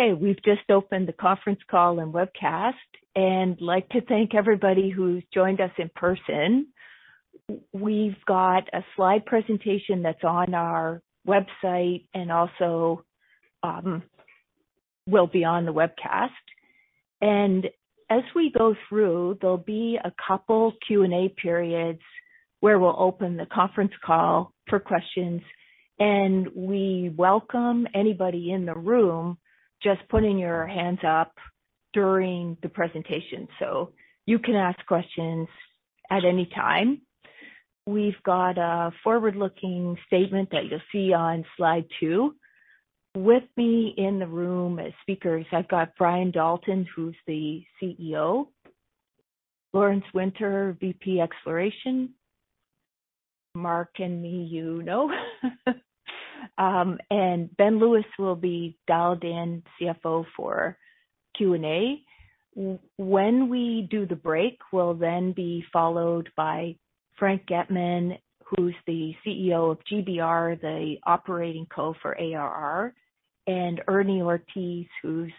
Okay, we've just opened the conference call and webcast, and I'd like to thank everybody who's joined us in person. We've got a slide presentation that's on our website and also will be on the webcast. As we go through, there'll be a couple Q&A periods where we'll open the conference call for questions, and we welcome anybody in the room just putting your hands up during the presentation, so you can ask questions at any time. We've got a forward-looking statement that you'll see on slide two. With me in the room as speakers, I've got Brian Dalton, who's the CEO, Lawrence Winter, VP Exploration, Mark and me, you know. And Ben Lewis will be dialed in, CFO for Q&A. When we do the break, we'll then be followed by Frank Getman, who's the CEO of GBR, the operating co for ARR, and Ernie Ortiz, who's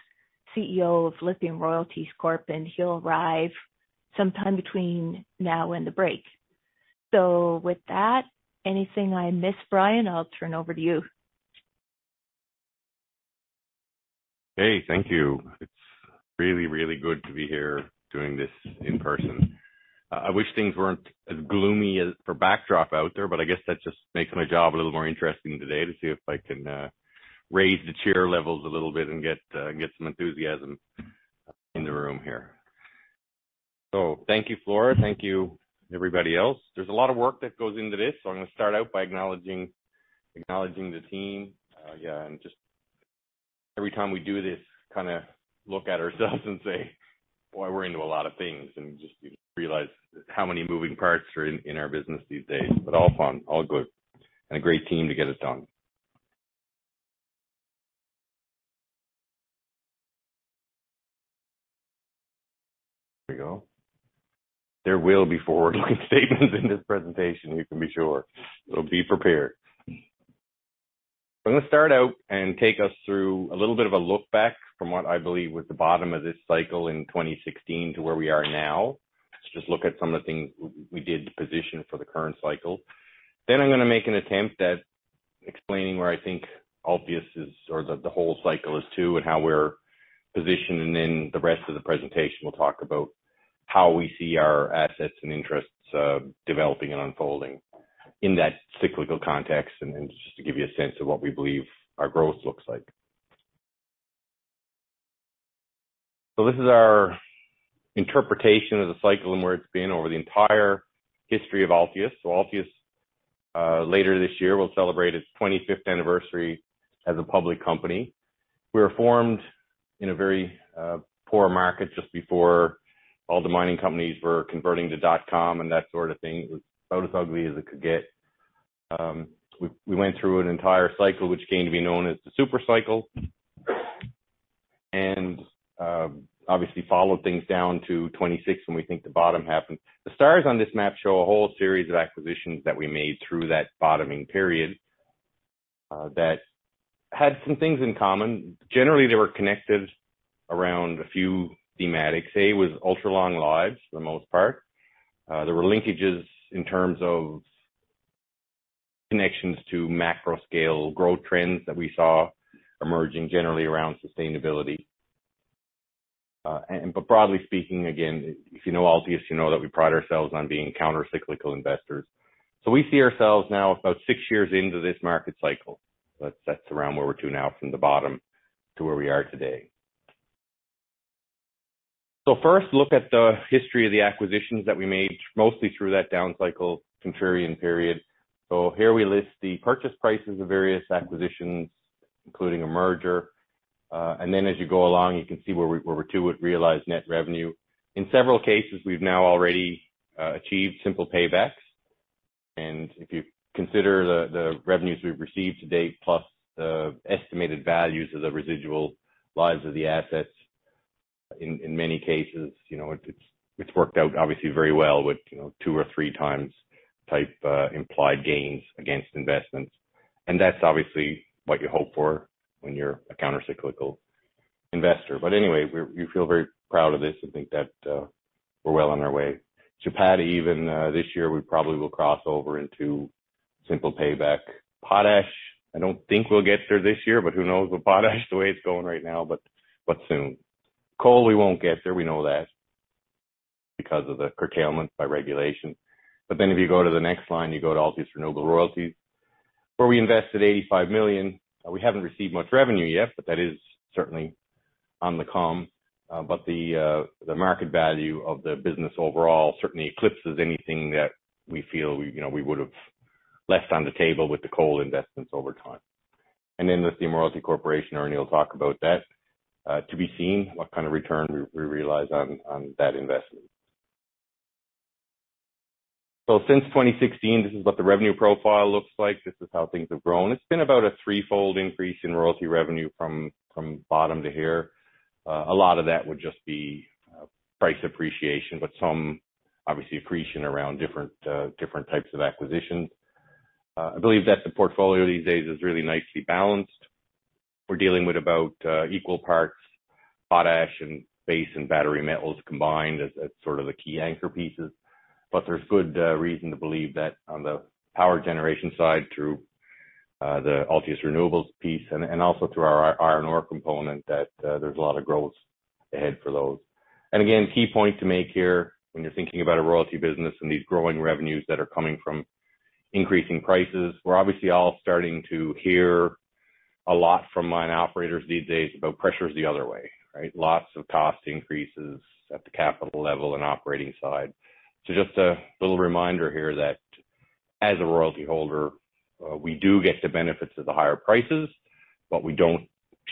CEO of Lithium Royalties Corp, and he'll arrive sometime between now and the break. With that, anything I missed, Brian? I'll turn over to you. Hey, thank you. It's really, really good to be here doing this in person. I wish things weren't as the backdrop out there, but I guess that just makes my job a little more interesting today to see if I can raise the cheer levels a little bit and get some enthusiasm in the room here. Thank you, Flora. Thank you, everybody else. There's a lot of work that goes into this, so I'm gonna start out by acknowledging the team. Yeah, just every time we do this, kinda look at ourselves and say, "Boy, we're into a lot of things." Just you realize how many moving parts are in our business these days. All fun, all good. A great team to get it done. Here we go. There will be forward-looking statements in this presentation, you can be sure. Be prepared. I'm gonna start out and take us through a little bit of a look back from what I believe was the bottom of this cycle in 2016 to where we are now, to just look at some of the things we did to position for the current cycle. I'm gonna make an attempt at explaining where I think Altius is, or the whole cycle is too, and how we're positioned. The rest of the presentation will talk about how we see our assets and interests developing and unfolding in that cyclical context, and just to give you a sense of what we believe our growth looks like. This is our interpretation of the cycle and where it's been over the entire history of Altius. Altius later this year will celebrate its 25th anniversary as a public company. We were formed in a very poor market just before all the mining companies were converting to dot com and that sort of thing. It was about as ugly as it could get. We went through an entire cycle, which came to be known as the super cycle. Obviously followed things down to 2006 when we think the bottom happened. The stars on this map show a whole series of acquisitions that we made through that bottoming period that had some things in common. Generally, they were connected around a few thematics. A was ultra-long lives for the most part. There were linkages in terms of connections to macro scale growth trends that we saw emerging generally around sustainability. Broadly speaking, again, if you know Altius, you know that we pride ourselves on being counter-cyclical investors. We see ourselves now about six years into this market cycle. That's around where we're at now from the bottom to where we are today. First, look at the history of the acquisitions that we made, mostly through that down cycle, contrarian period. Here we list the purchase prices of various acquisitions, including a merger. Then as you go along, you can see where we're at with realized net revenue. In several cases, we've now already achieved simple paybacks. If you consider the revenues we've received to date plus the estimated values of the residual lives of the assets, in many cases, you know, it's worked out obviously very well with, you know, two or three times type implied gains against investments. That's obviously what you hope for when you're a counter-cyclical investor. Anyway, we feel very proud of this and think that we're well on our way. Chapada even this year, we probably will cross over into simple payback. Potash, I don't think we'll get there this year, but who knows with potash the way it's going right now, but soon. Coal, we won't get there, we know that because of the curtailment by regulation. If you go to the next line, you go to Altius Renewable Royalties, where we invested 85 million. We haven't received much revenue yet, but that is certainly on the come. But the market value of the business overall certainly eclipses anything that we feel we, you know, we would've left on the table with the coal investments over time. Lithium Royalty Corp., Ernie will talk about that, to be seen what kind of return we realize on that investment. Since 2016, this is what the revenue profile looks like. This is how things have grown. It's been about a threefold increase in royalty revenue from bottom to here. A lot of that would just be price appreciation, but some obviously accretion around different types of acquisitions. I believe that the portfolio these days is really nicely balanced. We're dealing with about equal parts potash and base and battery metals combined as sort of the key anchor pieces. There's good reason to believe that on the power generation side, through the Altius Renewables piece and also through our iron ore component, that there's a lot of growth ahead for those. Again, key point to make here, when you're thinking about a royalty business and these growing revenues that are coming from increasing prices, we're obviously all starting to hear a lot from mine operators these days about pressures the other way, right? Lots of cost increases at the capital level and operating side. Just a little reminder here that as a royalty holder, we do get the benefits of the higher prices, but we don't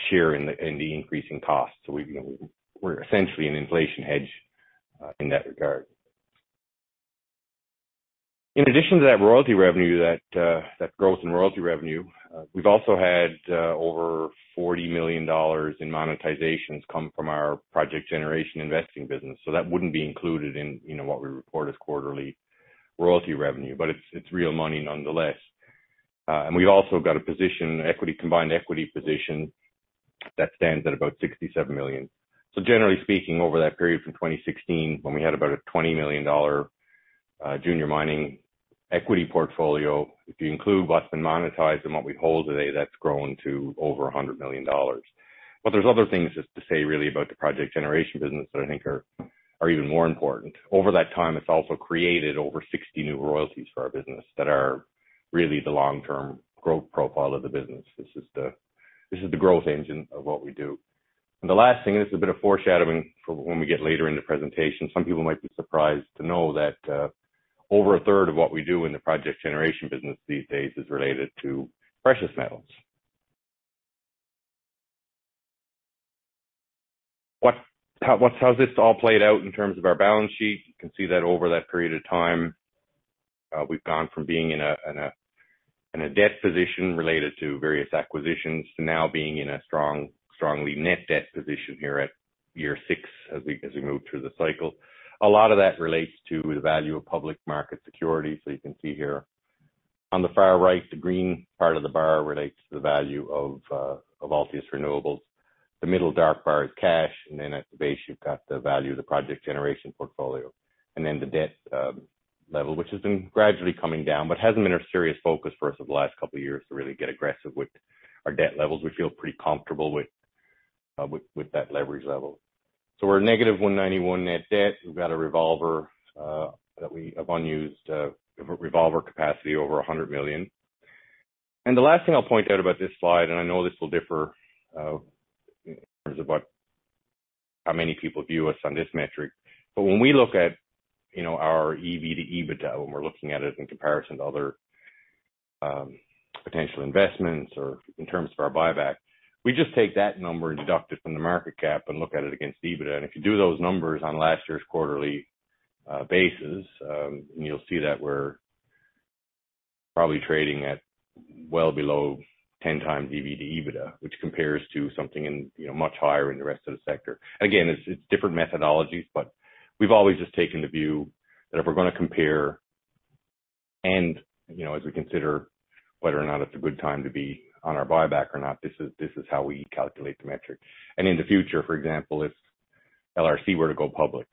share in the increasing costs. We, you know, we're essentially an inflation hedge in that regard. In addition to that royalty revenue, that growth in royalty revenue, we've also had over 40 million dollars in monetizations come from our project generation investing business. That wouldn't be included in, you know, what we report as quarterly royalty revenue, but it's real money nonetheless. We also have got a position, equity, combined equity position that stands at about 67 million. Generally speaking, over that period from 2016 when we had about a CAD 20 million junior mining equity portfolio, if you include what's been monetized and what we hold today, that's grown to over 100 million dollars. There's other things just to say really about the project generation business that I think are even more important. Over that time, it's also created over 60 new royalties for our business that are really the long-term growth profile of the business. This is the growth engine of what we do. The last thing, this is a bit of foreshadowing for when we get later in the presentation. Some people might be surprised to know that over a third of what we do in the project generation business these days is related to precious metals. How has this all played out in terms of our balance sheet? You can see that over that period of time, we've gone from being in a debt position related to various acquisitions to now being in a strong net debt position here at year six as we move through the cycle. A lot of that relates to the value of public market securities, so you can see here. On the far right, the green part of the bar relates to the value of Altius Renewable Royalties. The middle dark bar is cash, and then at the base you've got the value of the project generation portfolio. Then the debt level, which has been gradually coming down, but hasn't been a serious focus for us over the last couple of years to really get aggressive with our debt levels. We feel pretty comfortable with that leverage level. We're negative 191 million net debt. We've got a revolver that we have unused revolver capacity over 100 million. The last thing I'll point out about this slide, and I know this will differ in terms of what how many people view us on this metric, but when we look at, you know, our EV to EBITDA, when we're looking at it in comparison to other potential investments or in terms of our buyback, we just take that number and deduct it from the market cap and look at it against EBITDA. If you do those numbers on last year's quarterly basis, then you'll see that we're probably trading at well below 10x EV to EBITDA, which compares to something in, you know, much higher in the rest of the sector. Again, it's different methodologies, but we've always just taken the view that if we're gonna compare and, you know, as we consider whether or not it's a good time to be on our buyback or not, this is how we calculate the metric. In the future, for example, if LRC were to go public,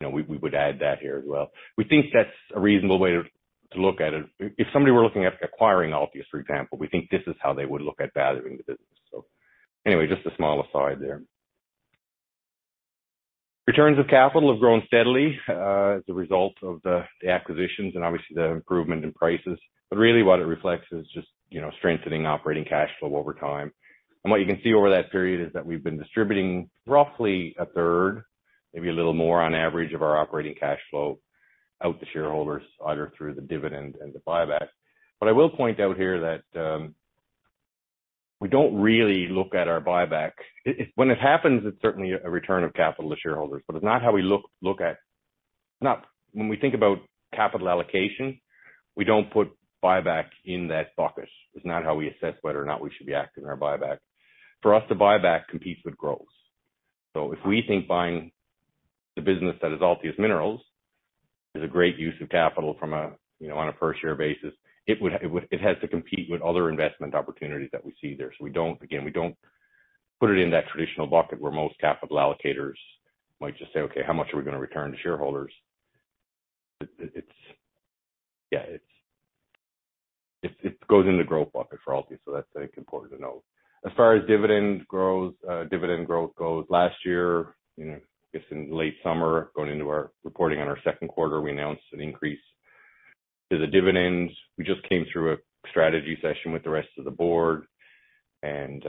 you know, we would add that here as well. We think that's a reasonable way to look at it. If somebody were looking at acquiring Altius, for example, we think this is how they would look at valuing the business. Anyway, just a small aside there. Returns of capital have grown steadily, as a result of the acquisitions and obviously the improvement in prices. Really what it reflects is just, you know, strengthening operating cash flow over time. What you can see over that period is that we've been distributing roughly a third, maybe a little more on average, of our operating cash flow out to shareholders, either through the dividend and the buyback. I will point out here that we don't really look at our buyback. When it happens, it's certainly a return of capital to shareholders, but it's not how we look at it. When we think about capital allocation, we don't put buyback in that bucket. It's not how we assess whether or not we should be active in our buyback. For us, the buyback competes with growth. If we think buying the business that is Altius Minerals is a great use of capital from a, you know, on a per share basis, it would, it has to compete with other investment opportunities that we see there. We don't, again, put it in that traditional bucket where most capital allocators might just say, "Okay, how much are we gonna return to shareholders?" It's, yeah, it goes in the growth bucket for Altius, so that's, I think, important to note. As far as dividend growth goes, last year, you know, I guess in late summer going into our reporting on our second quarter, we announced an increase to the dividends. We just came through a strategy session with the rest of the board, and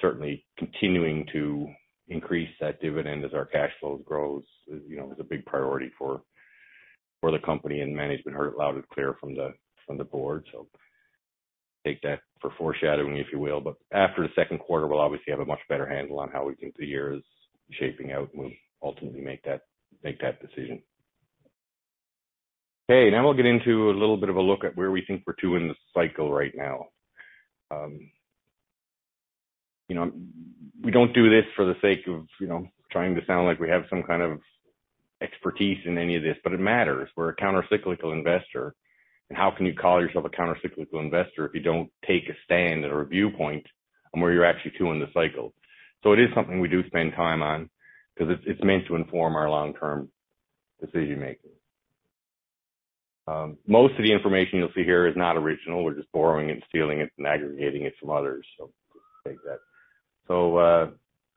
certainly continuing to increase that dividend as our cash flows grows is, you know, a big priority for the company and management. Heard it loud and clear from the board. Take that for foreshadowing, if you will. After the second quarter, we'll obviously have a much better handle on how we think the year is shaping out when we ultimately make that decision. Okay, now we'll get into a little bit of a look at where we think we're at in the cycle right now. You know, we don't do this for the sake of, you know, trying to sound like we have some kind of expertise in any of this, but it matters. We're a counter-cyclical investor. How can you call yourself a counter-cyclical investor if you don't take a stand or a viewpoint on where you're actually at in the cycle? It is something we do spend time on because it's meant to inform our long-term decision making. Most of the information you'll see here is not original. We're just borrowing it, and stealing it, and aggregating it from others. Take that.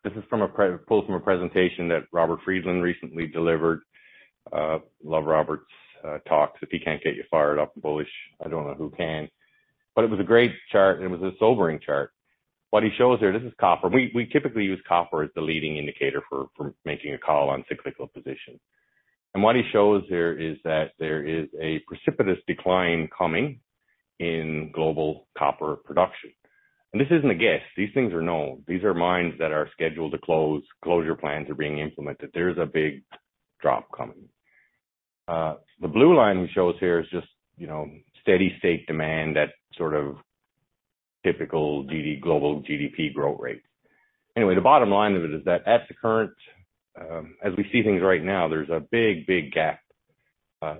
This is pulled from a presentation that Robert Friedland recently delivered. Love Robert's talks. If he can't get you fired up and bullish, I don't know who can. It was a great chart, and it was a sobering chart. What he shows here, this is copper. We typically use copper as the leading indicator for making a call on cyclical position. What he shows here is that there is a precipitous decline coming in global copper production. This isn't a guess. These things are known. These are mines that are scheduled to close. Closure plans are being implemented. There's a big drop coming. The blue line we shows here is just, you know, steady state demand, that sort of typical global GDP growth rate. Anyway, the bottom line of it is that at the current, as we see things right now, there's a big, big gap,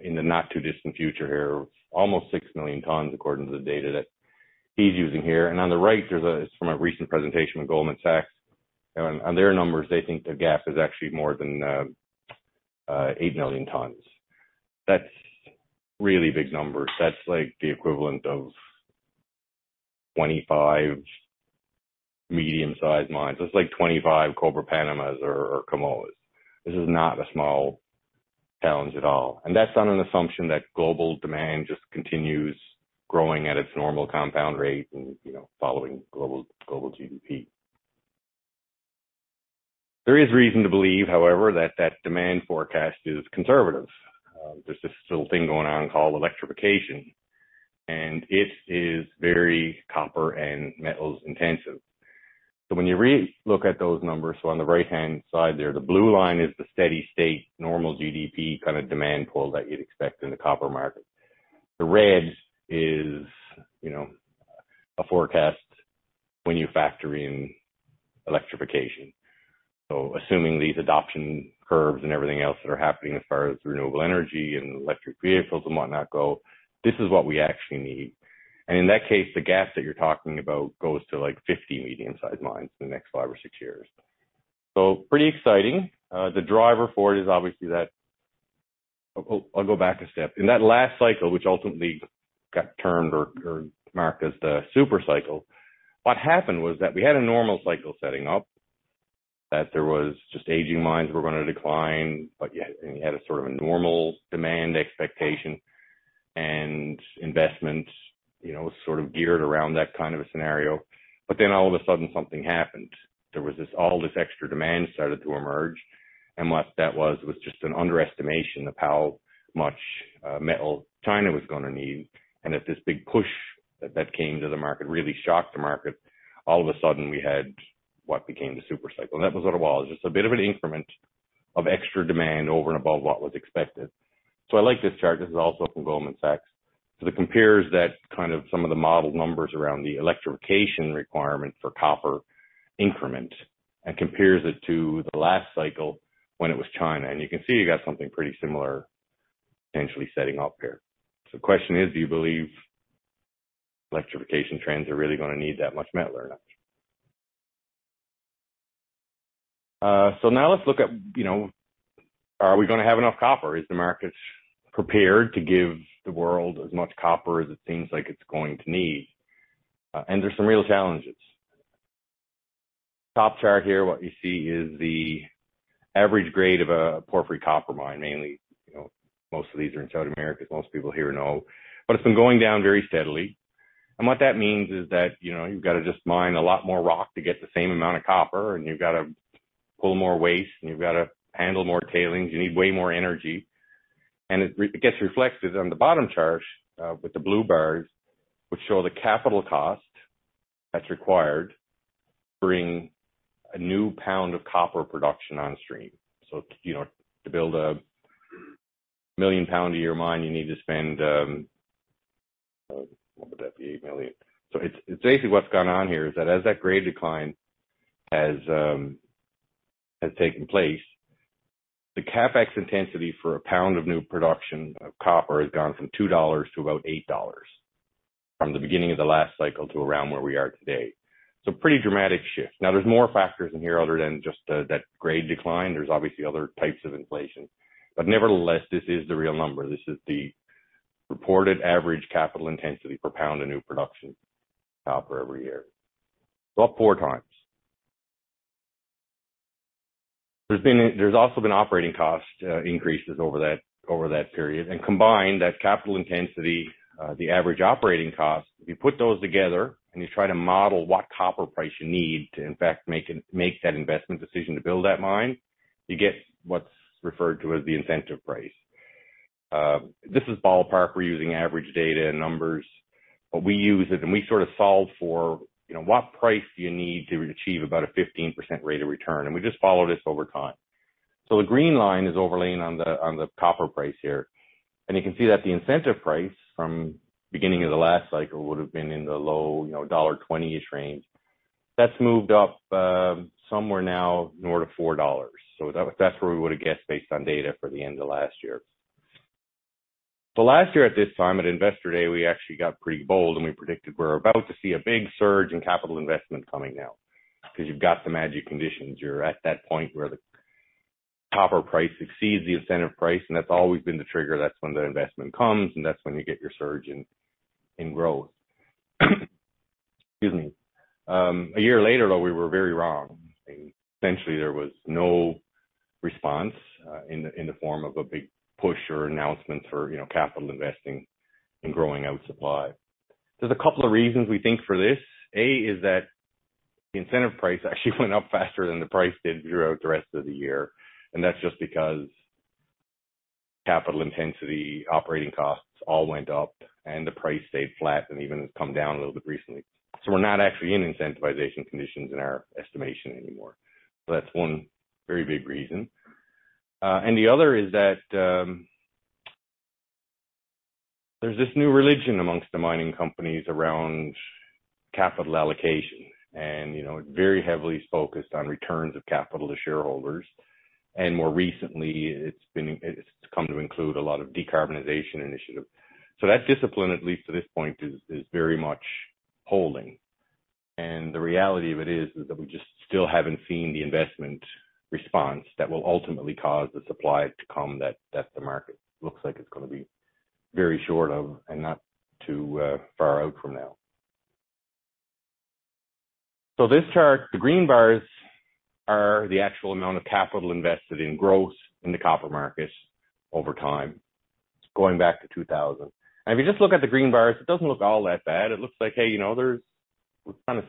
in the not too distant future here. Almost 6 million tons according to the data that he's using here. On the right, it's from a recent presentation with Goldman Sachs. On their numbers, they think the gap is actually more than eight million tons. That's really big numbers. That's like the equivalent of 25 medium-sized mines. That's like 25 Cobre Panamas or Kamoas. This is not a small challenge at all. That's on an assumption that global demand just continues growing at its normal compound rate and, you know, following global GDP. There is reason to believe, however, that that demand forecast is conservative. There's this little thing going on called electrification, and it is very copper and metals intensive. When you re-look at those numbers, so on the right-hand side there, the blue line is the steady state normal GDP kind of demand pull that you'd expect in the copper market. The red is, you know, a forecast when you factor in electrification. Assuming these adoption curves and everything else that are happening as far as renewable energy and electric vehicles and whatnot go, this is what we actually need. In that case, the gap that you're talking about goes to, like, 50 medium-sized mines in the next five or six years. Pretty exciting. The driver for it is obviously that. I'll go back a step. In that last cycle, which ultimately got termed or marked as the super cycle, what happened was that we had a normal cycle setting up, that there was just aging mines were going to decline, but yet, and you had a sort of a normal demand expectation and investment, you know, sort of geared around that kind of a scenario. Then all of a sudden something happened. There was this, all this extra demand started to emerge. What that was just an underestimation of how much metal China was gonna need. As this big push that came to the market really shocked the market, all of a sudden we had what became the super cycle. That was all it was, just a bit of an increment of extra demand over and above what was expected. I like this chart. This is also from Goldman Sachs. It compares that kind of some of the model numbers around the electrification requirement for copper increment and compares it to the last cycle when it was China. You can see you got something pretty similar potentially setting up here. The question is, do you believe electrification trends are really gonna need that much metal or not? Now let's look at, you know, are we gonna have enough copper? Is the market prepared to give the world as much copper as it seems like it's going to need? There's some real challenges. Top chart here, what you see is the average grade of a porphyry copper mine. Mainly, you know, most of these are in South America, as most people here know, but it's been going down very steadily. What that means is that, you know, you've got to just mine a lot more rock to get the same amount of copper, and you've got to pull more waste, and you've got to handle more tailings. You need way more energy. It gets reflected on the bottom charts with the blue bars, which show the capital cost that's required to bring a new pound of copper production on stream. You know, to build a 1 million lb a year mine, you need to spend $8 million. It's basically what's gone on here is that as that grade decline has taken place, the CapEx intensity for a pound of new production of copper has gone from $2 to about $8 from the beginning of the last cycle to around where we are today. Pretty dramatic shift. Now, there's more factors in here other than just that grade decline. There's obviously other types of inflation. Nevertheless, this is the real number. This is the reported average capital intensity per pound of new production copper every year. It's up 4 times. There's also been operating cost increases over that period. Combined, that capital intensity, the average operating cost, if you put those together and you try to model what copper price you need to in fact make that investment decision to build that mine, you get what's referred to as the incentive price. This is ballpark. We're using average data and numbers, but we use it, and we sort of solve for, you know, what price do you need to achieve about a 15% rate of return? We just follow this over time. The green line is overlaying on the copper price here. You can see that the incentive price from beginning of the last cycle would have been in the low, you know, $1.20-ish range. That's moved up, somewhere now north of $4. That's where we would have guessed based on data for the end of last year. Last year at this time at Investor Day, we actually got pretty bold, and we predicted we're about to see a big surge in capital investment coming now because you've got some magic conditions. You're at that point where the copper price exceeds the incentive price, and that's always been the trigger. That's when the investment comes, and that's when you get your surge in growth. Excuse me. A year later, though, we were very wrong. Essentially, there was no response in the form of a big push or announcement for, you know, capital investing and growing out supply. There's a couple of reasons we think for this. Is that the incentive price actually went up faster than the price did throughout the rest of the year. That's just because capital intensity, operating costs all went up and the price stayed flat and even has come down a little bit recently. We're not actually in incentivization conditions in our estimation anymore. That's one very big reason. The other is that, there's this new religion amongst the mining companies around capital allocation, and, you know, very heavily focused on returns of capital to shareholders. More recently, it's come to include a lot of decarbonization initiative. That discipline, at least to this point, is very much holding. The reality of it is that we just still haven't seen the investment response that will ultimately cause the supply to come that the market looks like it's gonna be very short of and not too far out from now. This chart, the green bars are the actual amount of capital invested in growth in the copper market over time, going back to 2000. If you just look at the green bars, it doesn't look all that bad. It looks like, hey, you know, we're kind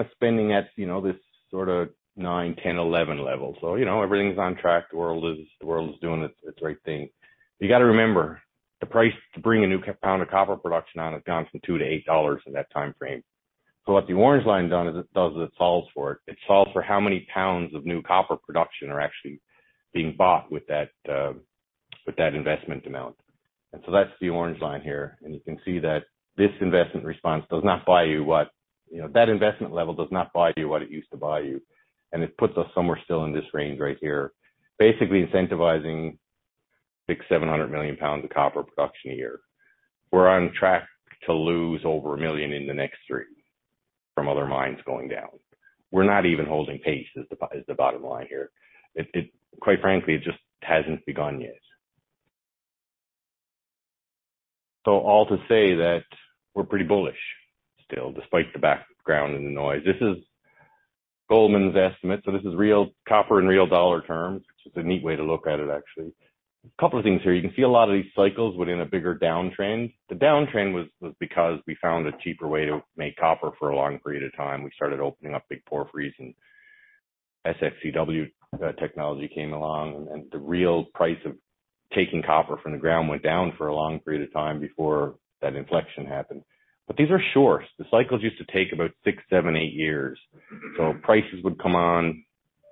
of spending at, you know, this sort of nine, 10, 11 level. You know, everything's on track. The world is doing its right thing. You got to remember, the price to bring a new pound of copper production on has gone from $2 to $8 in that time frame. What the orange line does is it solves for how many pounds of new copper production are actually being bought with that investment amount. That's the orange line here. You can see that this investment response does not buy you what, you know, that investment level does not buy you what it used to buy you. It puts us somewhere still in this range right here, basically incentivizing 600 million lbs-700 million lbs of copper production a year. We're on track to lose over 1 million in the next three from other mines going down. We're not even holding pace is the bottom line here. Quite frankly, it just hasn't begun yet. All to say that we're pretty bullish still, despite the background and the noise. This is Goldman Sachs's estimate. This is real copper in real dollar terms, which is a neat way to look at it actually. A couple of things here. You can see a lot of these cycles within a bigger downtrend. The downtrend was because we found a cheaper way to make copper for a long period of time. We started opening up big porphyries and SX-EW technology came along, and the real price of taking copper from the ground went down for a long period of time before that inflection happened. These are short. The cycles used to take about six, seven, eight years. Prices would come on,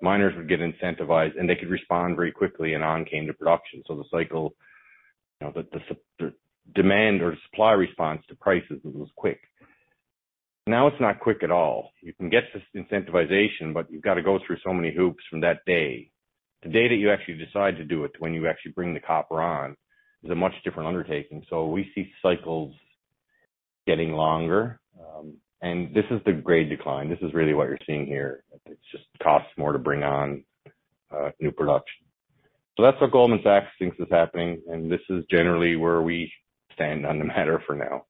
miners would get incentivized, and they could respond very quickly and on came the production. The cycle, you know, the demand or supply response to prices was quick. Now it's not quick at all. You can get this incentivization, but you've got to go through so many hoops from that day. The day that you actually decide to do it to when you actually bring the copper on is a much different undertaking. We see cycles getting longer. This is the grade decline. This is really what you're seeing here. It just costs more to bring on new production. That's what Goldman Sachs thinks is happening, and this is generally where we stand on the matter for now.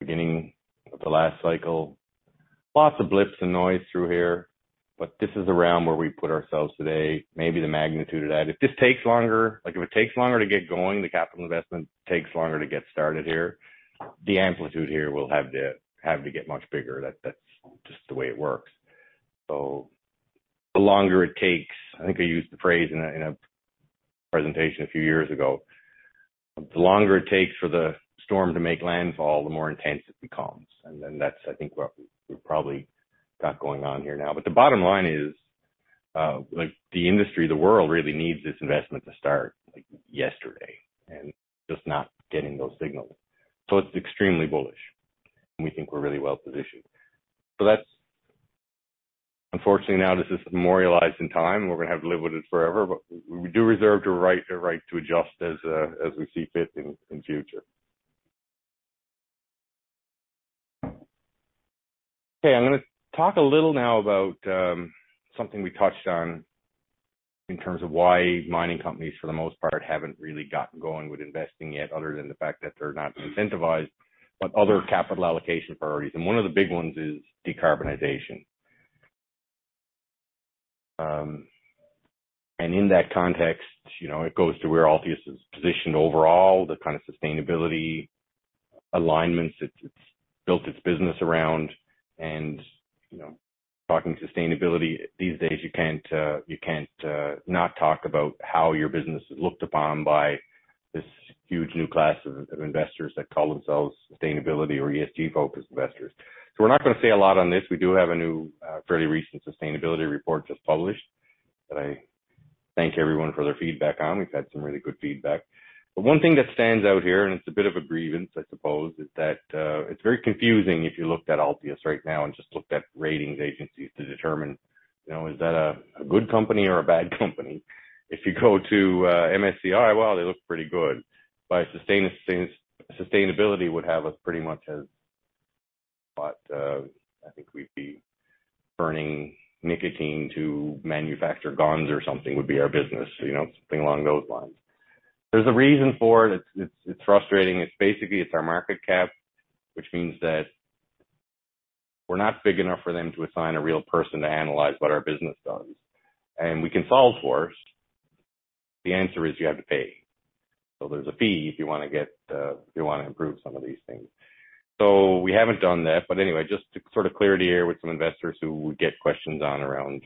Beginning of the last cycle, lots of blips and noise through here, but this is around where we put ourselves today, maybe the magnitude of that. If this takes longer, like if it takes longer to get going, the capital investment takes longer to get started here, the amplitude here will have to get much bigger. That's just the way it works. The longer it takes, I think I used the phrase in a presentation a few years ago, the longer it takes for the storm to make landfall, the more intense it becomes. That's, I think, what we probably got going on here now. The bottom line is, like the industry, the world really needs this investment to start like yesterday and just not getting those signals. It's extremely bullish, and we think we're really well positioned. That's unfortunately now this is memorialized in time. We're gonna have to live with it forever, but we do reserve the right to adjust as we see fit in future. Okay, I'm gonna talk a little now about something we touched on in terms of why mining companies for the most part haven't really gotten going with investing yet, other than the fact that they're not incentivized, but other capital allocation priorities. One of the big ones is decarbonization. In that context, you know, it goes to where Altius is positioned overall, the kind of sustainability alignments it's built its business around. You know, talking sustainability these days, you can't not talk about how your business is looked upon by this huge new class of investors that call themselves sustainability or ESG focused investors. So we're not gonna say a lot on this. We do have a new fairly recent sustainability report just published that I thank everyone for their feedback on. We've had some really good feedback. But one thing that stands out here, and it's a bit of a grievance, I suppose, is that it's very confusing if you looked at Altius right now and just looked at ratings agencies to determine, you know, is that a good company or a bad company? If you go to MSCI, well, they look pretty good, but Sustainalytics would have us pretty much as... I think we'd be burning nicotine to manufacture guns or something would be our business. You know, something along those lines. There's a reason for it. It's frustrating. It's basically our market cap, which means that we're not big enough for them to assign a real person to analyze what our business does. We can solve for it. The answer is you have to pay. There's a fee if you wanna get, if you wanna improve some of these things. We haven't done that. Anyway, just to sort of clear the air with some investors who we get questions on around,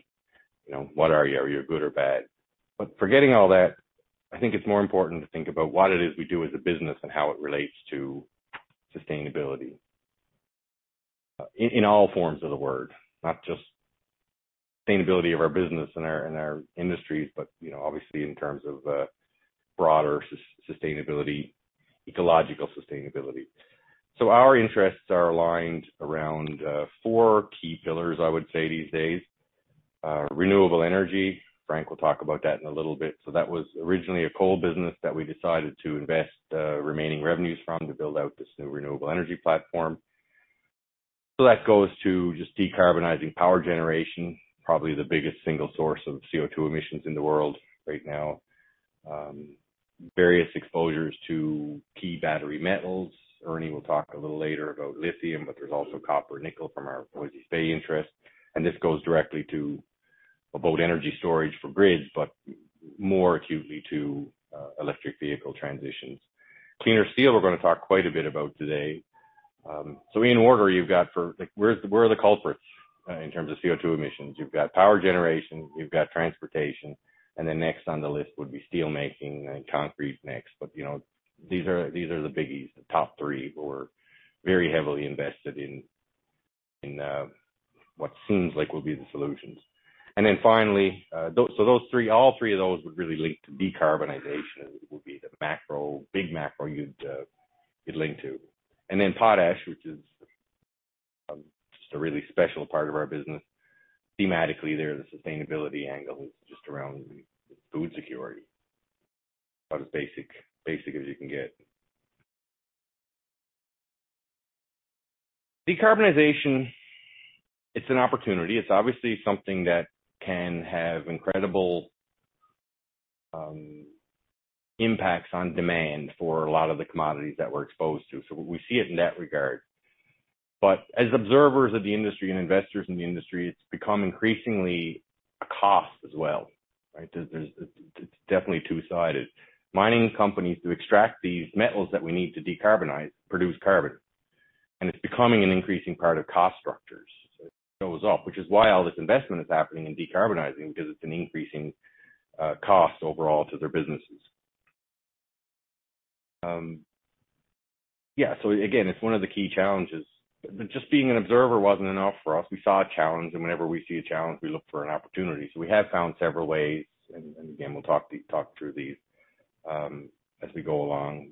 you know, what are you? Are you good or bad? forgetting all that, I think it's more important to think about what it is we do as a business and how it relates to sustainability, in all forms of the word, not just sustainability of our business and our industries, but you know, obviously in terms of broader sustainability, ecological sustainability. Our interests are aligned around four key pillars, I would say these days. Renewable energy. Frank will talk about that in a little bit. That was originally a coal business that we decided to invest remaining revenues from to build out this new renewable energy platform. That goes to just decarbonizing power generation, probably the biggest single source of CO₂ emissions in the world right now. Various exposures to key battery metals. Ernie will talk a little later about lithium, but there's also copper and nickel from our Voisey's Bay interest, and this goes directly to about energy storage for grids, but more acutely to electric vehicle transitions. Cleaner steel, we're gonna talk quite a bit about today. In order, you've got like where are the culprits in terms of CO₂ emissions. You've got power generation, you've got transportation, and then next on the list would be steel making and concrete next. You know, these are the biggies, the top three. We're very heavily invested in what seems like will be the solutions. Those three, all three of those would really link to decarbonization. It would be the macro, big macro you'd link to. Potash, which is just a really special part of our business. Thematically, there, the sustainability angle is just around food security. About as basic as you can get. Decarbonization, it's an opportunity. It's obviously something that can have incredible impacts on demand for a lot of the commodities that we're exposed to. So we see it in that regard. But as observers of the industry and investors in the industry, it's become increasingly a cost as well, right? It's definitely two-sided. Mining companies, to extract these metals that we need to decarbonize, produce carbon, and it's becoming an increasing part of cost structures. It shows up, which is why all this investment is happening in decarbonizing because it's an increasing cost overall to their businesses. Yeah. So again, it's one of the key challenges. Just being an observer wasn't enough for us. We saw a challenge, and whenever we see a challenge, we look for an opportunity. We have found several ways, and again, we'll talk through these, as we go along,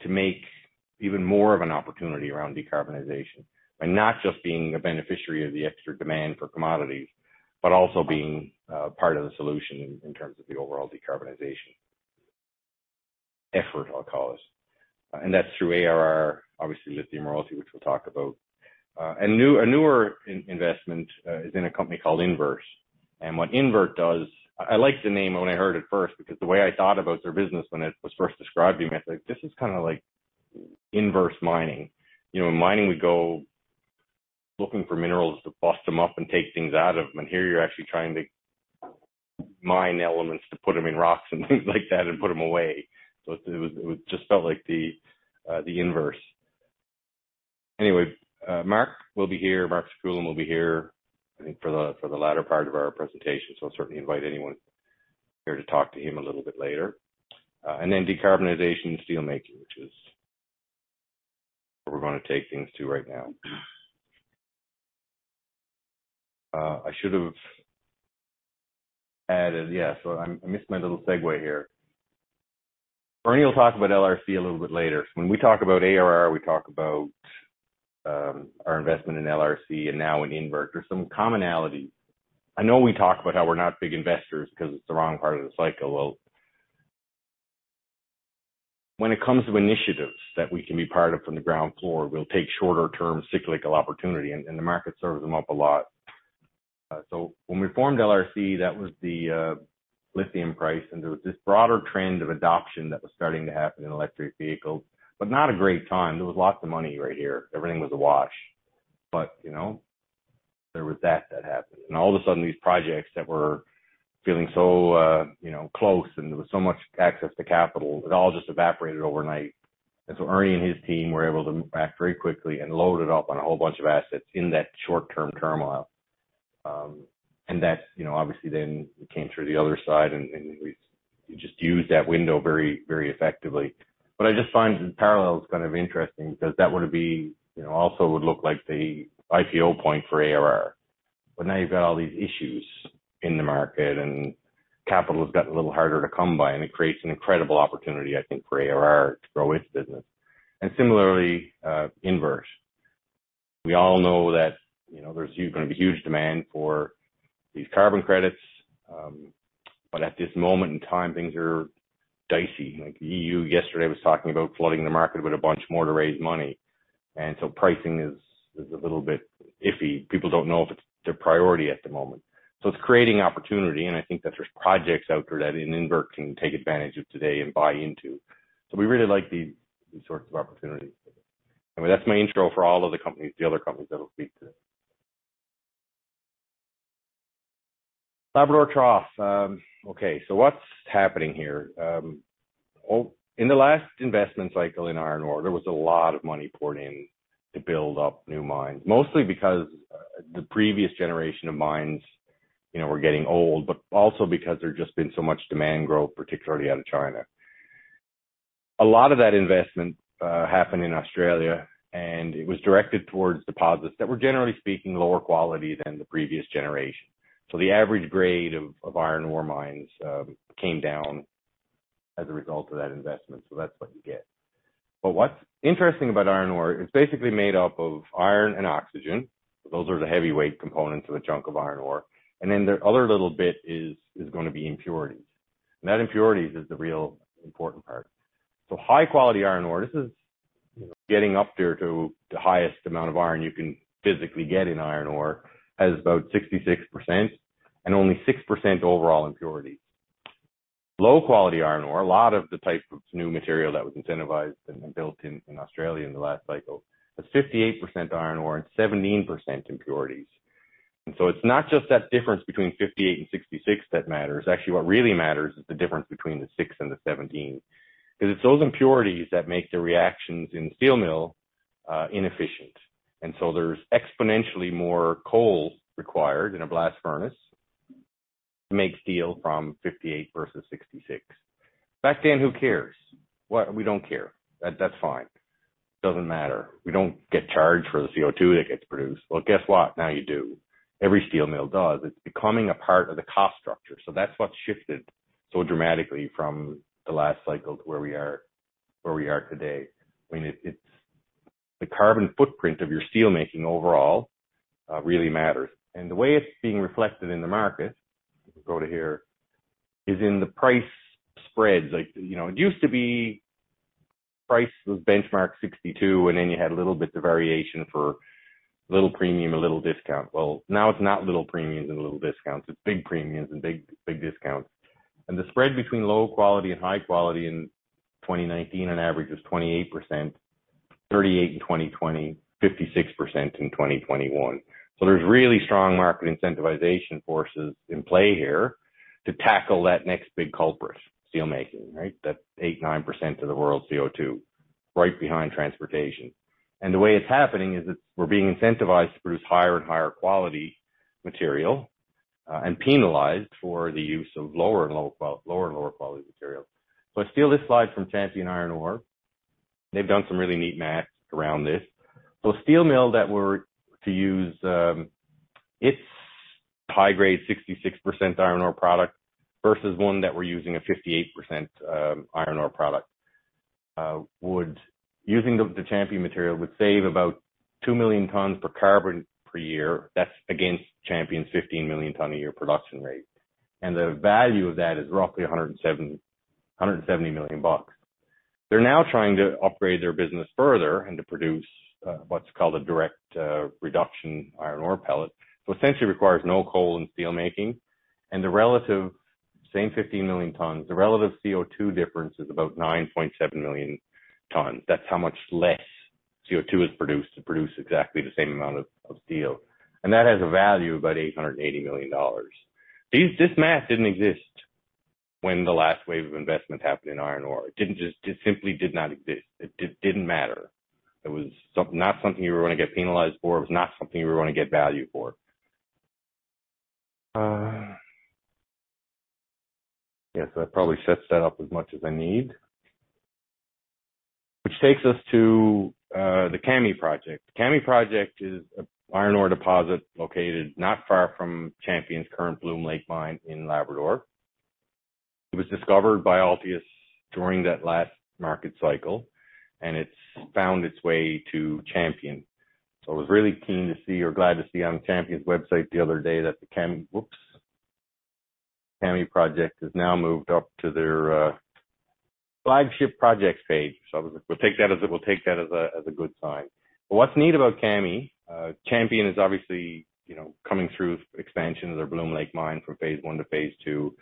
to make even more of an opportunity around decarbonization. Not just being a beneficiary of the extra demand for commodities, but also being part of the solution in terms of the overall decarbonization effort, I'll call this. That's through ARR, obviously, Lithium Royalty, which we'll talk about. A newer investment is in a company called Invert. What Invert does... I liked the name when I heard it first because the way I thought about their business when it was first described to me, I was like, "This is kinda like inverse mining." You know, in mining we go looking for minerals to bust them up and take things out of them, and here you're actually trying to mine elements to put them in rocks and things like that and put them away. So it was. It just felt like the inverse. Anyway, Mark will be here. Mark Zekulin will be here, I think for the latter part of our presentation. So I'll certainly invite anyone here to talk to him a little bit later. And then decarbonization in steel making, which is where we're gonna take things to right now. I missed my little segue here. Ernie will talk about LRC a little bit later. When we talk about ARR, we talk about our investment in LRC and now in Invert. There's some commonality. I know we talk about how we're not big investors because it's the wrong part of the cycle. Well, when it comes to initiatives that we can be part of from the ground floor, we'll take shorter term cyclical opportunity, and the market serves them up a lot. When we formed LRC, that was the lithium price, and there was this broader trend of adoption that was starting to happen in electric vehicles. Not a great time. There was lots of money right here. Everything was a wash. You know, there was that happened. All of a sudden, these projects that were feeling so, you know, close and there was so much access to capital, it all just evaporated overnight. So Ernie and his team were able to act very quickly and load it up on a whole bunch of assets in that short-term turmoil. That's, you know, obviously then it came through the other side, and we just used that window very, very effectively. I just find the parallels kind of interesting because that would be, you know, also would look like the IPO point for ARR. Now you've got all these issues in the market, and capital has gotten a little harder to come by, and it creates an incredible opportunity, I think, for ARR to grow its business. Similarly, Invert. We all know that, you know, there's gonna be huge demand for these carbon credits, but at this moment in time, things are dicey. Like, EU yesterday was talking about flooding the market with a bunch more to raise money. Pricing is a little bit iffy. People don't know if it's their priority at the moment. It's creating opportunity, and I think that there's projects out there that an Invert can take advantage of today and buy into. We really like these sorts of opportunities. I mean, that's my intro for all of the companies, the other companies that we'll speak to. Labrador Trough. What's happening here? Well, in the last investment cycle in iron ore, there was a lot of money poured in to build up new mines, mostly because the previous generation of mines, you know, were getting old, but also because there's just been so much demand growth, particularly out of China. A lot of that investment happened in Australia, and it was directed towards deposits that were, generally speaking, lower quality than the previous generation. The average grade of iron ore mines came down as a result of that investment. That's what you get. What's interesting about iron ore, it's basically made up of iron and oxygen. Those are the heavyweight components of a chunk of iron ore. Then the other little bit is gonna be impurities. That impurities is the real important part. High quality iron ore, this is getting up there to the highest amount of iron you can physically get in iron ore, has about 66% and only 6% overall impurities. Low quality iron ore, a lot of the type of new material that was incentivized and built in Australia in the last cycle, has 58% iron ore and 17% impurities. It's not just that difference between 58 and 66 that matters. Actually, what really matters is the difference between the six and the 17, because it's those impurities that make the reactions in the steel mill, inefficient. There's exponentially more coal required in a blast furnace to make steel from 58 versus 66. Back then, who cares? Well, we don't care. That's fine. Doesn't matter. We don't get charged for the CO₂ that gets produced. Well, guess what? Now you do. Every steel mill does. It's becoming a part of the cost structure. That's what's shifted so dramatically from the last cycle to where we are today. I mean, it's the carbon footprint of your steel making overall, really matters. The way it's being reflected in the market, if we go to here, is in the price spreads. Like, you know, it used to be price was benchmarked 62, and then you had a little bit of variation for a little premium, a little discount. Well, now it's not little premiums and little discounts, it's big premiums and big, big discounts. The spread between low quality and high quality in 2019 on average is 28%, 38% in 2020, 56% in 2021. There's really strong market incentivization forces in play here to tackle that next big culprit, steel making, right? That's 8%-9% of the world's CO₂, right behind transportation. The way it's happening is it's we're being incentivized to produce higher and higher quality material, and penalized for the use of lower and lower quality material. I steal this slide from Champion Iron. They've done some really neat math around this. A steel mill that were to use its high-grade 66% iron ore product versus one that we're using a 58% iron ore product. Using the Champion material would save about 2 million tons of carbon per year. That's against Champion's 15 million ton a year production rate. The value of that is roughly $170 million. They're now trying to upgrade their business further and to produce what's called a direct reduction iron ore pellet. Essentially requires no coal and steel making. The relative same 15 million tons, the relative CO₂ difference is about 9.7 million tons. That's how much less CO₂ is produced to produce exactly the same amount of steel. That has a value of about $880 million. This math didn't exist when the last wave of investment happened in iron ore. It simply did not exist. It didn't matter. It was not something you were going to get penalized for. It was not something you were going to get value for. Yes, that probably sets that up as much as I need. Which takes us to the Kami Project. Kami Project is an iron ore deposit located not far from Champion's current Bloom Lake mine in Labrador. It was discovered by Altius during that last market cycle, and it's found its way to Champion. I was really keen to see or glad to see on Champion's website the other day that the Kami Project has now moved up to their flagship projects page. We'll take that as a good sign. What's neat about Kami, Champion is obviously, you know, coming through expansion of their Bloom Lake mine from phase one to phase two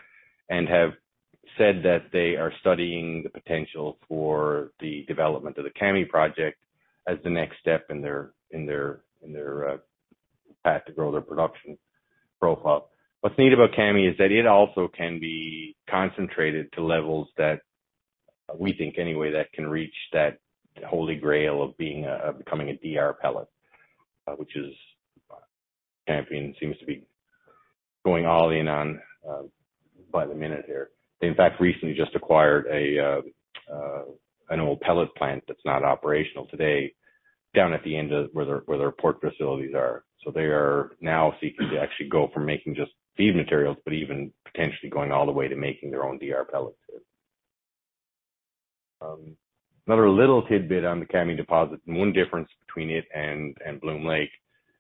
and have said that they are studying the potential for the development of the Kami Project as the next step in their path to grow their production profile. What's neat about Kami is that it also can be concentrated to levels that we think anyway that can reach that holy grail of being becoming a DR pellet, which Champion seems to be going all in on by the minute here. They, in fact, recently just acquired an old pellet plant that's not operational today down at the end of where their port facilities are. They are now seeking to actually go from making just feed materials, but even potentially going all the way to making their own DR pellets too. Another little tidbit on the Kami deposit, and one difference between it and Bloom Lake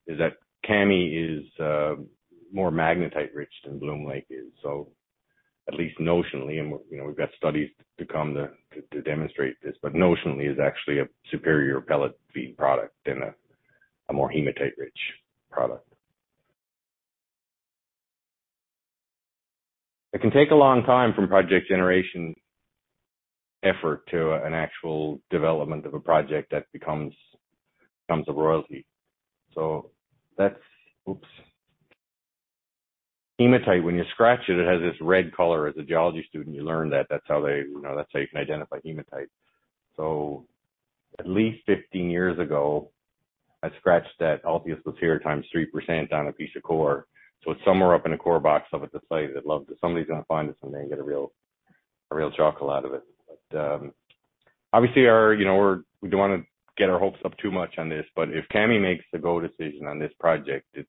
is that Kami is more magnetite rich than Bloom Lake is. At least notionally, and we've got studies to come to demonstrate this, but notionally is actually a superior pellet feed product than a more hematite rich product. It can take a long time from project generation effort to an actual development of a project that becomes a royalty. Hematite, when you scratch it has this red color. As a geology student, you learn that that's how you can identify hematite. At least 15 years ago, I scratched that Altius NSR 3% on a piece of core. It's somewhere up in a core box up at the site. I'd love to. Somebody's gonna find it someday and get a real chuckle out of it. Obviously, we don't wanna get our hopes up too much on this, but if Kami makes the go decision on this project, it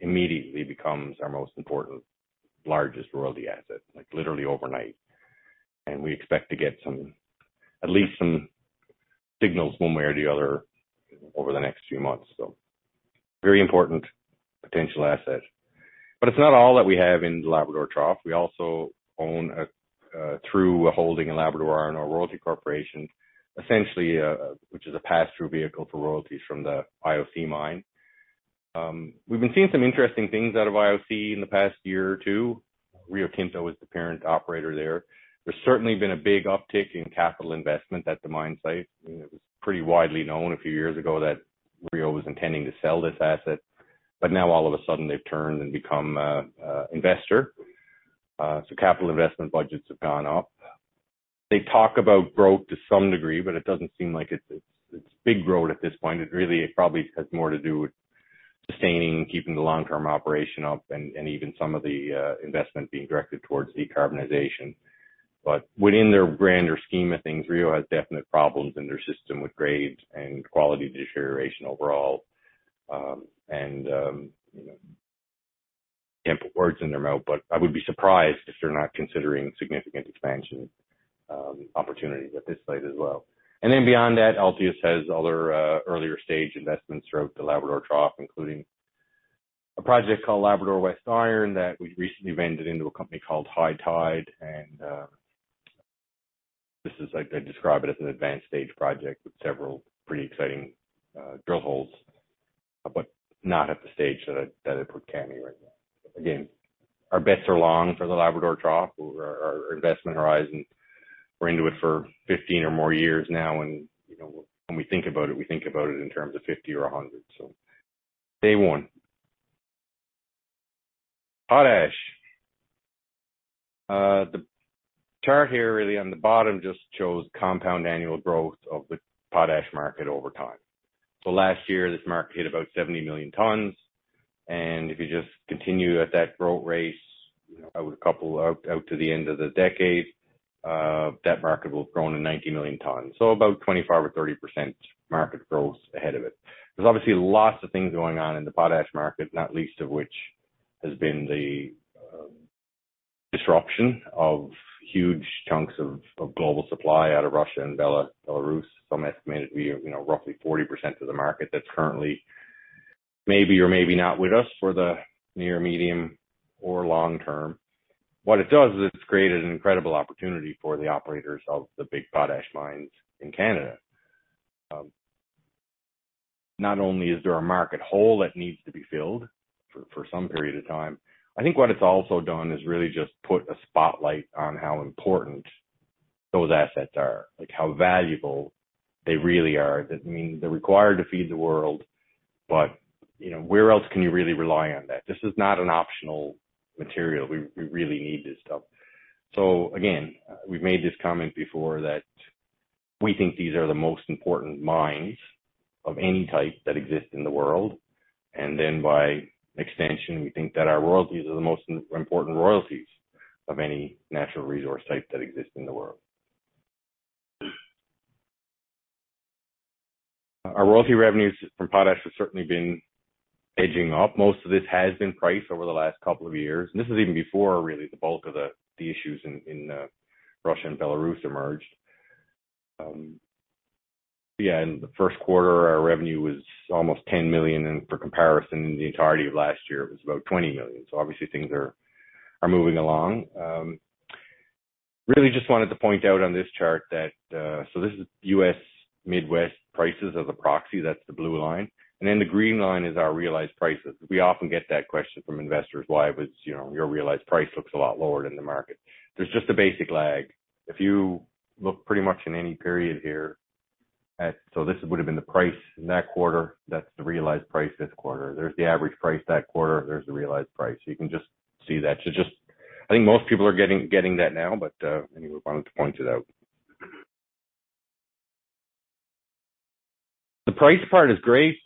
immediately becomes our most important, largest royalty asset, like literally overnight. We expect to get some, at least some signals one way or the other over the next few months. Very important potential asset. It's not all that we have in the Labrador Trough. We also own through a holding in Labrador Iron Ore Royalty Corporation, essentially, which is a pass-through vehicle for royalties from the IOC mine. We've been seeing some interesting things out of IOC in the past year or two. Rio Tinto is the parent operator there. There's certainly been a big uptick in capital investment at the mine site. You know, it was pretty widely known a few years ago that Rio was intending to sell this asset, but now all of a sudden they've turned and become an investor. Capital investment budgets have gone up. They talk about growth to some degree, but it doesn't seem like it's big growth at this point. It probably has more to do with sustaining and keeping the long-term operation up and even some of the investment being directed towards decarbonization. Within their grander scheme of things, Rio Tinto has definite problems in their system with grades and quality deterioration overall. You know, can't put words in their mouth, but I would be surprised if they're not considering significant expansion opportunities at this site as well. Beyond that, Altius has other earlier stage investments throughout the Labrador Trough, including a project called Labrador West Iron that we recently vended into a company called High Tide. This is like, I describe it as an advanced stage project with several pretty exciting drill holes, but not at the stage that I put Kami right now. Again, our bets are long for the Labrador Trough. Our investment horizons, we're into it for 15 or more years now, and, you know, when we think about it, we think about it in terms of 50 or 100. Day one. Potash. The chart here really on the bottom just shows compound annual growth of the potash market over time. Last year, this market hit about 70 million tons, and if you just continue at that growth rate, you know, out a couple, out to the end of the decade, that market will have grown to 90 million tons. About 25% or 30% market growth ahead of it. There's obviously lots of things going on in the potash market, not least of which has been the disruption of huge chunks of global supply out of Russia and Belarus. Some estimated we have, you know, roughly 40% of the market that's currently maybe or maybe not with us for the near, medium, or long term. What it does is it's created an incredible opportunity for the operators of the big potash mines in Canada. Not only is there a market hole that needs to be filled for some period of time, I think what it's also done is really just put a spotlight on how important those assets are, like how valuable they really are. That means they're required to feed the world, but, you know, where else can you really rely on that? This is not an optional material. We really need this stuff. Again, we've made this comment before that we think these are the most important mines of any type that exist in the world. By extension, we think that our royalties are the most important royalties of any natural resource type that exist in the world. Our royalty revenues from potash have certainly been edging up. Most of this has been priced over the last couple of years, and this is even before really the bulk of the issues in Russia and Belarus emerged. In the first quarter, our revenue was almost 10 million, and for comparison, in the entirety of last year, it was about 20 million. Obviously things are moving along. Really just wanted to point out on this chart that this is U.S. Midwest prices as a proxy. That's the blue line. The green line is our realized prices. We often get that question from investors. Why was, you know, your realized price looks a lot lower than the market? There's just a basic lag. If you look pretty much in any period here. This would have been the price in that quarter. That's the realized price this quarter. There's the average price that quarter. There's the realized price. You can just see that. Just I think most people are getting that now, but anyway, wanted to point it out. The price part is great,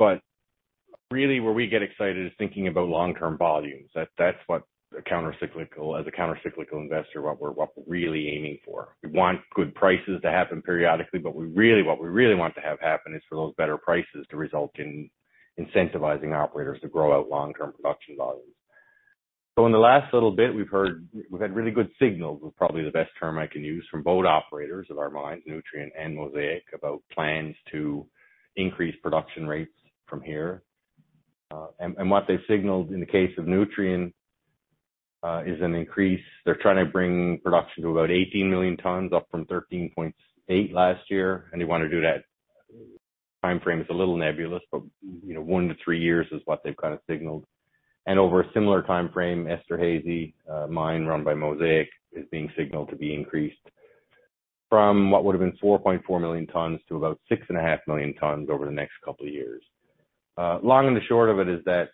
but really where we get excited is thinking about long-term volumes. That's what a countercyclical, as a countercyclical investor, what we're really aiming for. We want good prices to happen periodically, but we really want to have happen is for those better prices to result in incentivizing operators to grow out long-term production volumes. In the last little bit, we've had really good signals, was probably the best term I can use, from both operators of our mines, Nutrien and Mosaic, about plans to increase production rates from here. What they signaled in the case of Nutrien is an increase. They're trying to bring production to about 18 million tons, up from 13.8 last year, and they wanna do that. Timeframe is a little nebulous, but, you know, one to three years is what they've kind of signaled. Over a similar timeframe, Esterhazy, a mine run by Mosaic, is being signaled to be increased from what would have been 4.4 million tons to about 6.5 million tons over the next couple of years. Long and the short of it is that,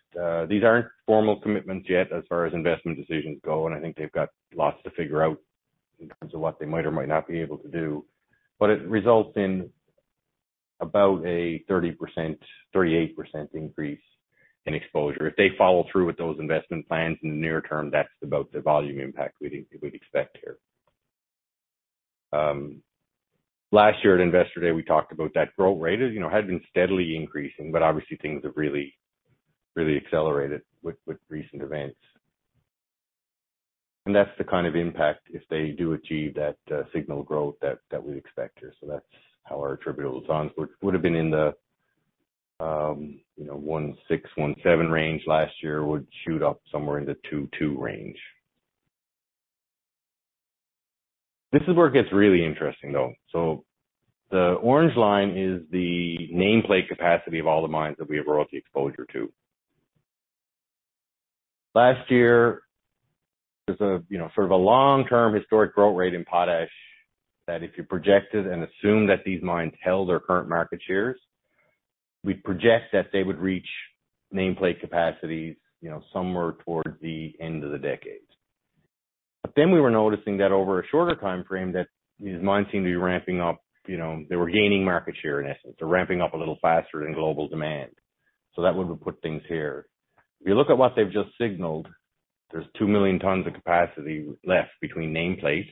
these aren't formal commitments yet as far as investment decisions go, and I think they've got lots to figure out in terms of what they might or might not be able to do. It results in about a 30%-38% increase in exposure. If they follow through with those investment plans in the near term, that's about the volume impact we'd expect here. Last year at Investor Day, we talked about that growth rate. It, you know, had been steadily increasing, but obviously things have really accelerated with recent events. That's the kind of impact if they do achieve that signal growth that we'd expect here. That's how our attributable tons would have been in the 1.6-1.7 range last year, would shoot up somewhere in the 2.2 range. This is where it gets really interesting, though. The orange line is the nameplate capacity of all the mines that we have royalty exposure to. Last year was, you know, sort of a long-term historic growth rate in potash that if you projected and assumed that these mines held their current market shares, we'd project that they would reach nameplate capacities, you know, somewhere towards the end of the decade. We were noticing that over a shorter timeframe, that these mines seem to be ramping up. You know, they were gaining market share, in essence. They're ramping up a little faster than global demand. That would put things here. If you look at what they've just signaled, there's 2 million tons of capacity left between nameplate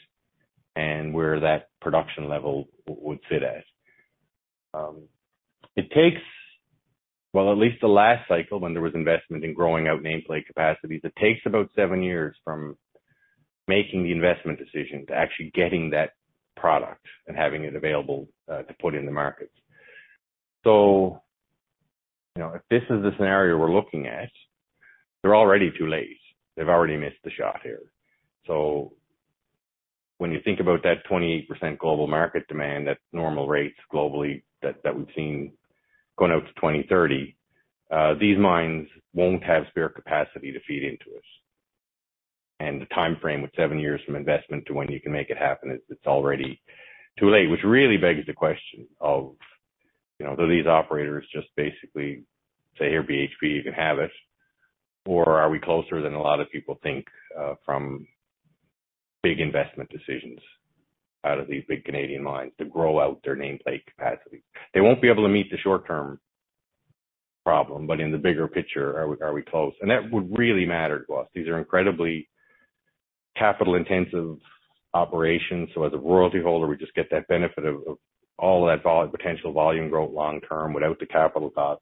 and where that production level would sit at. At least the last cycle when there was investment in growing out nameplate capacities, it takes about seven years from making the investment decision to actually getting that product and having it available to put in the markets. You know, if this is the scenario we're looking at, they're already too late. They've already missed the shot here. When you think about that 28% global market demand at normal rates globally that we've seen going out to 2030, these mines won't have spare capacity to feed into it. The timeframe with seven years from investment to when you can make it happen, it's already too late, which really begs the question of, you know, do these operators just basically say, "Here, BHP, you can have it," or are we closer than a lot of people think from big investment decisions out of these big Canadian mines to grow out their nameplate capacity? They won't be able to meet the short-term problem, but in the bigger picture, are we close? That would really matter to us. These are incredibly capital-intensive operations, so as a royalty holder, we just get that benefit of all of that potential volume growth long term without the capital cost.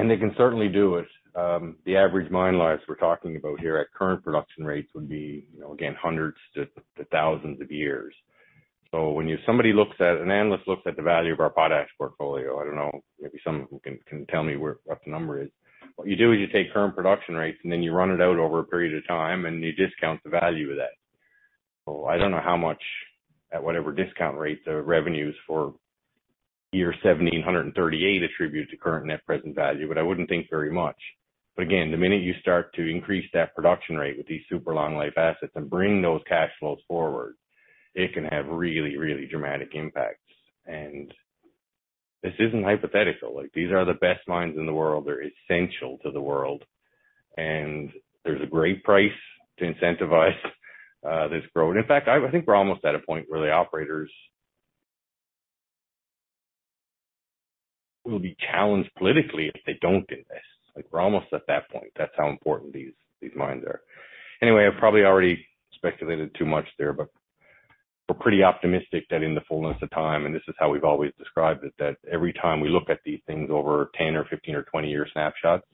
They can certainly do it. The average mine lives we're talking about here at current production rates would be, you know, again, hundreds to thousands of years. When an analyst looks at the value of our potash portfolio, I don't know, maybe someone who can tell me what the number is. What you do is you take current production rates, and then you run it out over a period of time, and you discount the value of that. So I don't know how much, at whatever discount rate, the revenues for year 1738 attribute to current net present value, but I wouldn't think very much. But again, the minute you start to increase that production rate with these super long life assets and bring those cash flows forward, it can have really, really dramatic impacts. This isn't hypothetical. Like, these are the best mines in the world. They're essential to the world. There's a great price to incentivize this growth. In fact, I think we're almost at a point where the operators will be challenged politically if they don't do this. Like, we're almost at that point. That's how important these mines are. Anyway, I've probably already speculated too much there, but we're pretty optimistic that in the fullness of time, and this is how we've always described it, that every time we look at these things over 10 or 15 or 20-year snapshots,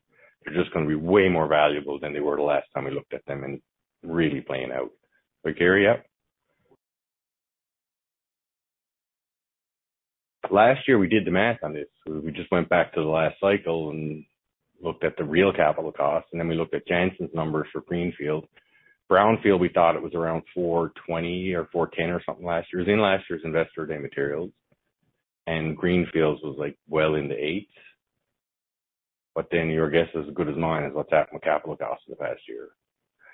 they're just gonna be way more valuable than they were the last time we looked at them and really playing out. Gary, yeah. Last year, we did the math on this. We just went back to the last cycle and looked at the real capital costs, and then we looked at Jansen's numbers for greenfield. Brownfield, we thought it was around 420 or 410 or something last year. It was in last year's Investor Day materials. Greenfields was, like, well in the eights. Then your guess is as good as mine is what's happened with capital costs in the past year.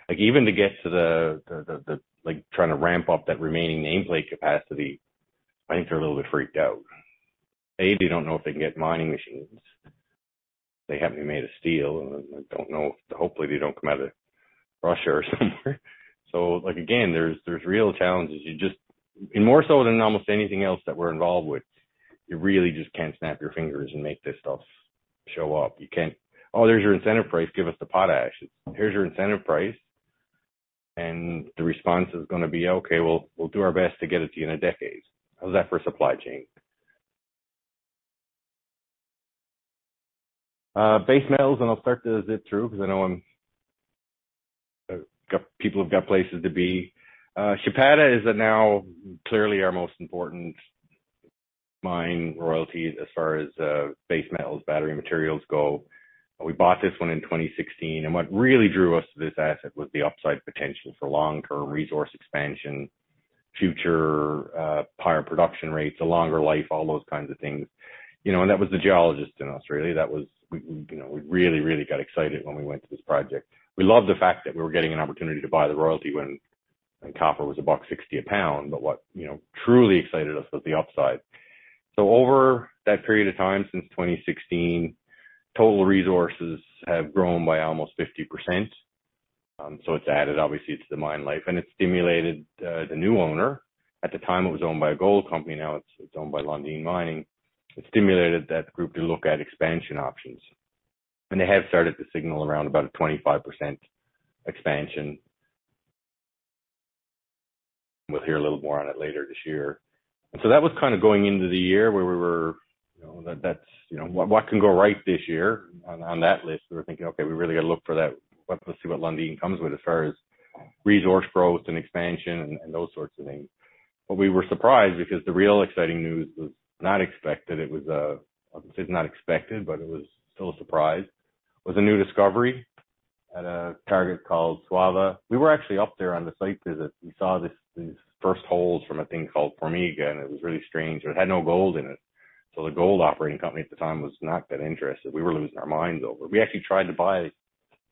Like, even to get to the... like, trying to ramp up that remaining nameplate capacity, I think they're a little bit freaked out. They don't know if they can get mining machines. They haven't been made of steel, and I don't know if hopefully they don't come out of Russia or somewhere. Like, again, there's real challenges. More so than almost anything else that we're involved with, you really just can't snap your fingers and make this stuff show up. You can't, "Oh, there's your incentive price. Give us the potash." It's, "Here's your incentive price." The response is gonna be, "Okay, we'll do our best to get it to you in a decade." How's that for supply chain? Base metals, and I'll start to zip through because I know people have got places to be. Chapada is now clearly our most important mine royalty as far as base metals, battery materials go. We bought this one in 2016, and what really drew us to this asset was the upside potential for long-term resource expansion, future higher production rates, a longer life, all those kinds of things. You know, that was the geologist in Australia. You know, we really got excited when we went to this project. We loved the fact that we were getting an opportunity to buy the royalty when copper was $1.60 a pound. What, you know, truly excited us was the upside. Over that period of time, since 2016, total resources have grown by almost 50%. It's added obviously to the mine life. It stimulated the new owner. At the time, it was owned by a gold company. Now it's owned by Lundin Mining. It stimulated that group to look at expansion options. They have started to signal around about a 25% expansion. We'll hear a little more on it later this year. That was kind of going into the year where we were, you know, that's, you know, what can go right this year? On that list, we were thinking, okay, we really gotta look for that. Let's see what Lundin comes with as far as resource growth and expansion and those sorts of things. We were surprised because the real exciting news was not expected. It was, I'll say not expected, but it was still a surprise. It was a new discovery at a target called Suruca. We were actually up there on the site visit. We saw these first holes from a thing called Formiga, and it was really strange. It had no gold in it, so the gold operating company at the time was not that interested. We were losing our minds over it. We actually tried to buy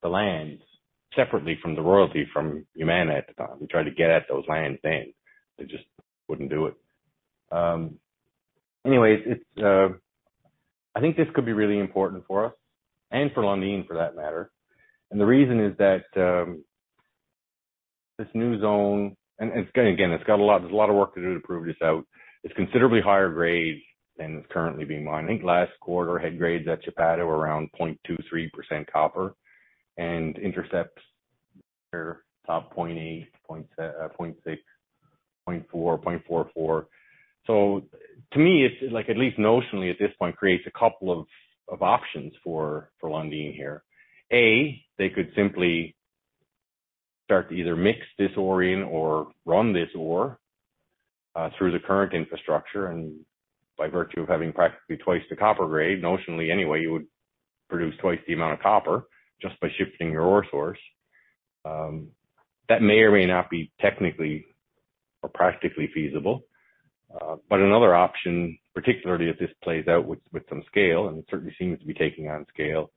the lands separately from the royalty from Yamana at the time. We tried to get at those lands then. They just wouldn't do it. Anyways, it's. I think this could be really important for us and for Lundin for that matter. The reason is that this new zone, again, it's got a lot, there's a lot of work to do to prove this out. It's considerably higher grade than is currently being mined. I think last quarter had grades at Chapada around 0.23% copper and intercepts there at top 0.8%, 0.6%, 0.4%, 0.44%. So to me, it's like, at least notionally at this point, creates a couple of options for Lundin here. They could simply start to either mix this ore in or run this ore through the current infrastructure, and by virtue of having practically twice the copper grade, notionally anyway, you would produce twice the amount of copper just by shifting your ore source. That may or may not be technically or practically feasible. Another option, particularly if this plays out with some scale, and it certainly seems to be taking on scale,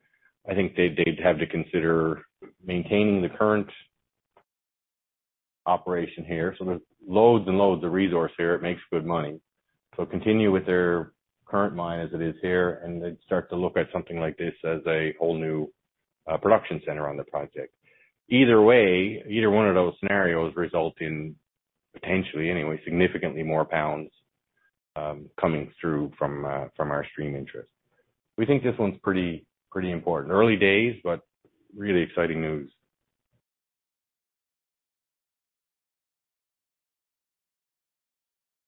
I think they'd have to consider maintaining the current operation here. There's loads and loads of resource here. It makes good money. Continue with their current mine as it is here, and they'd start to look at something like this as a whole new production center on the project. Either way, either one of those scenarios result in, potentially anyway, significantly more pounds coming through from our stream interest. We think this one's pretty important. Early days, but really exciting news.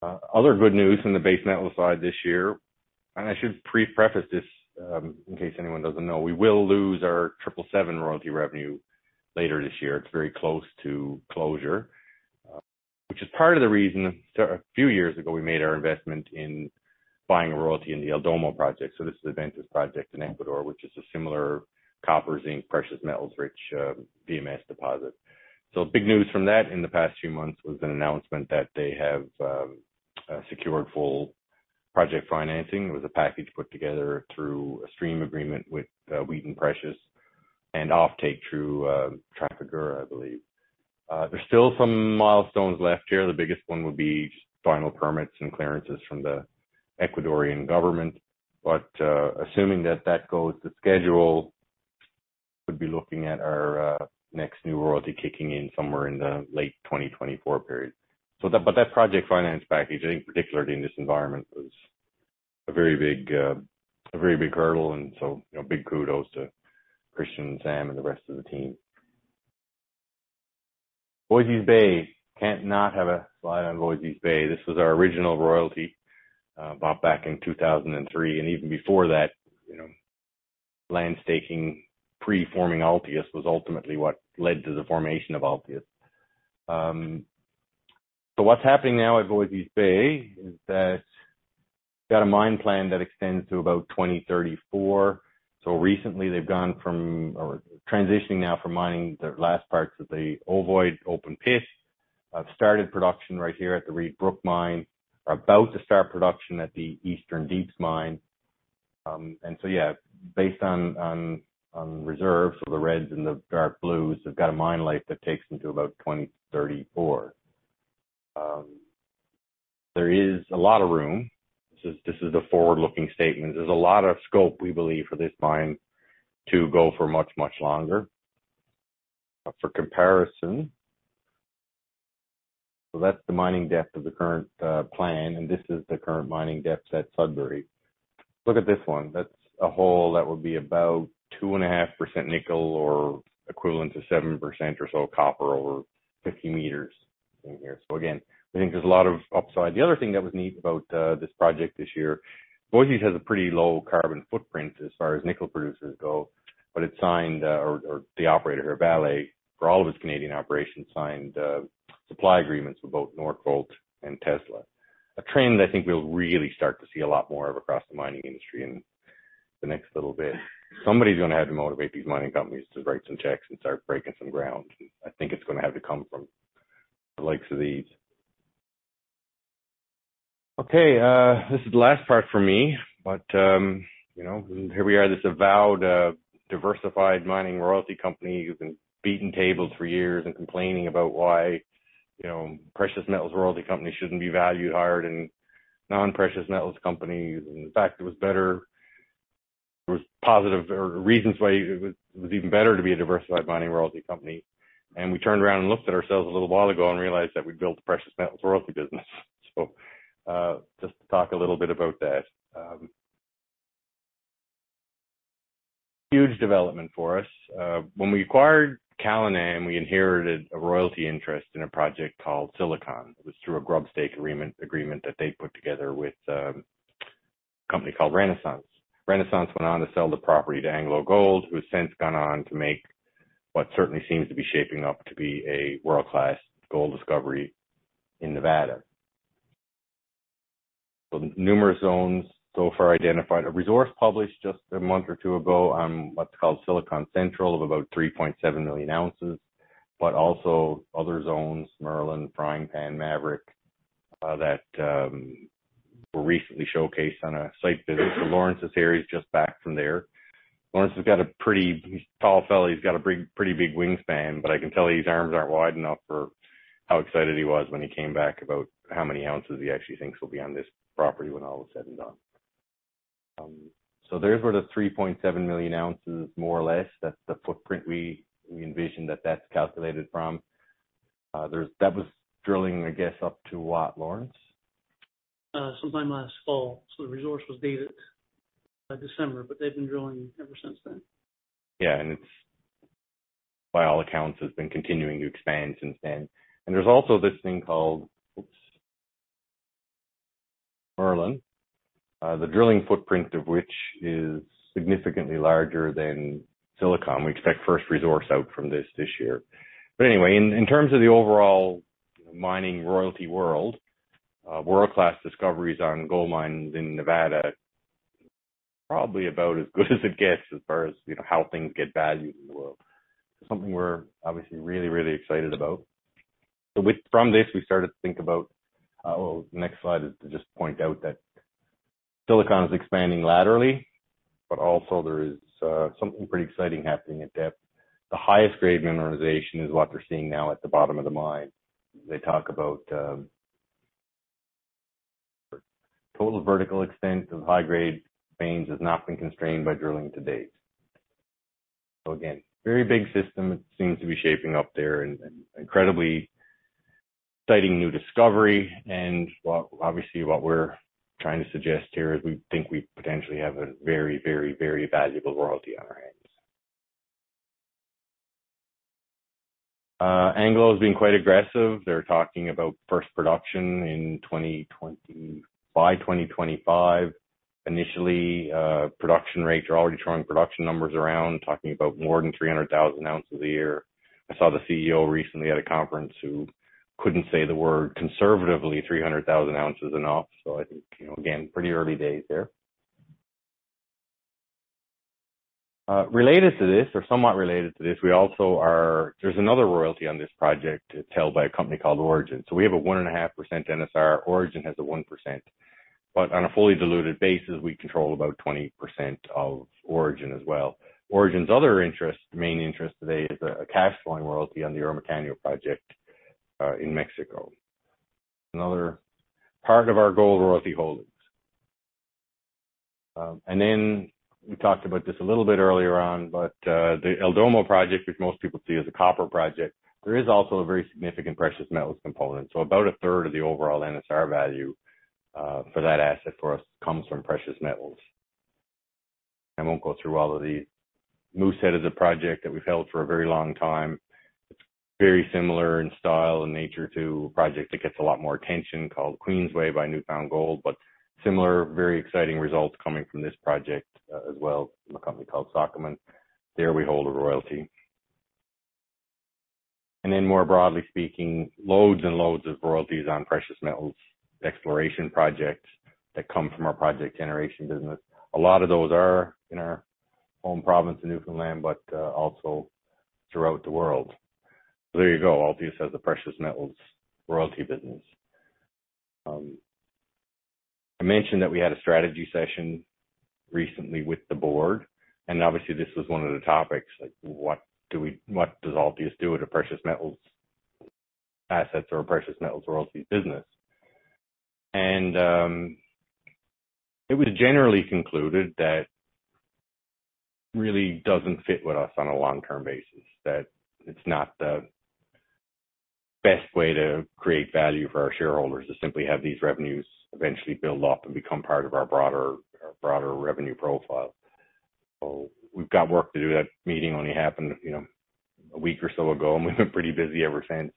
Other good news in the base metal side this year, and I should preface this, in case anyone doesn't know, we will lose our triple seven royalty revenue later this year. It's very close to closure, which is part of the reason a few years ago we made our investment in buying a royalty in the El Domo project. This is Adventus project in Ecuador, which is a similar copper, zinc, precious metals rich VMS deposit. Big news from that in the past few months was an announcement that they have secured full project financing. It was a package put together through a stream agreement with Wheaton Precious Metals and offtake through Trafigura, I believe. There's still some milestones left here. The biggest one would be final permits and clearances from the Ecuadorian government. Assuming that that goes to schedule, we'd be looking at our next new royalty kicking in somewhere in the late 2024 period. But that project finance package, I think particularly in this environment, was a very big hurdle. You know, big kudos to Christian, Sam and the rest of the team. Voisey's Bay. Can't not have a slide on Voisey's Bay. This was our original royalty, bought back in 2003. Even before that, you know, land staking pre-forming Altius was ultimately what led to the formation of Altius. What's happening now at Voisey's Bay is they've got a mine plan that extends to about 2034. Recently they've transitioned from mining the last parts of the Ovoid open pit. They've started production right here at the Reid Brook mine. About to start production at the Eastern Deeps mine. Based on reserves for the Reid's and the Eastern Deeps, they've got a mine life that takes them to about 2034. There is a lot of room. This is a forward-looking statement. There's a lot of scope we believe for this mine to go for much, much longer. For comparison, that's the mining depth of the current plan, and this is the current mining depth at Sudbury. Look at this one. That's a hole that would be about 2.5% nickel or equivalent to 7% or so copper over 50m in here. Again, we think there's a lot of upside. The other thing that was neat about this project this year, Voisey's has a pretty low carbon footprint as far as nickel producers go, but the operator, Vale, for all of its Canadian operations, signed supply agreements with both Northvolt and Tesla. A trend I think we'll really start to see a lot more of across the mining industry in the next little bit. Somebody's gonna have to motivate these mining companies to write some checks and start breaking some ground. I think it's gonna have to come from the likes of these. Okay, this is the last part for me. You know, here we are, this avowed diversified mining royalty company who's been pounding the table for years and complaining about why precious metals royalty companies shouldn't be valued higher than non-precious metals companies. In fact, it was better. There were positive reasons why it was even better to be a diversified mining royalty company. We turned around and looked at ourselves a little while ago and realized that we built a precious metals royalty business. Just to talk a little bit about that, huge development for us. When we acquired Callinan, we inherited a royalty interest in a project called Silicon. It was through a grubstake agreement that they put together with a company called Renaissance. Renaissance went on to sell the property to AngloGold Ashanti, who has since gone on to make what certainly seems to be shaping up to be a world-class gold discovery in Nevada. Numerous zones so far identified. A resource published just a month or two ago on what's called Silicon Central of about 3.7 million oz, but also other zones, Merlin, Frying Pan, Maverick were recently showcased on a site visit. Lawrence Winter is just back from there. Lawrence has got. He's a tall fellow. He's got a big, pretty big wingspan, but I can tell you his arms aren't wide enough for how excited he was when he came back about how many ounces he actually thinks will be on this property when all is said and done. There's where the 3.7 million oz more or less, that's the footprint we envision that that's calculated from. That was drilling, I guess, up to what, Lawrence? Sometime last fall. The resource was dated December, but they've been drilling ever since then. Yeah. It's by all accounts has been continuing to expand since then. There's also this thing called Merlin, the drilling footprint of which is significantly larger than Silicon. We expect first resource out from this year. Anyway, in terms of the overall mining royalty world-class discoveries on gold mines in Nevada, probably about as good as it gets as far as, you know, how things get valued in the world. Something we're obviously really, really excited about. From this, we started to think about, the next slide is to just point out that Silicon is expanding laterally, but also there is, something pretty exciting happening at depth. The highest grade mineralization is what they're seeing now at the bottom of the mine. They talk about total vertical extent of high grade veins has not been constrained by drilling to date. Again, very big system. It seems to be shaping up there and incredibly exciting new discovery. Well, obviously, what we're trying to suggest here is we think we potentially have a very valuable royalty on our hands. AngloGold Ashanti's been quite aggressive. They're talking about first production by 2025. Initially, production rates are already throwing production numbers around, talking about more than 300,000 oz a year. I saw the CEO recently at a conference who couldn't say the word conservatively 300,000 oz enough. I think, you know, again, pretty early days there. Related to this or somewhat related to this, there's another royalty on this project. It's held by a company called Orogen. We have a 1.5% NSR. Orogen has a 1%, but on a fully diluted basis, we control about 20% of Orogen as well. Orogen's other interest, main interest today is a cash flowing royalty on the Ermitaño project in Mexico, another part of our gold royalty holdings. We talked about this a little bit earlier on, but the El Domo project, which most people see as a copper project, there is also a very significant precious metals component. About a third of the overall NSR value for that asset for us comes from precious metals. I won't go through all of these. Moosehead is a project that we've held for a very long time. It's very similar in style and nature to a project that gets a lot more attention called Queensway by New Found Gold. Similar, very exciting results coming from this project, as well from a company called Sokoman. There we hold a royalty. More broadly speaking, loads and loads of royalties on precious metals exploration projects that come from our project generation business. A lot of those are in our home province in Newfoundland, but also throughout the world. There you go. Altius has a precious metals royalty business. I mentioned that we had a strategy session recently with the board, and obviously this was one of the topics like what does Altius do with the precious metals assets or precious metals royalty business? It was generally concluded that really doesn't fit with us on a long-term basis, that it's not the best way to create value for our shareholders to simply have these revenues eventually build up and become part of our broader revenue profile. We've got work to do. That meeting only happened, you know, a week or so ago, and we've been pretty busy ever since.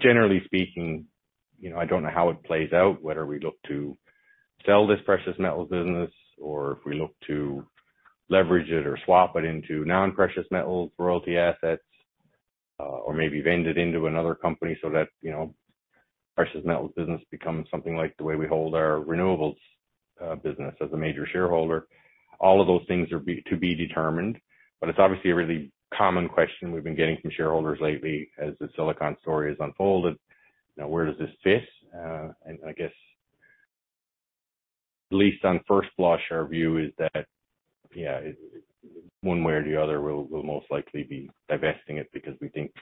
Generally speaking, you know, I don't know how it plays out, whether we look to sell this precious metal business or if we look to leverage it or swap it into non-precious metals royalty assets, or maybe vend it into another company so that, you know, precious metals business becomes something like the way we hold our renewables business as a major shareholder. All of those things are to be determined, but it's obviously a really common question we've been getting from shareholders lately as the Silicon story has unfolded. Now, where does this fit? I guess at least on first blush, our view is that, yeah, one way or the other, we'll most likely be divesting it because we think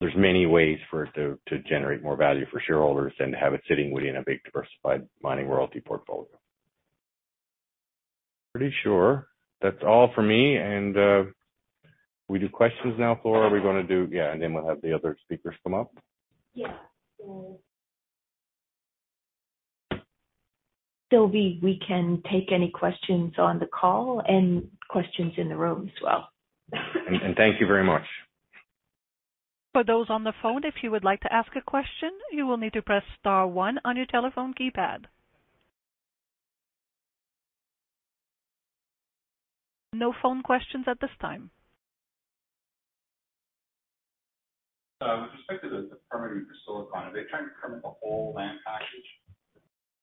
there's many ways for it to generate more value for shareholders than have it sitting within a big diversified mining royalty portfolio. Pretty sure that's all for me. We do questions now, Flora. Are we gonna do. Yeah, and then we'll have the other speakers come up. Yeah. Sylvie, we can take any questions on the call and questions in the room as well. Thank you very much. For those on the phone, if you would like to ask a question, you will need to press star one on your telephone keypad. No phone questions at this time. With respect to the permitting for Sigma, are they trying to permit the whole land package?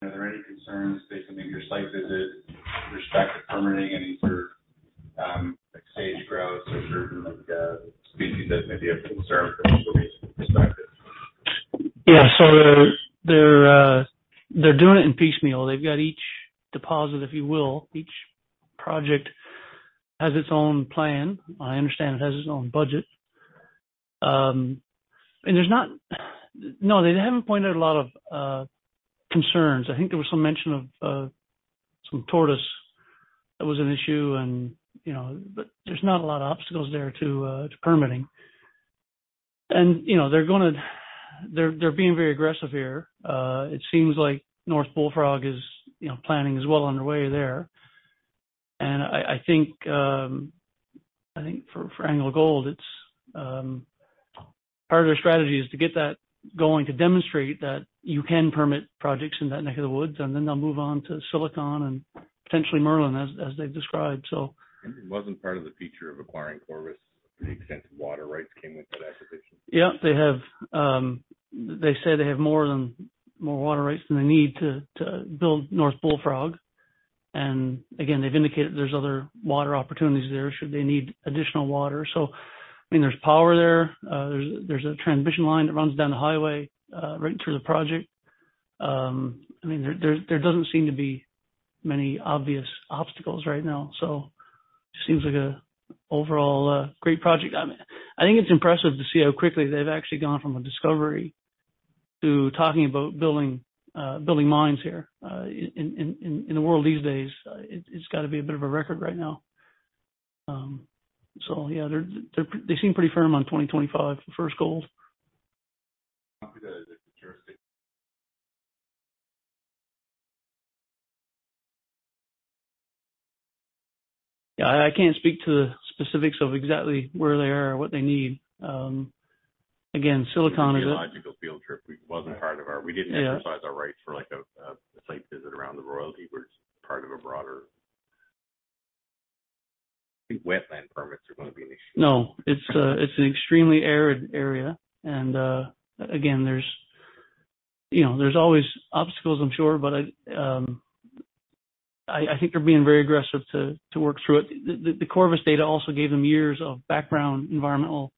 Are there any concerns based on maybe your site visit with respect to permitting any sort of, like sage grouse or certain, like, species that may be of concern from an association perspective? They're doing it piecemeal. They've got each deposit, if you will. Each project has its own plan. I understand it has its own budget. They haven't raised a lot of concerns. I think there was some mention of some tortoise that was an issue, but there's not a lot of obstacles there to permitting. They're being very aggressive here. It seems like North Bullfrog is planning as well on their way there. I think for AngloGold Ashanti, part of their strategy is to get that going to demonstrate that you can permit projects in that neck of the woods, and then they'll move on to Silicon and potentially Merlin as they've described so. It wasn't part of the feature of acquiring Corvus. The extent of water rights came with that acquisition. Yeah. They say they have more water rights than they need to build North Bullfrog. They've indicated there's other water opportunities there should they need additional water. I mean, there's power there. There's a transmission line that runs down the highway right through the project. I mean, there doesn't seem to be many obvious obstacles right now, so it seems like an overall great project. I mean, I think it's impressive to see how quickly they've actually gone from a discovery to talking about building mines here in the world these days. It's got to be a bit of a record right now. Yeah, they seem pretty firm on 2025 for first gold. Not because of the jurisdiction. Yeah, I can't speak to the specifics of exactly where they are or what they need. Geological field trip. It wasn't part of our. Yeah. We didn't exercise our rights for, like, a site visit around the royalty. We're just part of a broader, I think, wetland permits are gonna be an issue. No, it's an extremely arid area. Again, there's, you know, always obstacles, I'm sure. I think they're being very aggressive to work through it. The Corvus data also gave them years of background environmental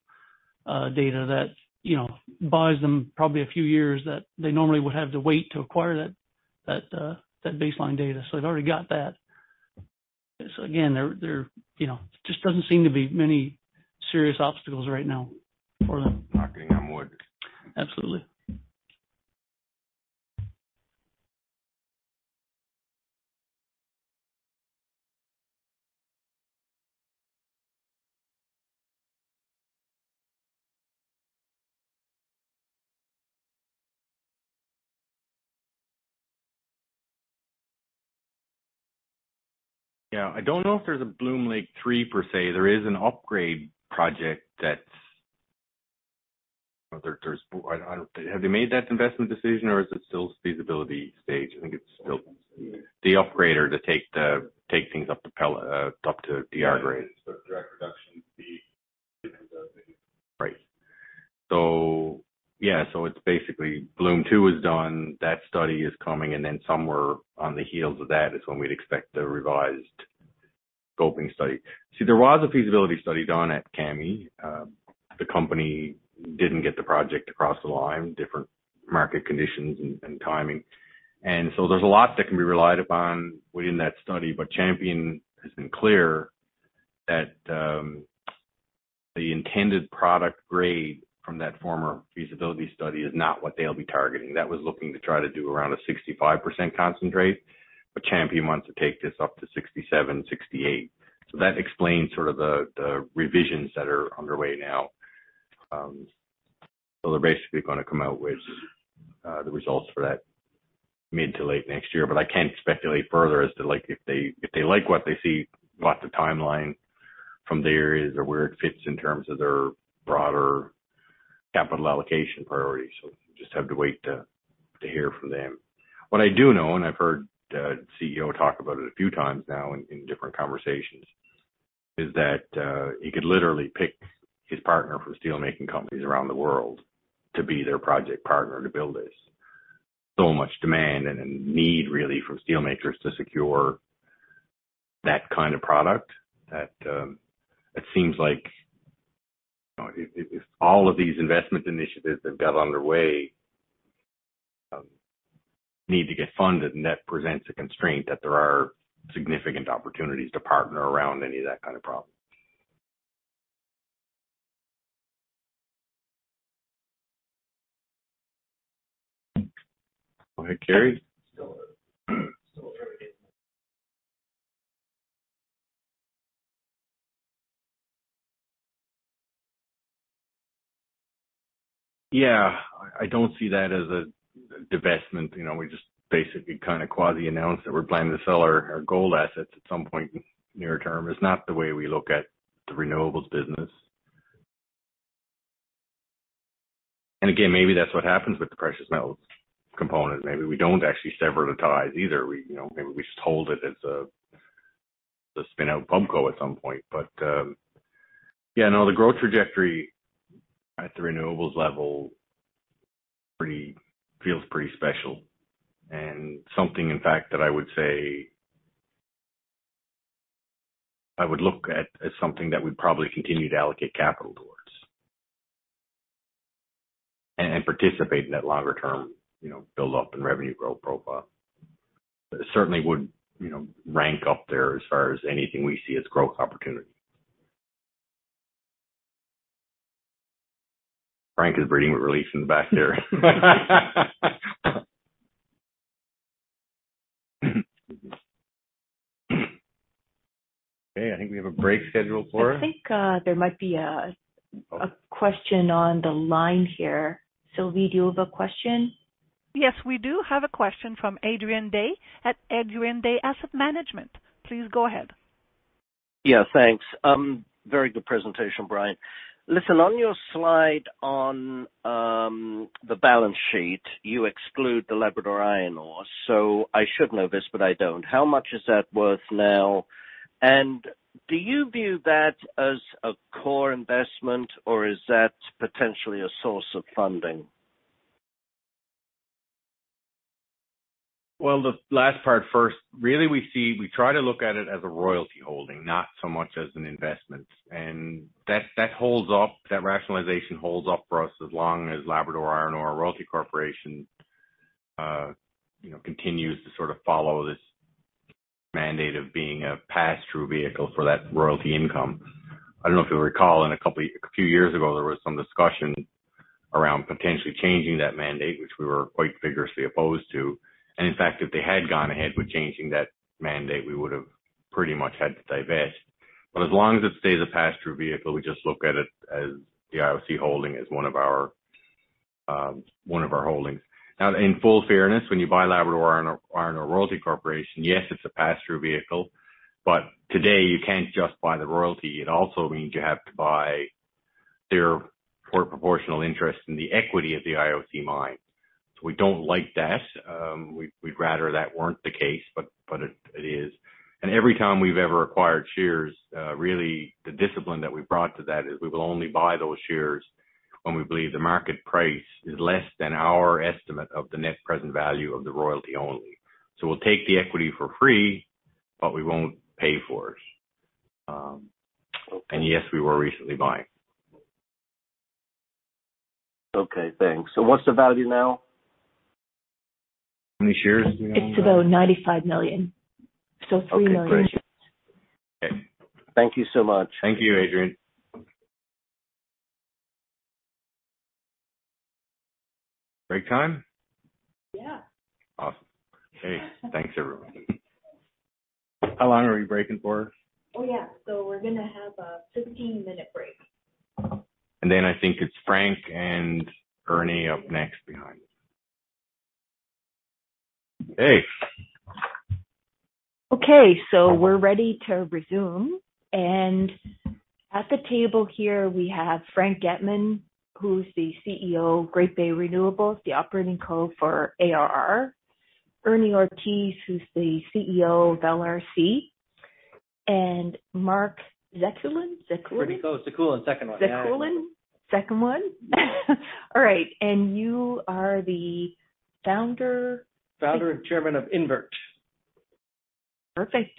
data that, you know, buys them probably a few years that they normally would have to wait to acquire that baseline data. They've already got that. Again, there, you know, just doesn't seem to be many serious obstacles right now for them. Knocking on wood. Absolutely. Yeah. I don't know if there's a Bloom Lake 3 per se. There is an upgrade project. Have they made that investment decision or is it still feasibility stage? I think it's still the operator to take things up to DR grade. Direct reduction would be. Right. It's basically Bloom 2 is done. That study is coming, and then somewhere on the heels of that is when we'd expect the revised scoping study. See, there was a feasibility study done at Kami. The company didn't get the project across the line, different market conditions and timing. There's a lot that can be relied upon within that study. Champion has been clear that the intended product grade from that former feasibility study is not what they'll be targeting. That was looking to try to do around a 65% concentrate, but Champion wants to take this up to 67%-68%. That explains sort of the revisions that are underway now. They're basically gonna come out with the results for that mid- to late next year. I can't speculate further as to like if they like what they see, what the timeline from there is or where it fits in terms of their broader capital allocation priorities. We just have to wait to hear from them. What I do know, and I've heard the CEO talk about it a few times now in different conversations, is that he could literally pick his partner from steelmaking companies around the world to be their project partner to build this. Much demand and a need really from steel makers to secure that kind of product that it seems like if all of these investment initiatives they've got underway need to get funded and that presents a constraint that there are significant opportunities to partner around any of that kind of problem. Go ahead, Carrie. Yeah. I don't see that as a divestment. You know, we just basically kind of quasi announced that we're planning to sell our gold assets at some point near term. It's not the way we look at the renewables business. Again, maybe that's what happens with the precious metals component. Maybe we don't actually sever the ties either. You know, maybe we just hold it as a spin out pub co at some point. Yeah, no, the growth trajectory at the renewables level feels pretty special and something in fact that I would look at as something that we'd probably continue to allocate capital towards. Participate in that longer term, you know, build-up and revenue growth profile. Certainly would, you know, rank up there as far as anything we see as growth opportunity. Frank is breathing with relief in the back there. Okay, I think we have a break scheduled for us. I think there might be a question on the line here. Sylvie, do you have a question? Yes, we do have a question from Adrian Day at Adrian Day Asset Management. Please go ahead. Yeah, thanks. Very good presentation, Brian. Listen, on your slide on the balance sheet, you exclude the Labrador Iron Ore. I should know this, but I don't. How much is that worth now? And do you view that as a core investment or is that potentially a source of funding? Well, the last part first. Really we see, we try to look at it as a royalty holding, not so much as an investment. That holds up. That rationalization holds up for us as long as Labrador Iron Ore Royalty Corporation, you know, continues to sort of follow this mandate of being a pass-through vehicle for that royalty income. I don't know if you'll recall a few years ago, there was some discussion around potentially changing that mandate, which we were quite vigorously opposed to. In fact, if they had gone ahead with changing that mandate, we would have pretty much had to divest. As long as it stays a pass-through vehicle, we just look at it as the IOC holding as one of our holdings. In full fairness, when you buy Labrador Iron Ore Royalty Corporation, yes, it's a pass-through vehicle, but today you can't just buy the royalty. It also means you have to buy their proportional interest in the equity of the IOC mine. We don't like that. We'd rather that weren't the case, but it is. Every time we've ever acquired shares, really the discipline that we've brought to that is we will only buy those shares when we believe the market price is less than our estimate of the net present value of the royalty only. We'll take the equity for free, but we won't pay for it. Yes, we were recently buying. Okay, thanks. What's the value now? How many shares? It's about 95 million. 3 million shares. Okay, great. Thank you so much. Thank you, Adrian. Break time? Yeah. Awesome. Okay. Thanks, everyone. How long are we breaking for? Oh, yeah. We're gonna have a 15-minute break. I think it's Frank and Ernie up next behind. Okay. Okay. We're ready to resume. At the table here we have Frank Getman, who's the CEO of Great Bay Renewables, the operating co for ARR. Ernie Ortiz, who's the CEO of LRC. Mark Zekulin. Pretty close. Yeah. Second one. All right. You are the Founder and Chairman of Invert. Perfect.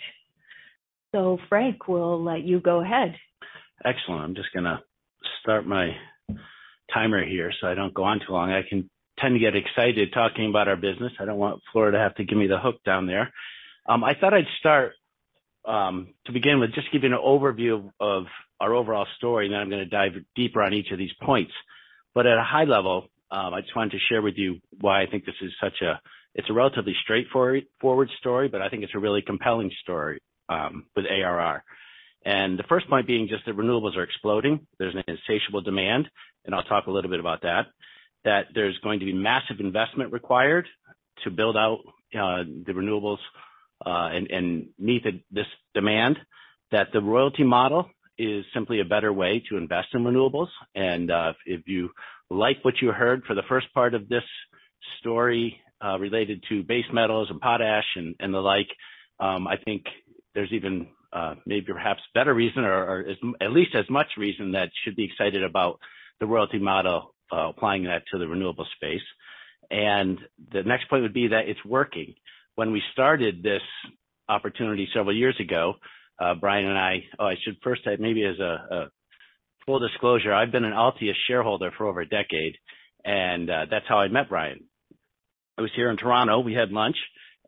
Frank, we'll let you go ahead. Excellent. I'm just gonna start my timer here, so I don't go on too long. I tend to get excited talking about our business. I don't want Flora to have to give me the hook down there. I thought I'd start to begin with, just give you an overview of our overall story, and then I'm gonna dive deeper on each of these points. At a high level, I just wanted to share with you why I think this is such a. It's a relatively straightforward story, but I think it's a really compelling story with ARR. The first point being just that renewables are exploding. There's an insatiable demand, and I'll talk a little bit about that there's going to be massive investment required to build out the renewables and meet this demand. That the royalty model is simply a better way to invest in renewables. If you like what you heard for the first part of this story, related to base metals and potash and the like, I think there's even maybe perhaps better reason or at least as much reason that should be excited about the royalty model, applying that to the renewable space. The next point would be that it's working. When we started this opportunity several years ago, Brian and I... I should first say, maybe as a full disclosure, I've been an Altius shareholder for over a decade, and that's how I met Brian. I was here in Toronto. We had lunch,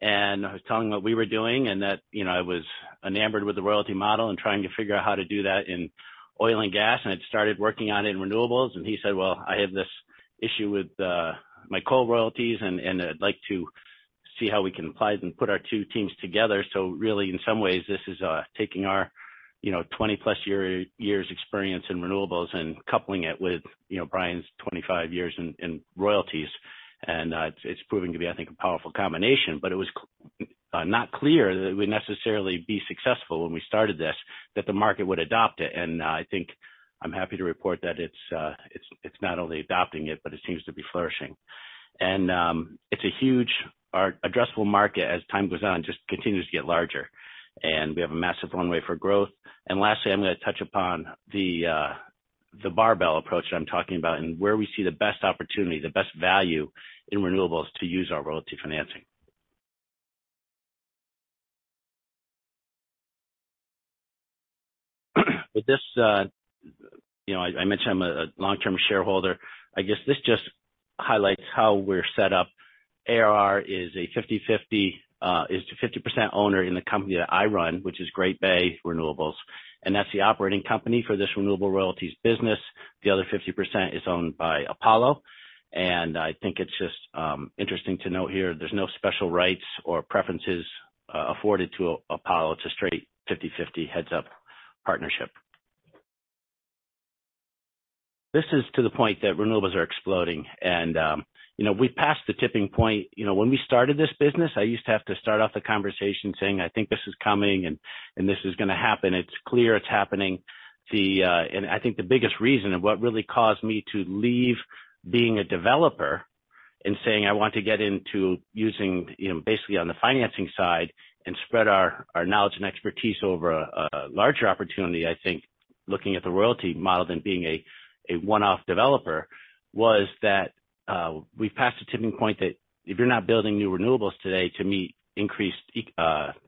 and I was telling him what we were doing and that, you know, I was enamored with the royalty model and trying to figure out how to do that in oil and gas. I'd started working on it in renewables, and he said, "Well, I have this issue with my coal royalties and I'd like to see how we can apply it and put our two teams together." Really, in some ways, this is taking our, you know, 20+ years' experience in renewables and coupling it with, you know, Brian's 25 years in royalties. It's proving to be, I think, a powerful combination. It was not clear that it would necessarily be successful when we started this, that the market would adopt it. I think I'm happy to report that it's not only adopting it, but it seems to be flourishing. Our addressable market, as time goes on, just continues to get larger, and we have a massive runway for growth. Lastly, I'm gonna touch upon the barbell approach that I'm talking about and where we see the best opportunity, the best value in renewables to use our royalty financing. With this, I mentioned I'm a long-term shareholder. I guess this just highlights how we're set up. ARR is a 50/50% owner in the company that I run, which is Great Bay Renewables, and that's the operating company for this renewable royalties business. The other 50% is owned by Apollo. I think it's just interesting to note here, there's no special rights or preferences afforded to Apollo. It's a straight 50/50 heads-up partnership. This is to the point that renewables are exploding. You know, we've passed the tipping point. You know, when we started this business, I used to have to start off the conversation saying, "I think this is coming and this is gonna happen." It's clear it's happening. The I think the biggest reason and what really caused me to leave being a developer and saying I want to get into using, you know, basically on the financing side and spread our knowledge and expertise over a larger opportunity, I think looking at the royalty model than being a one-off developer, was that we've passed a tipping point that if you're not building new renewables today to meet increased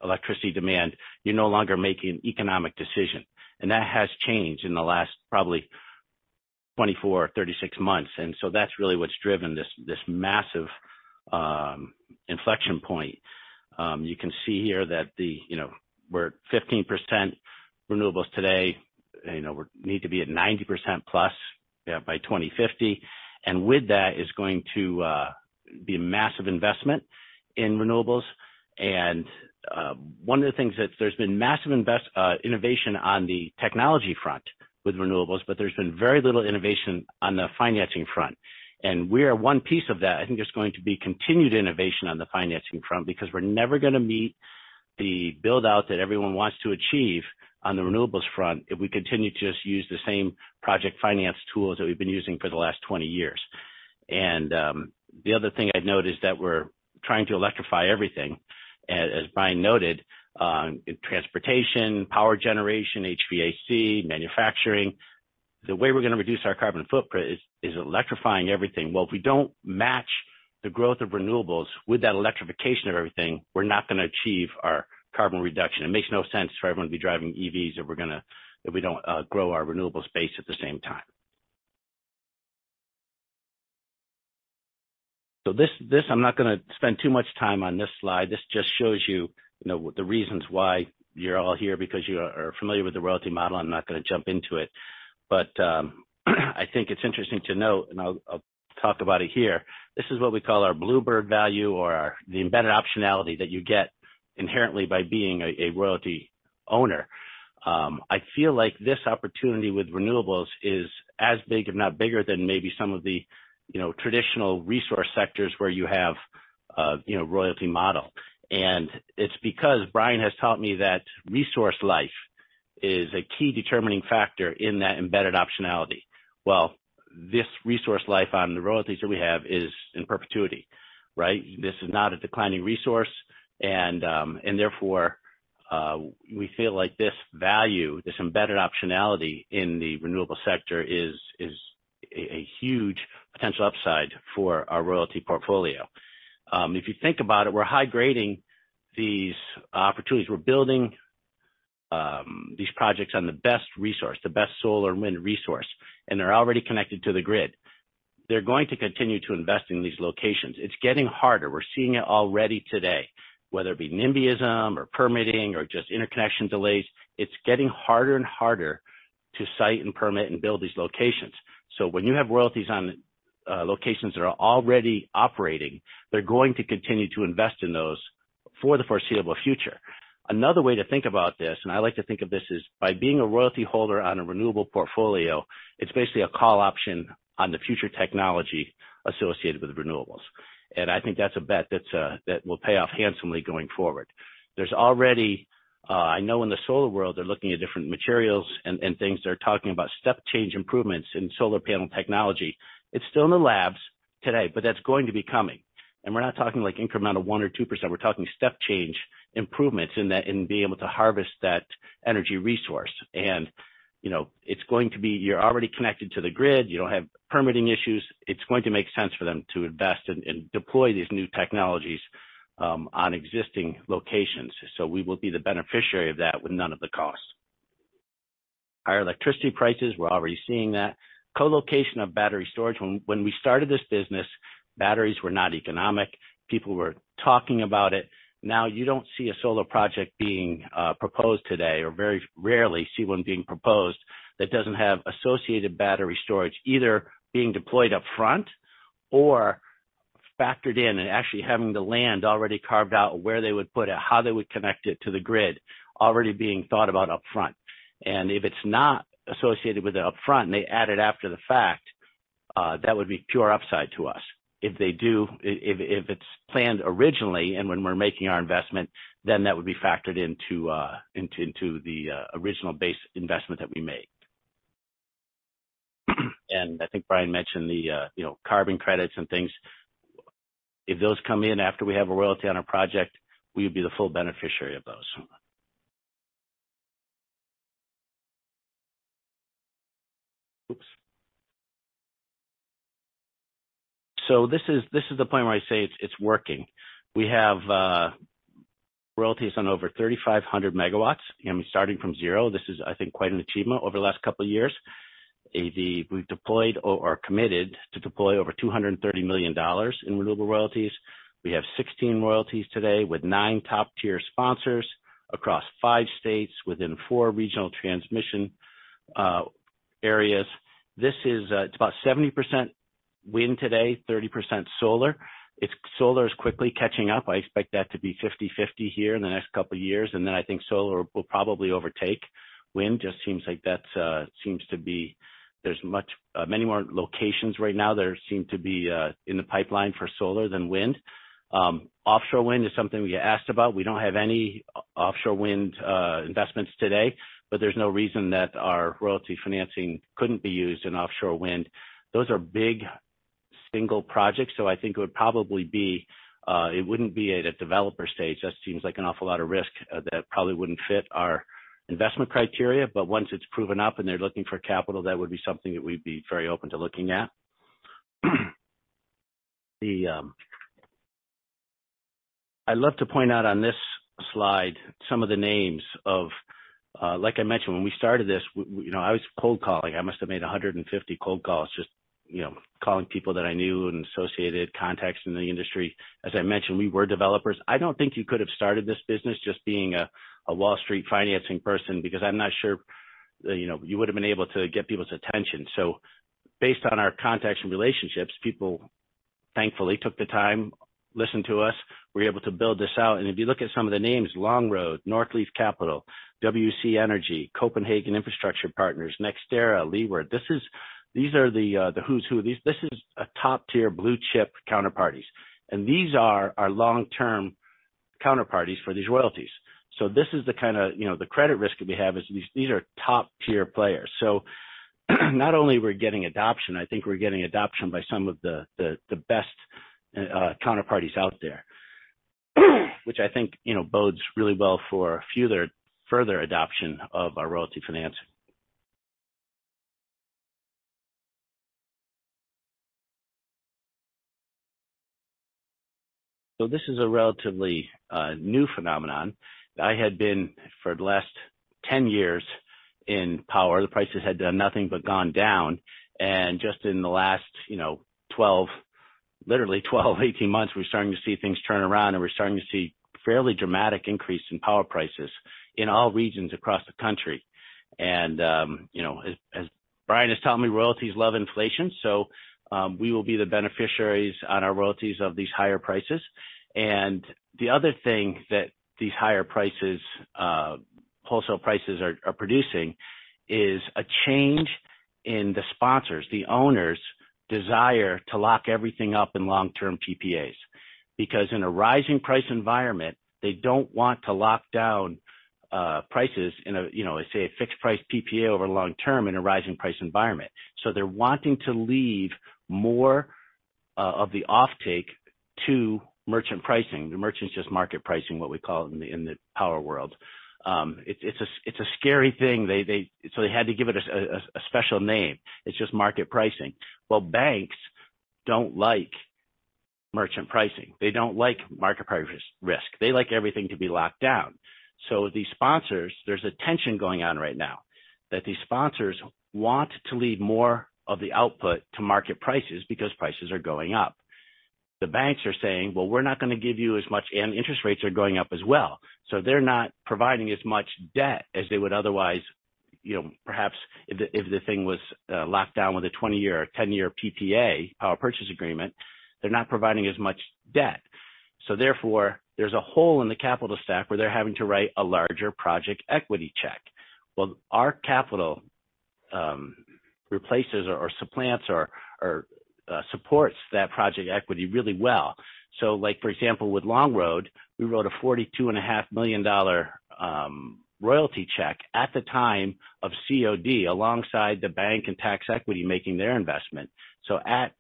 electricity demand, you're no longer making an economic decision. That has changed in the last probably 24, 36 months. That's really what's driven this massive inflection point. You can see here that, you know, we're at 15% renewables today. You know, we need to be at 90%+ by 2050. With that is going to be a massive investment in renewables. One of the things that there's been massive innovation on the technology front with renewables, but there's been very little innovation on the financing front. We are one piece of that. I think there's going to be continued innovation on the financing front because we're never gonna meet the build-out that everyone wants to achieve on the renewables front if we continue to just use the same project finance tools that we've been using for the last 20 years. The other thing I'd note is that we're trying to electrify everything. As Brian noted, in transportation, power generation, HVAC, manufacturing. The way we're gonna reduce our carbon footprint is electrifying everything. Well, if we don't match the growth of renewables with that electrification of everything, we're not gonna achieve our carbon reduction. It makes no sense for everyone to be driving EVs if we don't grow our renewables base at the same time. This, I'm not gonna spend too much time on this slide. This just shows you know, the reasons why you're all here because you are familiar with the royalty model. I'm not gonna jump into it. I think it's interesting to note, and I'll talk about it here. This is what we call our bluebird value or the embedded optionality that you get inherently by being a royalty owner. I feel like this opportunity with renewables is as big, if not bigger than maybe some of the, you know, traditional resource sectors where you have, you know, royalty model. It's because Brian has taught me that resource life is a key determining factor in that embedded optionality. Well, this resource life on the royalties that we have is in perpetuity, right? This is not a declining resource. Therefore, we feel like this value, this embedded optionality in the renewable sector is a huge potential upside for our royalty portfolio. If you think about it, we're high-grading these opportunities. We're building these projects on the best resource, the best solar and wind resource, and they're already connected to the grid. They're going to continue to invest in these locations. It's getting harder. We're seeing it already today. Whether it be nimbyism or permitting or just interconnection delays, it's getting harder and harder to site and permit and build these locations. When you have royalties on locations that are already operating, they're going to continue to invest in those for the foreseeable future. Another way to think about this, and I like to think of this, is by being a royalty holder on a renewable portfolio, it's basically a call option on the future technology associated with renewables. I think that's a bet that will pay off handsomely going forward. There's already, I know in the solar world, they're looking at different materials and things. They're talking about step change improvements in solar panel technology. It's still in the labs today, but that's going to be coming. We're not talking like incremental 1% or 2%. We're talking step change improvements in that, in being able to harvest that energy resource. You know, it's going to be you're already connected to the grid. You don't have permitting issues. It's going to make sense for them to invest and deploy these new technologies on existing locations. We will be the beneficiary of that with none of the costs. Higher electricity prices, we're already seeing that. Co-location of battery storage. When we started this business, batteries were not economic. People were talking about it. Now, you don't see a solar project being proposed today or very rarely see one being proposed that doesn't have associated battery storage, either being deployed up front or factored in and actually having the land already carved out, where they would put it, how they would connect it to the grid already being thought about up front. If it's not associated with it upfront and they add it after the fact, that would be pure upside to us. If it's planned originally and when we're making our investment, then that would be factored into the original base investment that we made. I think Brian mentioned the, you know, carbon credits and things. If those come in after we have a royalty on a project, we would be the full beneficiary of those. This is the point where I say it's working. We have royalties on over 3,500 MW. You know, starting from zero, this is, I think, quite an achievement over the last couple of years. We've deployed or committed to deploy over 230 million dollars in renewable royalties. We have 16 royalties today with none top-tier sponsors across five states within four regional transmission areas. This is, it's about 70% wind today, 30% solar. It's. Solar is quickly catching up. I expect that to be 50/50 here in the next couple of years. Then I think solar will probably overtake wind. Just seems like that's, seems to be. There's many more locations right now that seem to be in the pipeline for solar than wind. Offshore wind is something we get asked about. We don't have any offshore wind investments today, but there's no reason that our royalty financing couldn't be used in offshore wind. Those are big single projects, so I think it would probably be, it wouldn't be at a developer stage. That seems like an awful lot of risk that probably wouldn't fit our investment criteria. Once it's proven up and they're looking for capital, that would be something that we'd be very open to looking at. I love to point out on this slide some of the names of, like I mentioned, when we started this, we—you know, I was cold calling. I must have made 150 cold calls just, you know, calling people that I knew and associated contacts in the industry. As I mentioned, we were developers. I don't think you could have started this business just being a Wall Street financing person because I'm not sure, you know, you would have been able to get people's attention. Based on our contacts and relationships, people thankfully took the time, listened to us. We were able to build this out. If you look at some of the names, Longroad, Northleaf Capital, WC Energy, Copenhagen Infrastructure Partners, NextEra Energy, Liberty Energy. These are the who's who. This is a top-tier blue-chip counterparties. These are our long-term counterparties for these royalties. This is the kinda, you know, the credit risk that we have is these are top-tier players. Not only we're getting adoption, I think we're getting adoption by some of the best counterparties out there which I think, you know, bodes really well for further adoption of our royalty financing. This is a relatively new phenomenon. I had been for the last 10 years in power. The prices had done nothing but gone down. Just in the last, you know, 12-- literally 12, 18 months, we're starting to see things turn around and we're starting to see fairly dramatic increase in power prices in all regions across the country. You know, as Brian has taught me, royalties love inflation, so we will be the beneficiaries on our royalties of these higher prices. The other thing that these higher prices, wholesale prices are producing is a change in the sponsors, the owners' desire to lock everything up in long-term PPAs. Because in a rising price environment, they don't want to lock down, prices in a, you know, say a fixed price PPA over long term in a rising price environment. They're wanting to leave more, of the offtake to merchant pricing. The merchant's just market pricing, what we call in the power world. It's a scary thing. They had to give it a special name. It's just market pricing. Well, banks don't like merchant pricing. They don't like market price risk. They like everything to be locked down. These sponsors, there's a tension going on right now that these sponsors want to leave more of the output to market prices because prices are going up. The banks are saying, "Well, we're not gonna give you as much," and interest rates are going up as well. They're not providing as much debt as they would otherwise, you know, perhaps if the thing was locked down with a 20-year or 10-year PPA, power purchase agreement. They're not providing as much debt. Therefore, there's a hole in the capital stack where they're having to write a larger project equity check. Well, our capital replaces or supplants or supports that project equity really well. Like, for example, with Longroad, we wrote a $42.5 million royalty check at the time of COD, alongside the bank and tax equity making their investment. At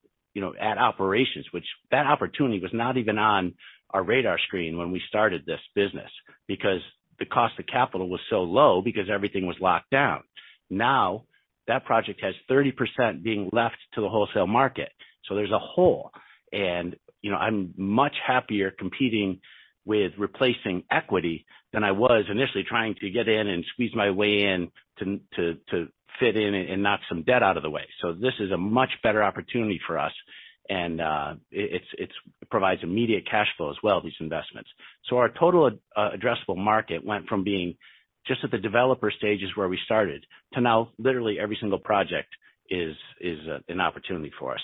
operations, you know, that opportunity was not even on our radar screen when we started this business, because the cost of capital was so low because everything was locked down. Now, that project has 30% being left to the wholesale market, so there's a hole. You know, I'm much happier competing with replacing equity than I was initially trying to get in and squeeze my way in to fit in and knock some debt out of the way. This is a much better opportunity for us and it provides immediate cash flow as well, these investments. Our total addressable market went from being just at the developer stages where we started to now literally every single project is an opportunity for us.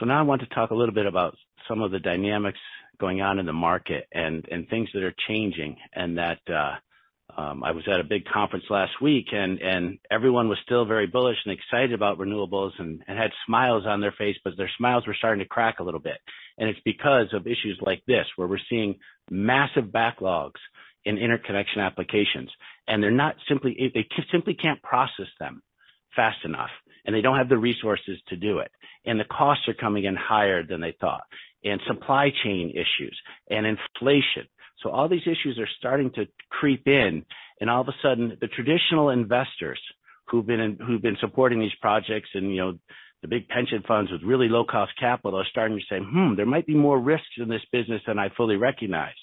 Now I want to talk a little bit about some of the dynamics going on in the market and things that are changing and that. I was at a big conference last week and everyone was still very bullish and excited about renewables and had smiles on their face, but their smiles were starting to crack a little bit. It's because of issues like this, where we're seeing massive backlogs in interconnection applications. They simply can't process them fast enough, and they don't have the resources to do it. The costs are coming in higher than they thought, and supply chain issues and inflation. All these issues are starting to creep in, and all of a sudden, the traditional investors who've been supporting these projects and, you know, the big pension funds with really low-cost capital are starting to say, "Hmm, there might be more risks in this business than I fully recognized."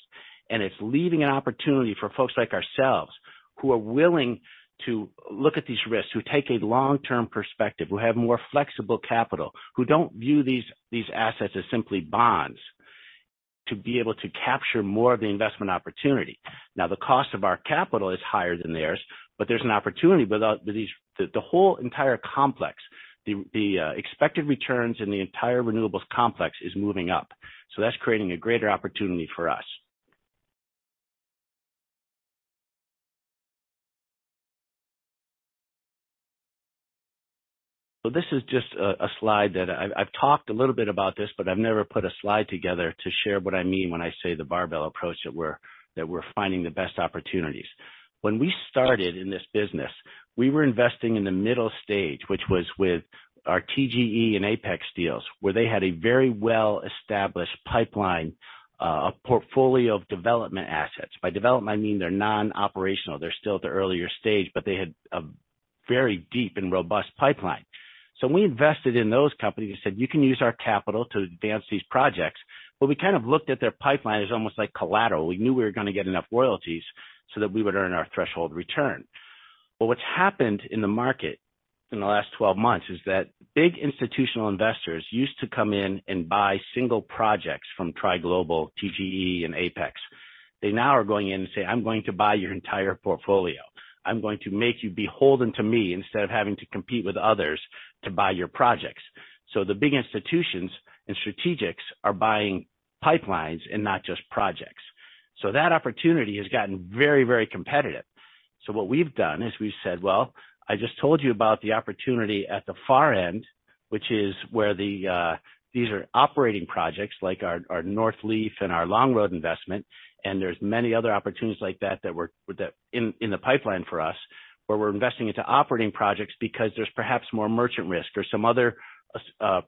It's leaving an opportunity for folks like ourselves, who are willing to look at these risks, who take a long-term perspective, who have more flexible capital, who don't view these assets as simply bonds, to be able to capture more of the investment opportunity. Now, the cost of our capital is higher than theirs, but there's an opportunity. The whole entire complex, the expected returns in the entire renewables complex is moving up. That's creating a greater opportunity for us. This is just a slide that I've talked a little bit about this, but I've never put a slide together to share what I mean when I say the barbell approach that we're finding the best opportunities. When we started in this business, we were investing in the middle stage, which was with our TGE and Apex deals, where they had a very well-established pipeline, a portfolio of development assets. By development, I mean they're non-operational. They're still at the earlier stage, but they had a very deep and robust pipeline. We invested in those companies and said, "You can use our capital to advance these projects." We kind of looked at their pipeline as almost like collateral. We knew we were gonna get enough royalties so that we would earn our threshold return. What's happened in the market in the last 12 months is that big institutional investors used to come in and buy single projects from TriGlobal, TGE, and Apex. They now are going in and say, "I'm going to buy your entire portfolio. I'm going to make you beholden to me instead of having to compete with others to buy your projects." The big institutions and strategics are buying pipelines and not just projects. That opportunity has gotten very, very competitive. What we've done is we've said, "Well, I just told you about the opportunity at the far end," which is where these are operating projects like our Northleaf and our Longroad investment, and there's many other opportunities like that in the pipeline for us, where we're investing into operating projects because there's perhaps more merchant risk or some other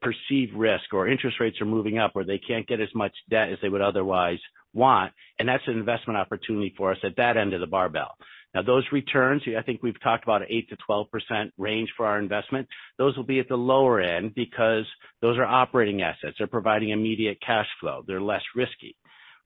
perceived risk or interest rates are moving up, or they can't get as much debt as they would otherwise want. That's an investment opportunity for us at that end of the barbell. Now, those returns, I think we've talked about 8%-12% range for our investment. Those will be at the lower end because those are operating assets. They're providing immediate cash flow. They're less risky,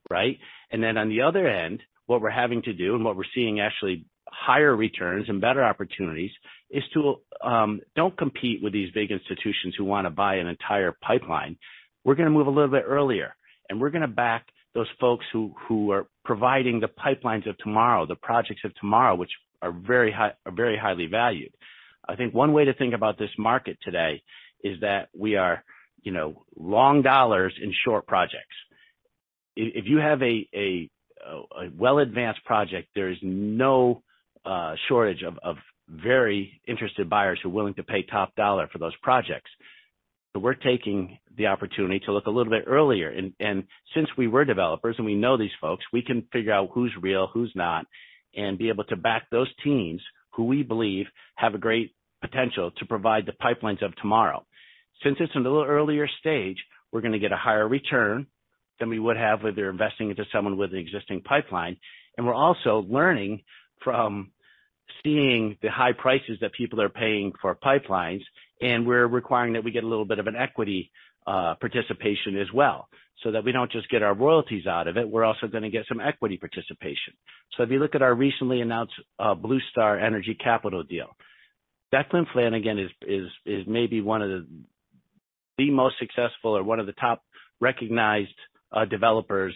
right? On the other end, what we're having to do and what we're seeing actually higher returns and better opportunities is to not compete with these big institutions who wanna buy an entire pipeline. We're gonna move a little bit earlier, and we're gonna back those folks who are providing the pipelines of tomorrow, the projects of tomorrow, which are very high, are very highly valued. I think one way to think about this market today is that we are, you know, long dollars in short projects. If you have a well advanced project, there is no shortage of very interested buyers who are willing to pay top dollar for those projects. But we're taking the opportunity to look a little bit earlier. Since we were developers and we know these folks, we can figure out who's real, who's not, and be able to back those teams who we believe have a great potential to provide the pipelines of tomorrow. Since it's in the earlier stage, we're gonna get a higher return than we would have with their investing into someone with an existing pipeline. We're also learning from seeing the high prices that people are paying for pipelines, and we're requiring that we get a little bit of an equity participation as well, so that we don't just get our royalties out of it, we're also gonna get some equity participation. If you look at our recently announced Bluestar Energy Capital deal, Declan Flanagan is maybe one of the most successful or one of the top recognized developers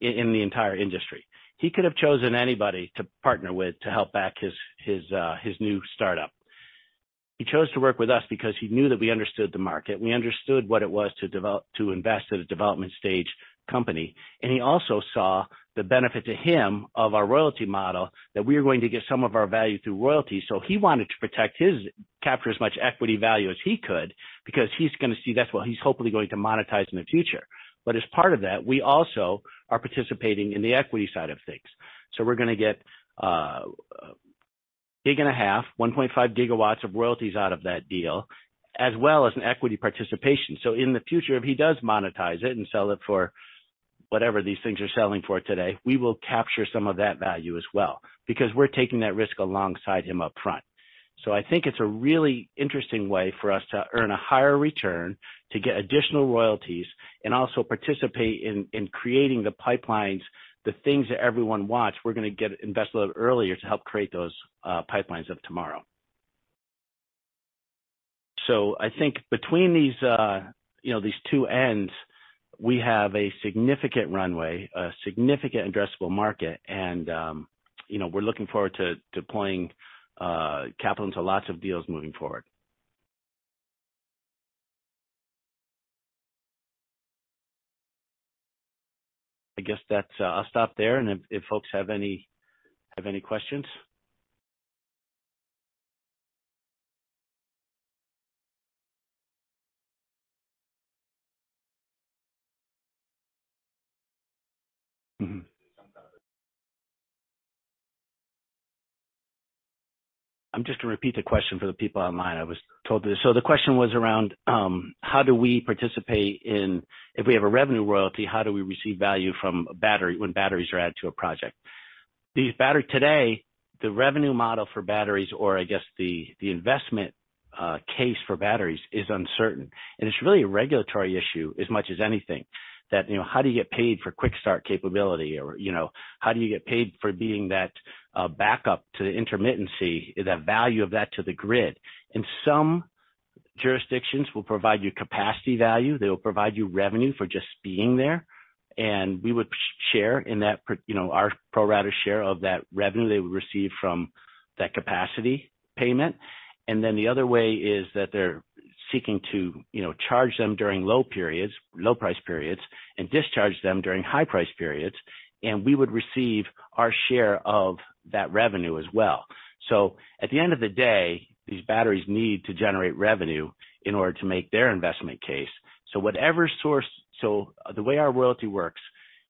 in the entire industry. He could have chosen anybody to partner with to help back his new startup. He chose to work with us because he knew that we understood the market. We understood what it was to invest at a development stage company. He also saw the benefit to him of our royalty model that we are going to get some of our value through royalties. He wanted to capture as much equity value as he could because he's gonna see that's what he's hopefully going to monetize in the future. As part of that, we also are participating in the equity side of things. We're gonna get 1.5 GW of royalties out of that deal, as well as an equity participation. In the future, if he does monetize it and sell it for whatever these things are selling for today, we will capture some of that value as well because we're taking that risk alongside him upfront. I think it's a really interesting way for us to earn a higher return, to get additional royalties, and also participate in creating the pipelines, the things that everyone wants. We're gonna invest a little earlier to help create those, pipelines of tomorrow. I think between these, you know, these two ends, we have a significant runway, a significant addressable market, and, you know, we're looking forward to deploying capital into lots of deals moving forward. I guess that's. I'll stop there and if folks have any questions. Mm-hmm. I'm just gonna repeat the question for the people online. I was told this. The question was around how do we participate in if we have a revenue royalty, how do we receive value from a battery when batteries are added to a project? These batteries today, the revenue model for batteries, or I guess the investment case for batteries is uncertain. It's really a regulatory issue as much as anything. That, you know, how do you get paid for quick start capability or, you know, how do you get paid for being that backup to the intermittency, the value of that to the grid. Some jurisdictions will provide you capacity value. They will provide you revenue for just being there, and we would share in that, you know, our pro rata share of that revenue they would receive from that capacity payment. The other way is that they're seeking to, you know, charge them during low periods, low price periods, and discharge them during high price periods, and we would receive our share of that revenue as well. So at the end of the day, these batteries need to generate revenue in order to make their investment case. The way our royalty works,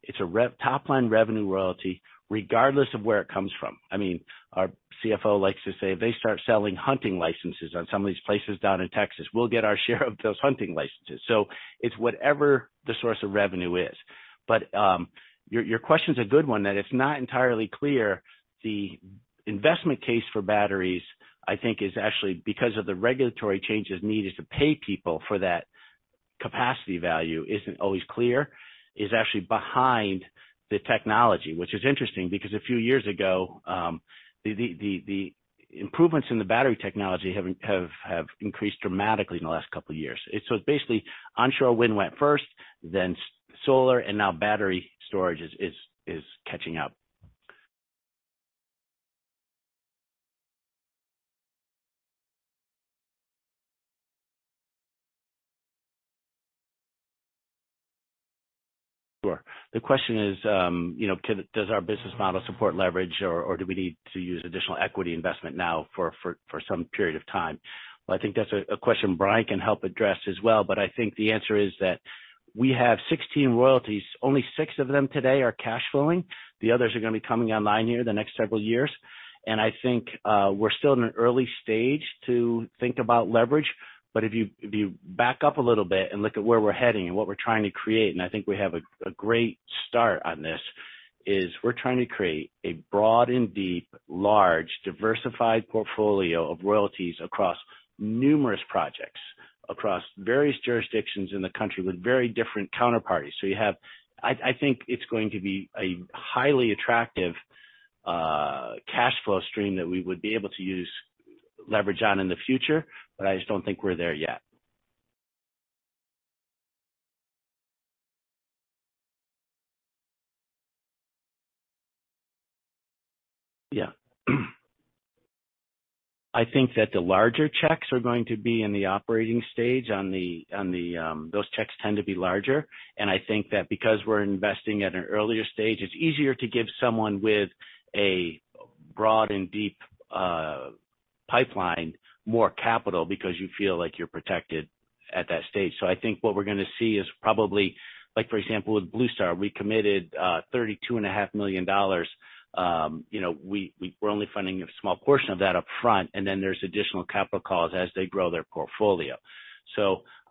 it's a top-line revenue royalty regardless of where it comes from. I mean, our CFO likes to say, if they start selling hunting licenses on some of these places down in Texas, we'll get our share of those hunting licenses. So it's whatever the source of revenue is. But your question's a good one that it's not entirely clear. The investment case for batteries, I think, is actually because of the regulatory changes needed to pay people for that capacity value isn't always clear, is actually behind the technology, which is interesting because a few years ago, the improvements in the battery technology have increased dramatically in the last couple of years. It's basically onshore wind went first, then solar, and now battery storage is catching up. Sure. The question is, does our business model support leverage or do we need to use additional equity investment now for some period of time? Well, I think that's a question Brian can help address as well. I think the answer is that we have 16 royalties. Only six of them today are cash flowing. The others are gonna be coming online here the next several years. I think we're still in an early stage to think about leverage. If you back up a little bit and look at where we're heading and what we're trying to create, and I think we have a great start on this, is we're trying to create a broad and deep, large, diversified portfolio of royalties across numerous projects, across various jurisdictions in the country with very different counterparties. You have. I think it's going to be a highly attractive cash flow stream that we would be able to use leverage on in the future, but I just don't think we're there yet. Yeah. I think that the larger checks are going to be in the operating stage on the. Those checks tend to be larger, and I think that because we're investing at an earlier stage, it's easier to give someone with a broad and deep pipeline more capital because you feel like you're protected at that stage. I think what we're gonna see is probably, like, for example, with Bluestar, we committed 32.5 million dollars. You know, we're only funding a small portion of that upfront, and then there's additional capital calls as they grow their portfolio.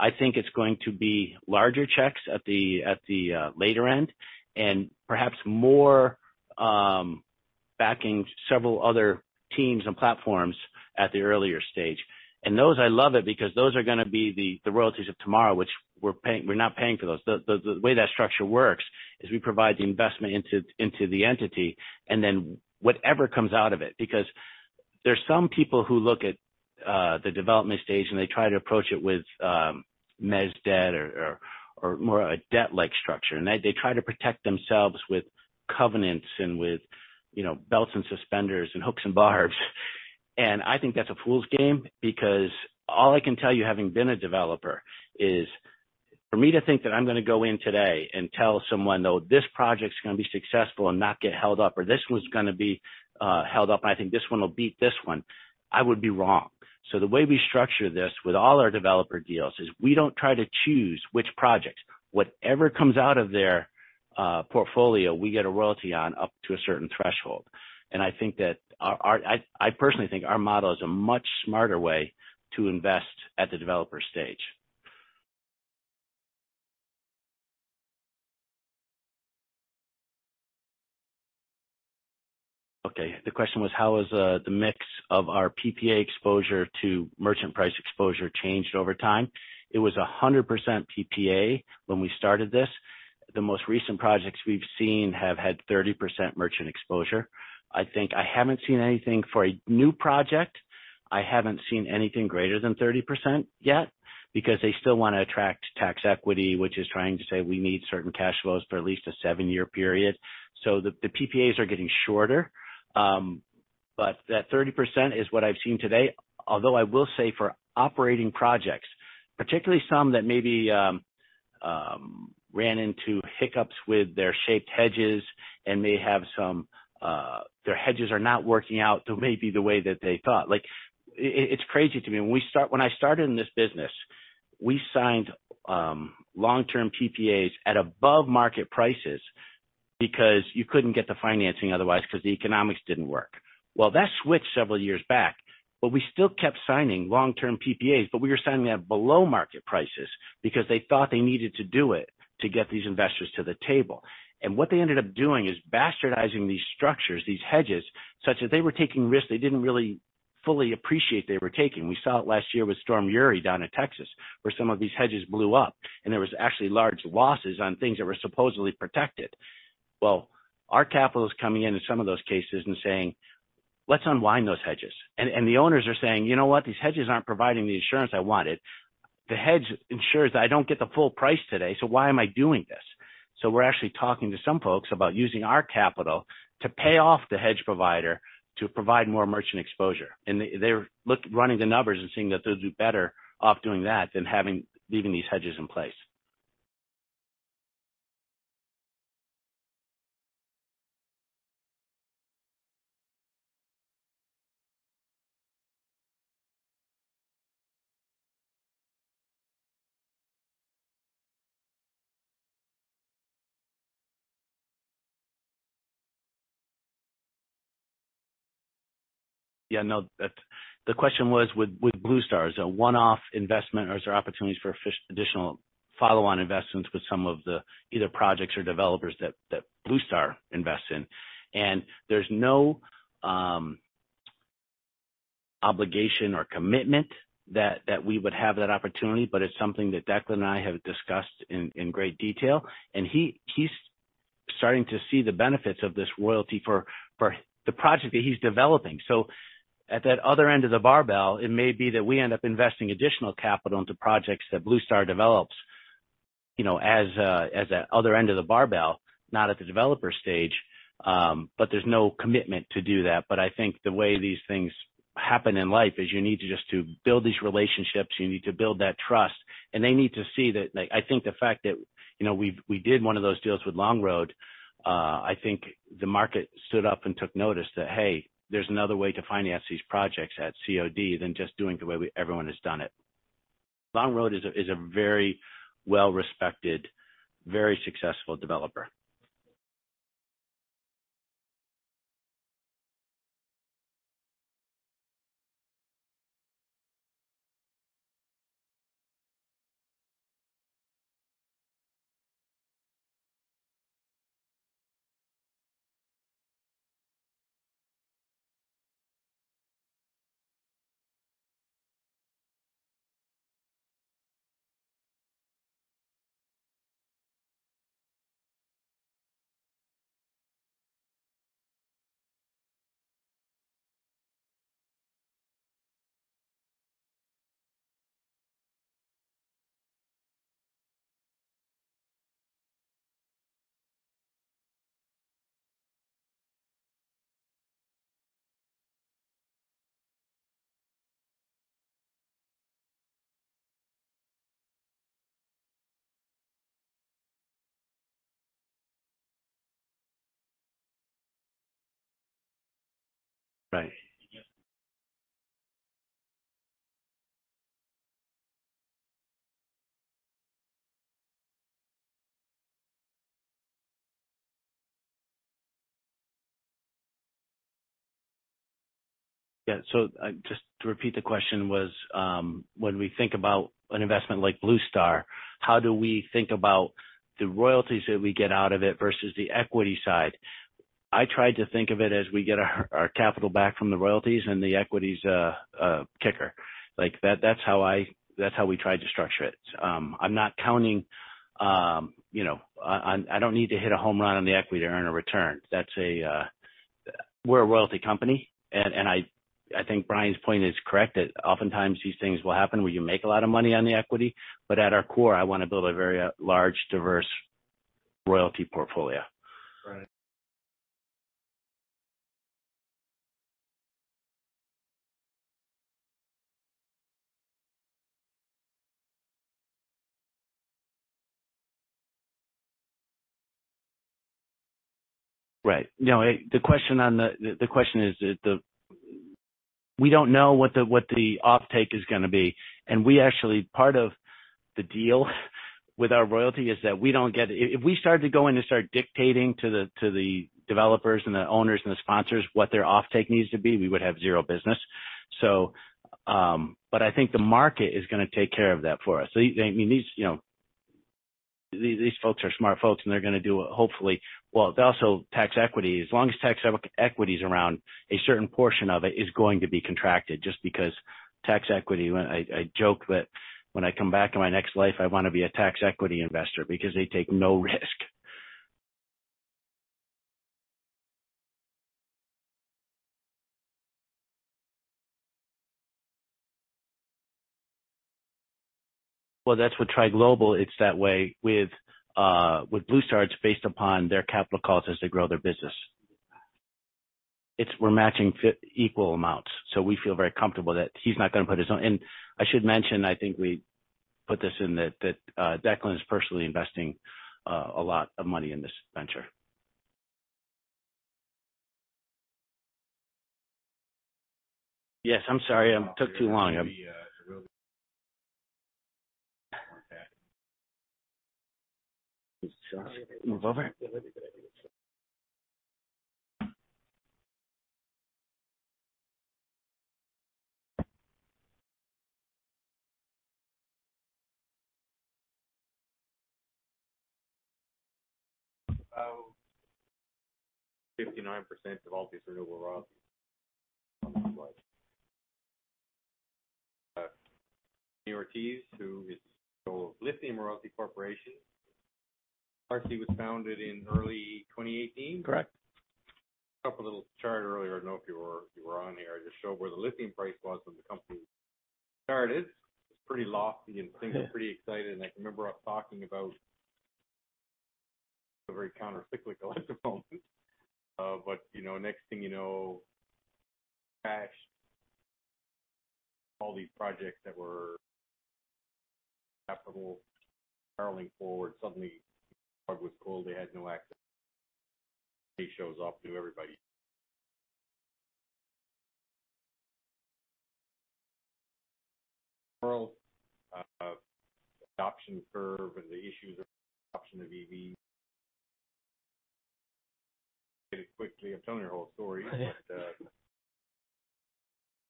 I think it's going to be larger checks at the later end and perhaps more backing several other teams and platforms at the earlier stage. Those, I love it because those are gonna be the royalties of tomorrow, which we're not paying for those. The way that structure works is we provide the investment into the entity and then whatever comes out of it. Because there's some people who look at the development stage and they try to approach it with mezz debt or more of a debt-like structure, and they try to protect themselves with covenants and with, you know, belts and suspenders and hooks and barbs. I think that's a fool's game because all I can tell you, having been a developer, is for me to think that I'm gonna go in today and tell someone, "No, this project's gonna be successful and not get held up," or, "This one's gonna be held up. I think this one will beat this one," I would be wrong. The way we structure this with all our developer deals is we don't try to choose which projects. Whatever comes out of their portfolio, we get a royalty on up to a certain threshold. I personally think our model is a much smarter way to invest at the developer stage. Okay. The question was, how has the mix of our PPA exposure to merchant price exposure changed over time? It was 100% PPA when we started this. The most recent projects we've seen have had 30% merchant exposure. I think I haven't seen anything for a new project. I haven't seen anything greater than 30% yet because they still wanna attract tax equity, which is trying to say we need certain cash flows for at least a seven-year period. The PPAs are getting shorter. That 30% is what I've seen today. Although I will say for operating projects, particularly some that maybe ran into hiccups with their shaped hedges and may have some their hedges are not working out to maybe the way that they thought. Like, it's crazy to me. When I started in this business, we signed long-term PPAs at above market prices because you couldn't get the financing otherwise because the economics didn't work. Well, that switched several years back, but we still kept signing long-term PPAs, but we were signing at below market prices because they thought they needed to do it to get these investors to the table. What they ended up doing is bastardizing these structures, these hedges, such that they were taking risks they didn't really fully appreciate they were taking. We saw it last year with Storm Uri down in Texas, where some of these hedges blew up and there was actually large losses on things that were supposedly protected. Well, our capital is coming in in some of those cases and saying, "Let's unwind those hedges." The owners are saying, "You know what? These hedges aren't providing the insurance I wanted. The hedge ensures that I don't get the full price today, so why am I doing this?" We're actually talking to some folks about using our capital to pay off the hedge provider to provide more merchant exposure. They're running the numbers and seeing that they'll do better off doing that than leaving these hedges in place. Yeah, no. The question was with Bluestar, is it a one-off investment or is there opportunities for additional follow-on investments with some of the either projects or developers that Bluestar invests in? There's no obligation or commitment that we would have that opportunity, but it's something that Declan and I have discussed in great detail. He is starting to see the benefits of this royalty for the project that he is developing. At that other end of the barbell, it may be that we end up investing additional capital into projects that Bluestar develops, you know, as a other end of the barbell, not at the developer stage, but there's no commitment to do that. I think the way these things happen in life is you need to build these relationships, you need to build that trust, and they need to see that. Like, I think the fact that we did one of those deals with Longroad, I think the market stood up and took notice that, hey, there's another way to finance these projects at COD than just doing the way everyone has done it. Longroad is a very well-respected, very successful developer. Right. Yeah. Just to repeat the question was, when we think about an investment like Bluestar, how do we think about the royalties that we get out of it versus the equity side? I tried to think of it as we get our capital back from the royalties and the equity's kicker. That's how we tried to structure it. I'm not counting, you know, I don't need to hit a home run on the equity to earn a return. That's a. We're a royalty company. I think Brian's point is correct that oftentimes these things will happen where you make a lot of money on the equity. At our core, I wanna build a very large, diverse royalty portfolio. Right. Right. No, the question is, we don't know what the offtake is gonna be. Part of the deal with our royalty is that we don't get. If we start to go in and start dictating to the developers and the owners and the sponsors what their offtake needs to be, we would have zero business. But I think the market is gonna take care of that for us. I mean, these, you know, these folks are smart folks, and they're gonna do, hopefully. Well, also tax equity. As long as tax equities around, a certain portion of it is going to be contracted just because tax equity. I joke that when I come back in my next life, I wanna be a tax equity investor because they take no risk. Well, that's with TriGlobal, it's that way. With Bluestar, it's based upon their capital costs as they grow their business. It's, we're matching equal amounts, so we feel very comfortable that he's not gonna put his own. I should mention, I think we put this in that, Declan is personally investing a lot of money in this venture. Yes, I'm sorry. I took too long. About 59% of Altius Renewable Royalties. Ernie Ortiz, who is CEO of Lithium Royalty Corp. LRC was founded in early 2018. Correct. Put up a little chart earlier. I don't know if you were on here to show where the lithium price was when the company started. It's pretty lofty and things are pretty exciting. I can remember us talking about a very counter-cyclical at the moment. You know, next thing you know, crash. All these projects that were capitally barreling forward, suddenly the rug was pulled. They had no access. It shows up to everybody. World adoption curve or the issues around adoption of EV. Quickly, I'm telling your whole story.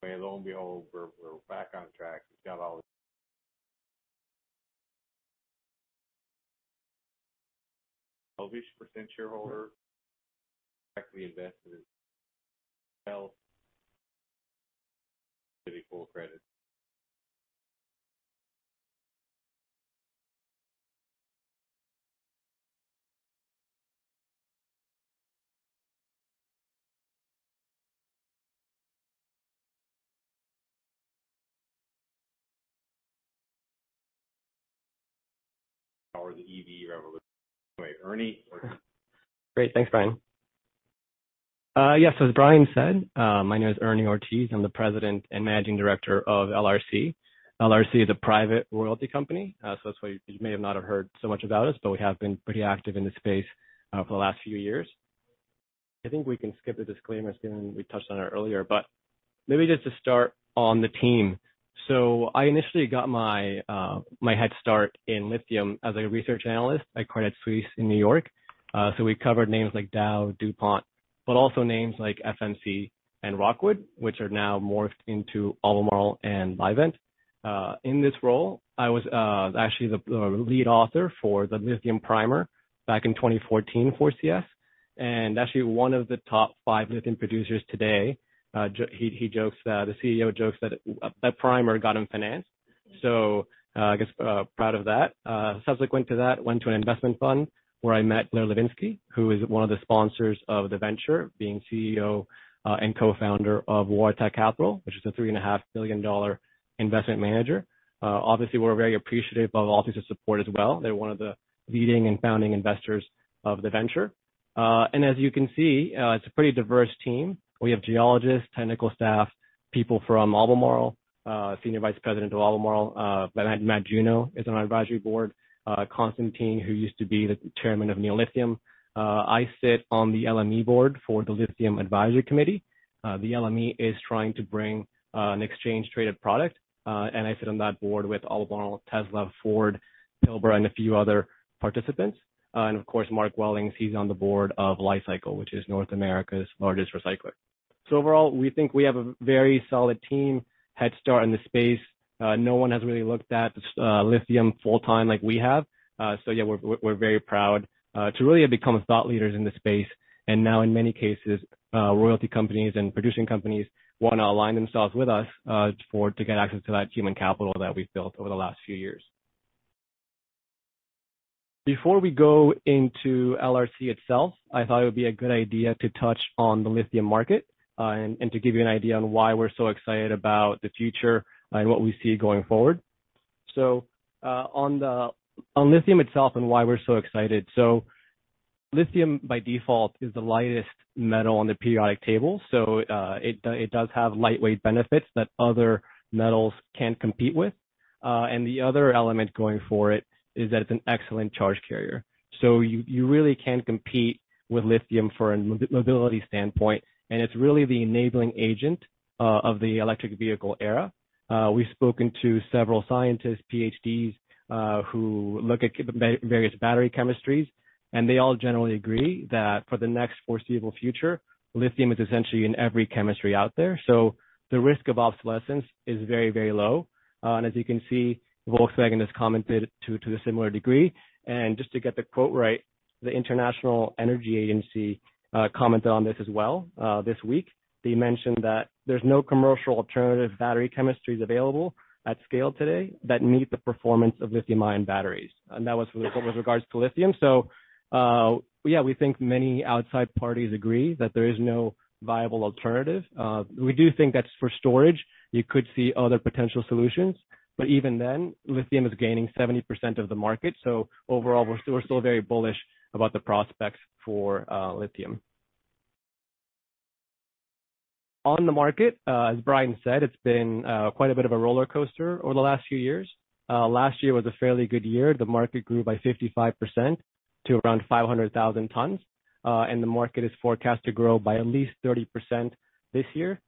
Lo and behold, we're back on track. We've got Altius largest percent shareholder directly invested in full credit. Power the EV revolution. Anyway, Ernie, over to you. Great. Thanks, Brian. Yes, as Brian said, my name is Ernie Ortiz. I'm the President and Managing Director of LRC. LRC is a private royalty company, so that's why you may not have heard so much about us, but we have been pretty active in this space for the last few years. I think we can skip the disclaimer given we touched on it earlier, but maybe just to start on the team. I initially got my head start in lithium as a research analyst at Credit Suisse in New York. We covered names like Dow, DuPont, but also names like FMC and Rockwood, which are now morphed into Albemarle and Livent. In this role, I was actually the lead author for the Lithium Primer back in 2014 for CS, and actually one of the top five lithium producers today. He jokes, the CEO jokes that that primer got him financed. I guess proud of that. Subsequent to that, went to an investment fund where I met Blair Levinsky, who is one of the sponsors of the venture, being CEO and co-founder of Waratah Capital, which is a $3.5 billion investment manager. Obviously, we're very appreciative of Altius' support as well. They're one of the leading and founding investors of the venture. As you can see, it's a pretty diverse team. We have geologists, technical staff, people from Albemarle, senior vice president of Albemarle, Matt Juneau is on our advisory board. Constantine, who used to be the chairman of Neo Lithium Corp. I sit on the LME board for the LME Lithium Committee. The LME is trying to bring an exchange-traded product, and I sit on that board with Albemarle, Tesla, Ford, Pilbara, and a few other participants. Of course, Mark Wellings, he's on the board of Li-Cycle, which is North America's largest recycler. Overall, we think we have a very solid team, head start in the space. No one has really looked at lithium full-time like we have. Yeah, we're very proud to really have become thought leaders in this space. In many cases, royalty companies and producing companies wanna align themselves with us, to get access to that human capital that we've built over the last few years. Before we go into LRC itself, I thought it would be a good idea to touch on the lithium market, and to give you an idea on why we're so excited about the future and what we see going forward. On lithium itself and why we're so excited. Lithium, by default, is the lightest metal on the periodic table, so it does have lightweight benefits that other metals can't compete with. The other element going for it is that it's an excellent charge carrier. You really can't compete with lithium from a mobility standpoint, and it's really the enabling agent of the electric vehicle era. We've spoken to several scientists, Ph.D.s, who look at various battery chemistries, and they all generally agree that for the next foreseeable future, lithium is essentially in every chemistry out there. The risk of obsolescence is very, very low. As you can see, Volkswagen has commented to the similar degree. Just to get the quote right, the International Energy Agency commented on this as well this week. They mentioned that there's no commercial alternative battery chemistries available at scale today that meet the performance of lithium-ion batteries. That was with regards to lithium. Yeah, we think many outside parties agree that there is no viable alternative. We do think that's for storage. You could see other potential solutions, but even then, lithium is gaining 70% of the market. Overall, we're still very bullish about the prospects for lithium. On the market, as Brian said, it's been quite a bit of a rollercoaster over the last few years. Last year was a fairly good year. The market grew by 55% to around 500,000 tons, and the market is forecast to grow by at least 30% this year.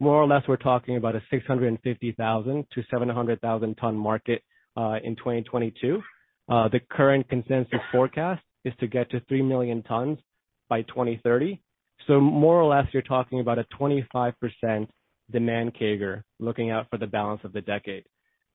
More or less, we're talking about a 650,000-700,000-ton market in 2022. The current consensus forecast is to get to 3 million tons by 2030. More or less, you're talking about a 25% demand CAGR looking out for the balance of the decade.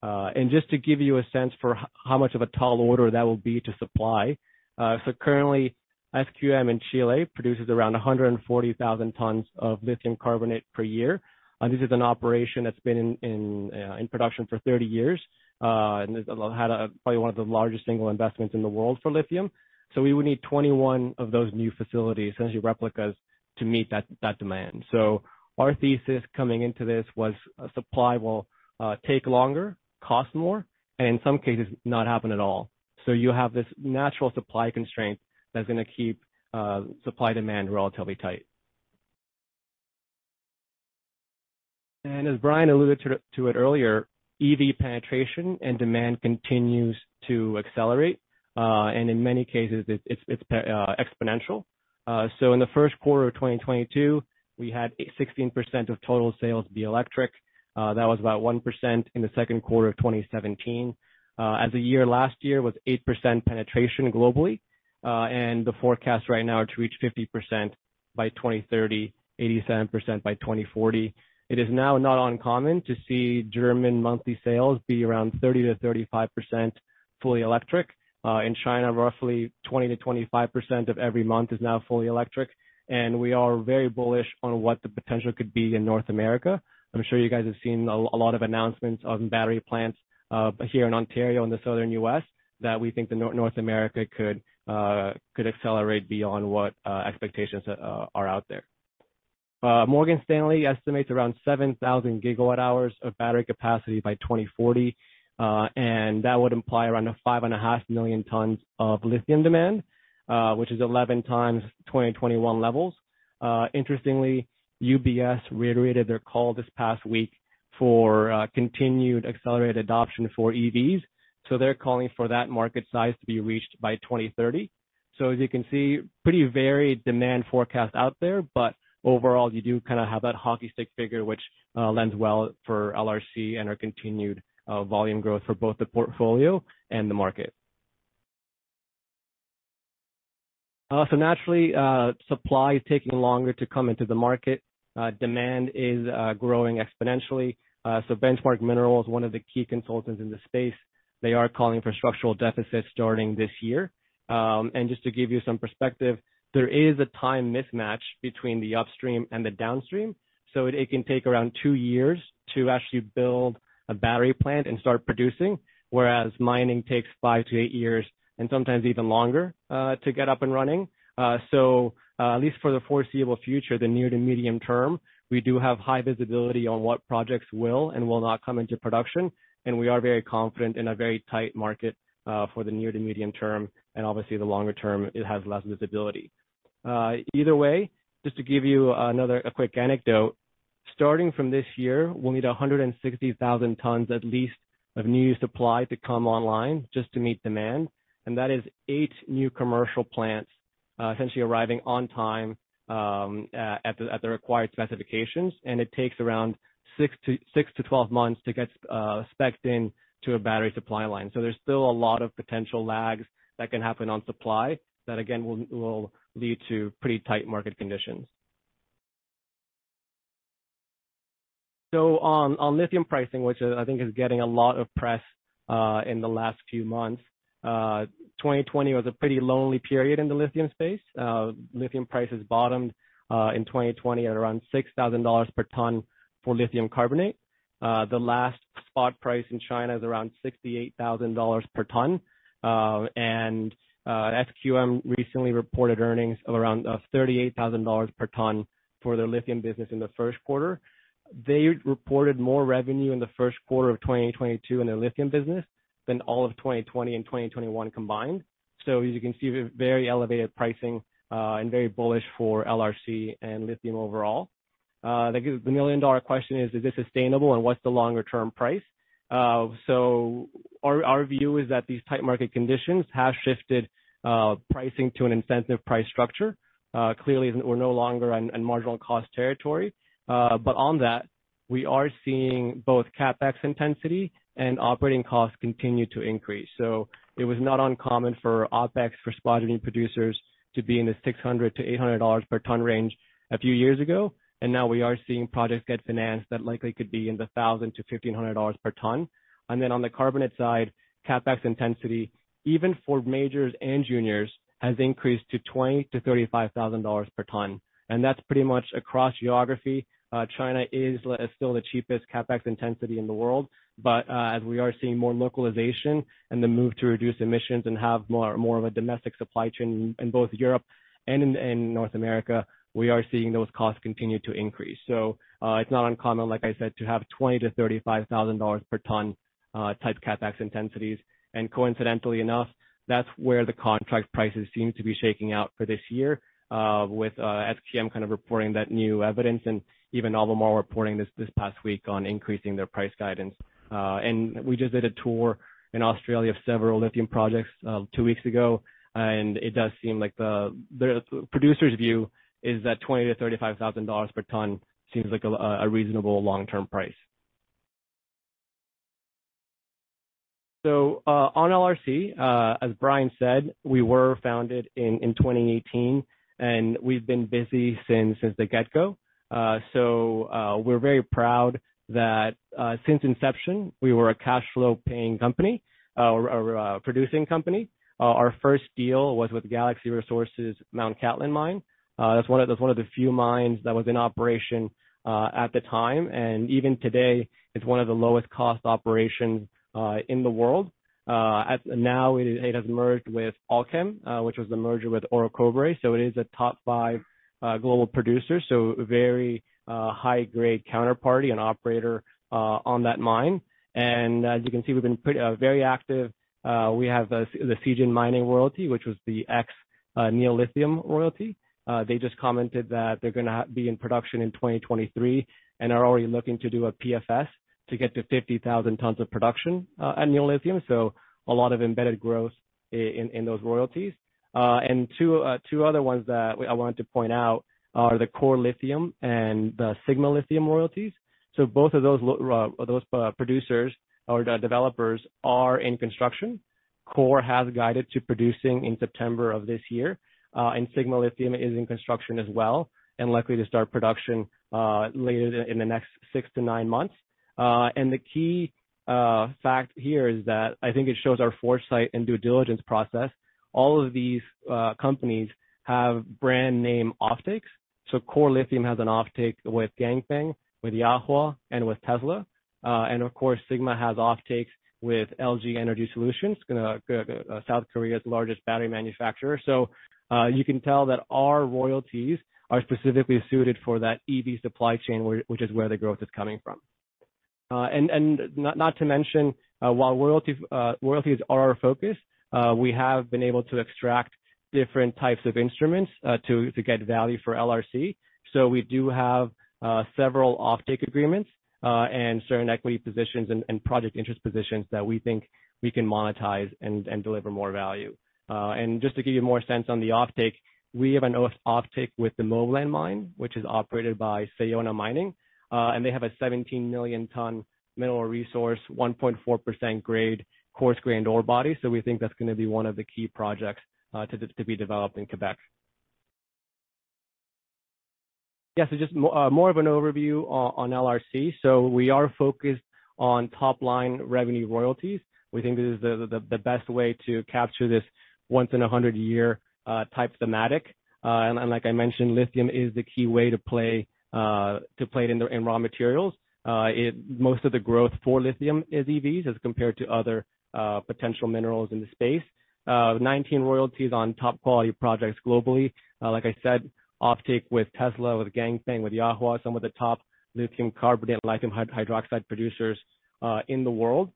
And just to give you a sense for how much of a tall order that will be to supply. Currently, SQM in Chile produces around 140,000 tons of lithium carbonate per year. This is an operation that's been in production for 30 years, and it had probably one of the largest single investments in the world for lithium. We would need 21 of those new facilities, essentially replicas, to meet that demand. Our thesis coming into this was supply will take longer, cost more, and in some cases not happen at all. You have this natural supply constraint that's gonna keep supply-demand relatively tight. As Brian alluded to it earlier, EV penetration and demand continues to accelerate. In many cases it's exponential. In the first quarter of 2022, we had 16% of total sales be electric. That was about 1% in the second quarter of 2017. As a year, last year was 8% penetration globally. The forecast right now to reach 50% by 2030, 87% by 2040. It is now not uncommon to see German monthly sales be around 30%-35% fully electric. In China, roughly 20%-25% of every month is now fully electric, and we are very bullish on what the potential could be in North America. I'm sure you guys have seen a lot of announcements on battery plants here in Ontario and the Southern U.S. that we think that North America could accelerate beyond what expectations are out there. Morgan Stanley estimates around 7,000 GWh of battery capacity by 2040, and that would imply around 5.5 million tons of lithium demand, which is 11x 2021 levels. Interestingly, UBS reiterated their call this past week for continued accelerated adoption for EVs. They're calling for that market size to be reached by 2030. As you can see, pretty varied demand forecast out there, but overall, you do kinda have that hockey stick figure which lends well for LRC and our continued volume growth for both the portfolio and the market. Naturally, supply is taking longer to come into the market. Demand is growing exponentially. Benchmark Minerals, one of the key consultants in the space, they are calling for structural deficits starting this year. Just to give you some perspective, there is a time mismatch between the upstream and the downstream, so it can take around two years to actually build a battery plant and start producing, whereas mining takes five to eight years and sometimes even longer to get up and running. At least for the foreseeable future, the near to medium term, we do have high visibility on what projects will and will not come into production, and we are very confident in a very tight market for the near to medium term, and obviously the longer term it has less visibility. Either way, just to give you another quick anecdote. Starting from this year, we'll need 160,000 tons, at least, of new supply to come online just to meet demand. That is eight new commercial plants essentially arriving on time at the required specifications. It takes around six to twelve months to get spec'd in to a battery supply line. There's still a lot of potential lags that can happen on supply that, again, will lead to pretty tight market conditions. On lithium pricing, which I think is getting a lot of press in the last few months, 2020 was a pretty lonely period in the lithium space. Lithium prices bottomed in 2020 at around $6,000 per ton for lithium carbonate. The last spot price in China is around $68,000 per ton. SQM recently reported earnings of around $38,000 per ton for their lithium business in the first quarter. They reported more revenue in the first quarter of 2022 in their lithium business than all of 2020 and 2021 combined. As you can see, very elevated pricing, and very bullish for LRC and lithium overall. I guess the million-dollar question is this sustainable and what's the longer term price? Our view is that these tight market conditions have shifted pricing to an incentive price structure. Clearly we're no longer on marginal cost territory. On that, we are seeing both CapEx intensity and operating costs continue to increase. It was not uncommon for OpEx for spodumene producers to be in the $600-$800 per ton range a few years ago. Now we are seeing projects get financed that likely could be in the $1,000-$1,500 per ton. Then on the carbonate side, CapEx intensity, even for majors and juniors, has increased to $20,000-$35,000 per ton. That's pretty much across geography. China is still the cheapest CapEx intensity in the world. As we are seeing more localization and the move to reduce emissions and have more of a domestic supply chain in both Europe and North America, we are seeing those costs continue to increase. It's not uncommon, like I said, to have $20,000-$35,000 per ton type CapEx intensities. Coincidentally enough, that's where the contract prices seem to be shaking out for this year, with SQM kind of reporting that new evidence and even Albemarle reporting this past week on increasing their price guidance. We just did a tour in Australia of several lithium projects two weeks ago, and it does seem like the producer's view is that $20,000-$35,000 per ton seems like a reasonable long-term price. On LRC, as Brian said, we were founded in 2018, and we've been busy since the get-go. We're very proud that since inception, we were a cash flow paying company or producing company. Our first deal was with Galaxy Resources Mount Cattlin mine. That's one of the few mines that was in operation at the time. Even today, it's one of the lowest cost operations in the world. Now it has merged with Allkem, which was the merger with Orocobre. It is a top five global producer. Very high grade counterparty and operator on that mine. As you can see, we've been pretty very active. We have the Sayona Mining Royalty, which was the ex Neo Lithium Royalty. They just commented that they're gonna be in production in 2023 and are already looking to do a PFS to get to 50,000 tons of production at Neo Lithium. A lot of embedded growth in those royalties. Two other ones that I wanted to point out are the Core Lithium and the Sigma Lithium royalties. Both of those producers or the developers are in construction. Core has guided to producing in September of this year, and Sigma Lithium is in construction as well and likely to start production later in the next six to nine months. The key fact here is that I think it shows our foresight and due diligence process. All of these companies have brand name offtakes. Core Lithium has an offtake with Ganfeng, with Yahua, and with Tesla. Of course, Sigma has offtakes with LG Energy Solution, South Korea's largest battery manufacturer. You can tell that our royalties are specifically suited for that EV supply chain, which is where the growth is coming from. Not to mention, while royalties are our focus, we have been able to extract different types of instruments to get value for LRC. We do have several offtake agreements and certain equity positions and project interest positions that we think we can monetize and deliver more value. Just to give you more sense on the offtake, we have an offtake with the Moblan mine, which is operated by Sayona Mining, and they have a 17 million ton mineral resource, 1.4% grade, coarse grain ore body. We think that's gonna be one of the key projects to be developed in Quebec. Yeah, just more of an overview on LRC. We are focused on top-line revenue royalties. We think this is the best way to capture this once in a hundred year type thematic. And like I mentioned, lithium is the key way to play it in raw materials. Most of the growth for lithium is EVs as compared to other potential minerals in the space. 19 royalties on top quality projects globally. Like I said, offtake with Tesla, with Ganfeng, with Yahua, some of the top lithium carbonate, lithium hydroxide producers in the world.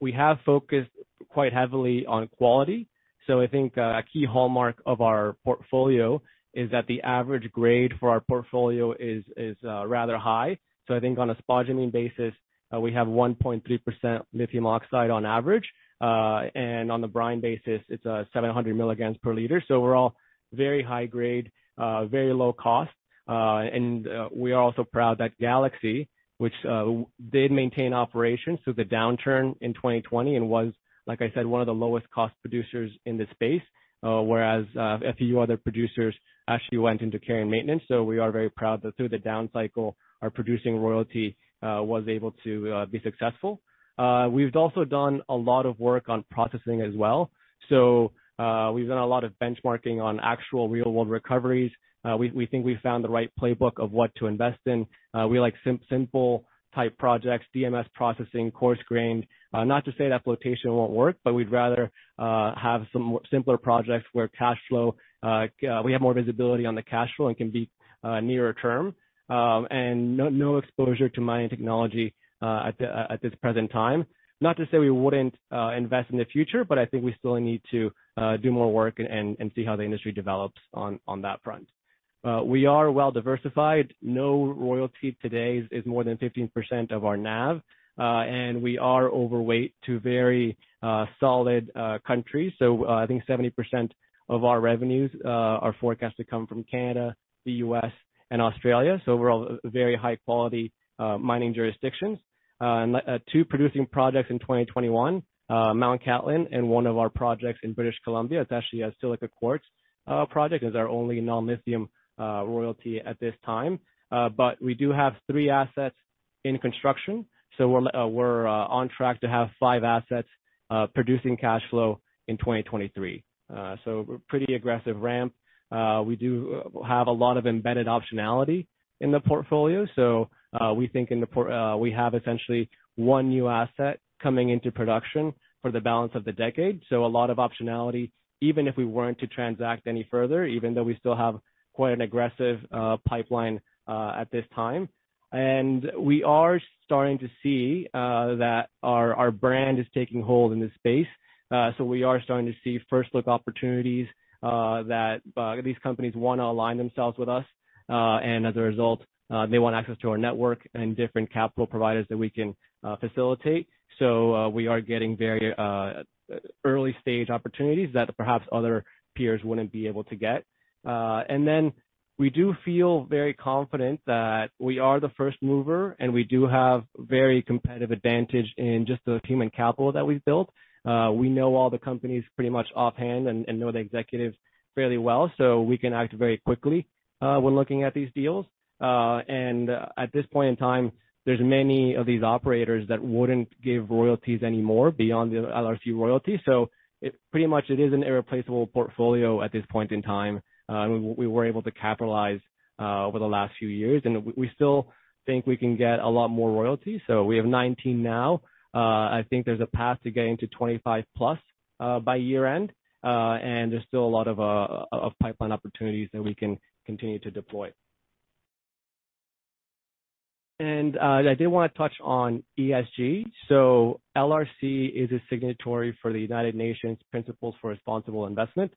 We have focused quite heavily on quality. I think a key hallmark of our portfolio is that the average grade for our portfolio is rather high. I think on a spodumene basis, we have 1.3% lithium oxide on average. On the brine basis, it's 700 mg per liter. We're all very high grade, very low cost. We are also proud that Galaxy, which did maintain operations through the downturn in 2020 and was, like I said, one of the lowest cost producers in the space, whereas a few other producers actually went into care and maintenance. We are very proud that through the down cycle, our producing royalty was able to be successful. We've also done a lot of work on processing as well. We've done a lot of benchmarking on actual real-world recoveries. We think we found the right playbook of what to invest in. We like simple type projects, DMS processing, coarse grain. Not to say that flotation won't work, but we'd rather have some more simpler projects where cash flow we have more visibility on the cash flow and can be nearer term. No exposure to mining technology at this present time. Not to say we wouldn't invest in the future, but I think we still need to do more work and see how the industry develops on that front. We are well diversified. No royalty today is more than 15% of our NAV, and we are overweight to very solid countries. I think 70% of our revenues are forecast to come from Canada, the U.S., and Australia. Overall very high quality mining jurisdictions. Two producing projects in 2021, Mount Cattlin and one of our projects in British Columbia. It's actually a silica quartz project. It's our only non-lithium royalty at this time. We do have three assets in construction, so we're on track to have five assets producing cash flow in 2023. Pretty aggressive ramp. We do have a lot of embedded optionality in the portfolio. We think we have essentially one new asset coming into production for the balance of the decade. A lot of optionality, even if we weren't to transact any further, even though we still have quite an aggressive pipeline at this time. We are starting to see that our brand is taking hold in this space. We are starting to see first look opportunities that these companies wanna align themselves with us. As a result, they want access to our network and different capital providers that we can facilitate. We are getting very early stage opportunities that perhaps other peers wouldn't be able to get. We do feel very confident that we are the first mover, and we do have very competitive advantage in just the human capital that we've built. We know all the companies pretty much offhand and know the executives fairly well, so we can act very quickly when looking at these deals. At this point in time, there's many of these operators that wouldn't give royalties anymore beyond the LRC royalties. It pretty much is an irreplaceable portfolio at this point in time, and we were able to capitalize over the last few years. We still think we can get a lot more royalties. We have 19 now. I think there's a path to getting to 25+ by year-end. There's still a lot of pipeline opportunities that we can continue to deploy. I did want to touch on ESG. LRC is a signatory for the United Nations Principles for Responsible Investment.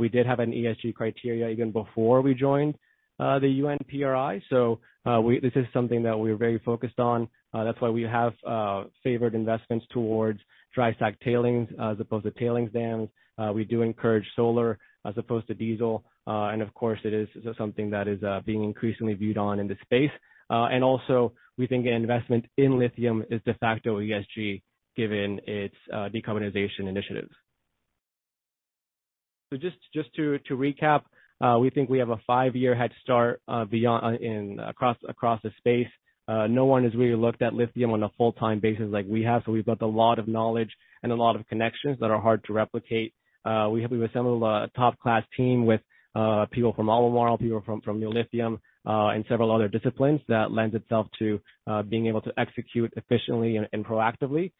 We did have an ESG criteria even before we joined the UNPRI. This is something that we're very focused on. That's why we have favored investments towards dry stack tailings as opposed to tailings dams. We do encourage solar as opposed to diesel. Of course, it is something that is being increasingly viewed on in the space. We think an investment in lithium is de facto ESG given its decarbonization initiatives. To recap, we think we have a five-year head start beyond, in, across the space. No one has really looked at lithium on a full-time basis like we have. We've got a lot of knowledge and a lot of connections that are hard to replicate. We have assembled a top-class team with people from Albemarle, people from Neo Lithium, and several other disciplines that lends itself to being able to execute efficiently and proactively.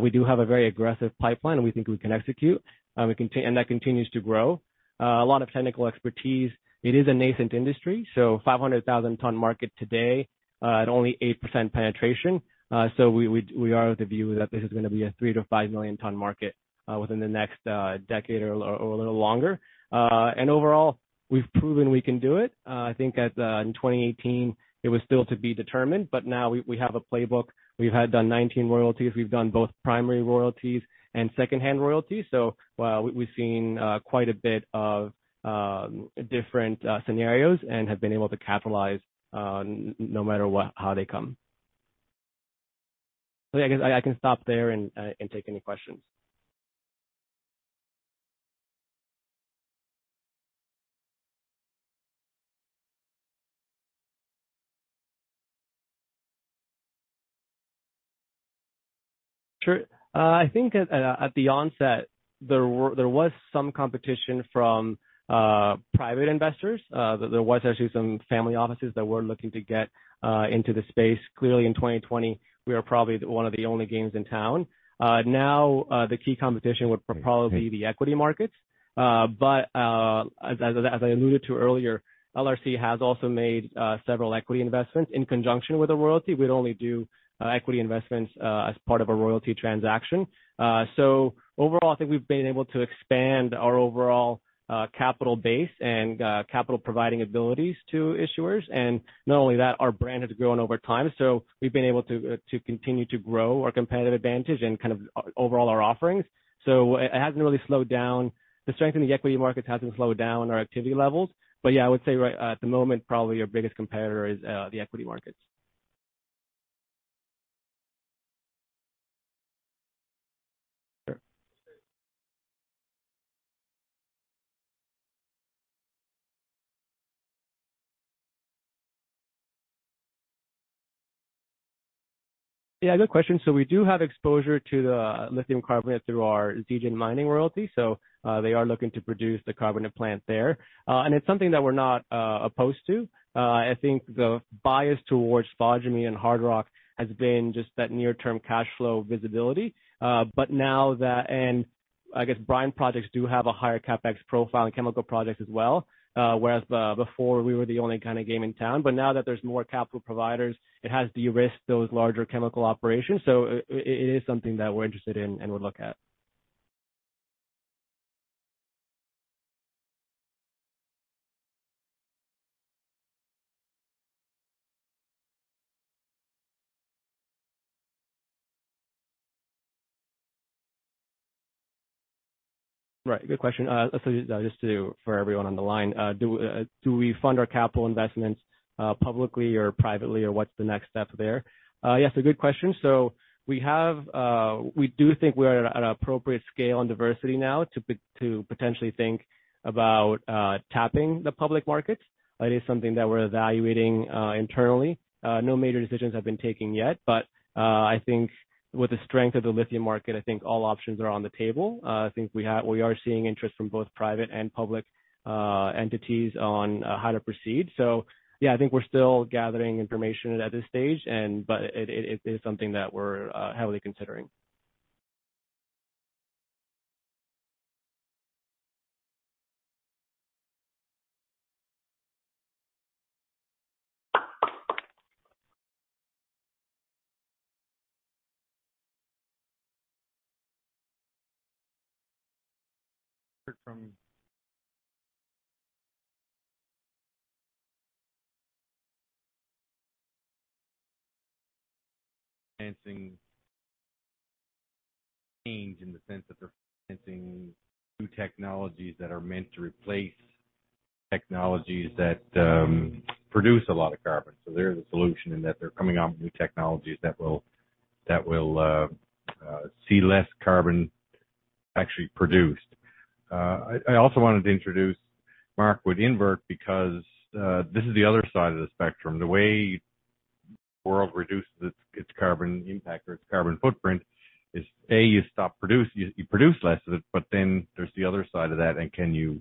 We do have a very aggressive pipeline, and we think we can execute. That continues to grow. A lot of technical expertise. It is a nascent industry, so 500,000-ton market today, at only 8% penetration. We are of the view that this is gonna be a 3 million ton-5 million ton market within the next decade or a little longer. Overall, we've proven we can do it. I think in 2018 it was still to be determined, but now we have a playbook. We've done 19 royalties. We've done both primary royalties and secondary royalties. We've seen quite a bit of different scenarios and have been able to capitalize no matter what, how they come. Yeah, I guess I can stop there and take any questions. Sure. I think at the onset there was some competition from private investors. There was actually some family offices that were looking to get into the space. Clearly in 2020, we are probably one of the only games in town. Now, the key competition would probably be the equity markets. But as I alluded to earlier, LRC has also made several equity investments in conjunction with a royalty. We'd only do equity investments as part of a royalty transaction. Overall, I think we've been able to expand our overall capital base and capital providing abilities to issuers. Not only that, our brand has grown over time, so we've been able to continue to grow our competitive advantage and kind of overall our offerings. It hasn't really slowed down. The strength in the equity markets hasn't slowed down our activity levels. Yeah, I would say right at the moment, probably our biggest competitor is the equity markets. Yeah, good question. We do have exposure to the lithium carbonate through our Zijin Mining royalty. They are looking to produce the carbonate plant there. It's something that we're not opposed to. I think the bias towards spodumene and hard rock has been just that near term cash flow visibility. I guess brine projects do have a higher CapEx profile and chemical projects as well, whereas before we were the only kind of game in town. Now that there's more capital providers, it has de-risked those larger chemical operations. It is something that we're interested in and would look at. Right. Good question. Just to, for everyone on the line, do we fund our capital investments publicly or privately or what's the next step there? Yes, a good question. We have, we do think we are at appropriate scale and diversity now to potentially think about tapping the public markets. It is something that we're evaluating internally. No major decisions have been taken yet. I think with the strength of the lithium market, I think all options are on the table. I think we are seeing interest from both private and public entities on how to proceed. Yeah, I think we're still gathering information at this stage, but it is something that we're heavily considering. From advancing change in the sense that they're financing new technologies that are meant to replace technologies that produce a lot of carbon. They're the solution in that they're coming out with new technologies that will see less carbon actually produced. I also wanted to introduce Mark with Invert because this is the other side of the spectrum. The way the world reduces its carbon impact or its carbon footprint is, A, you produce less of it. Then there's the other side of that, and can you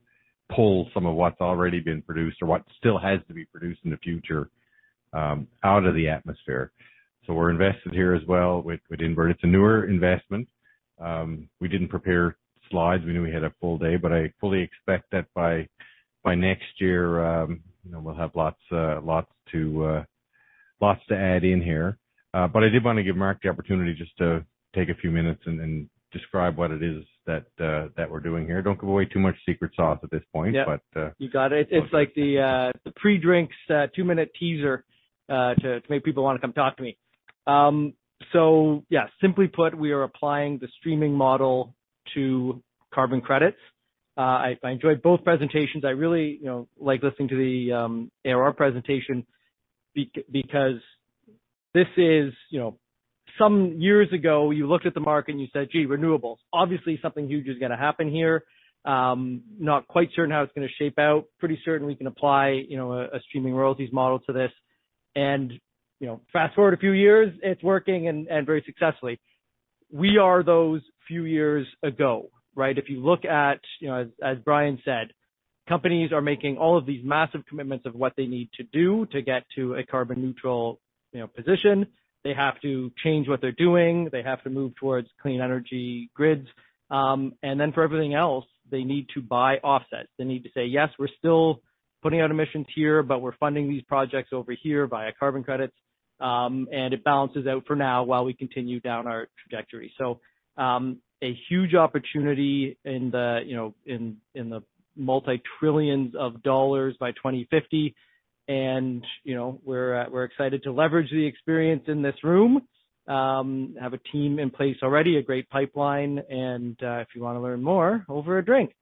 pull some of what's already been produced or what still has to be produced in the future out of the atmosphere? We're invested here as well with Invert. It's a newer investment. We didn't prepare slides. We knew we had a full day. I fully expect that by next year, you know, we'll have lots to add in here. I did want to give Mark the opportunity just to take a few minutes and describe what it is that we're doing here. Don't give away too much secret sauce at this point. Yeah. But, uh- You got it. It's like the pre-drinks two-minute teaser to make people wanna come talk to me. So yeah, simply put, we are applying the streaming model to carbon credits. I enjoyed both presentations. I really, you know, like listening to the ARR presentation because this is, you know. Some years ago, you looked at the market and you said, "Gee, renewables, obviously something huge is gonna happen here. Not quite certain how it's gonna shape out. Pretty certain we can apply, you know, a streaming royalties model to this." You know, fast-forward a few years, it's working and very successfully. We are those few years ago, right? If you look at, you know, as Brian said, companies are making all of these massive commitments of what they need to do to get to a carbon-neutral, you know, position. They have to change what they're doing. They have to move towards clean energy grids. For everything else, they need to buy offsets. They need to say, "Yes, we're still putting out emissions here, but we're funding these projects over here via carbon credits, and it balances out for now while we continue down our trajectory." A huge opportunity in the, you know, in the $ multi-trillions by 2050. You know, we're excited to leverage the experience in this room. Have a team in place already, a great pipeline, and if you wanna learn more, over a drink.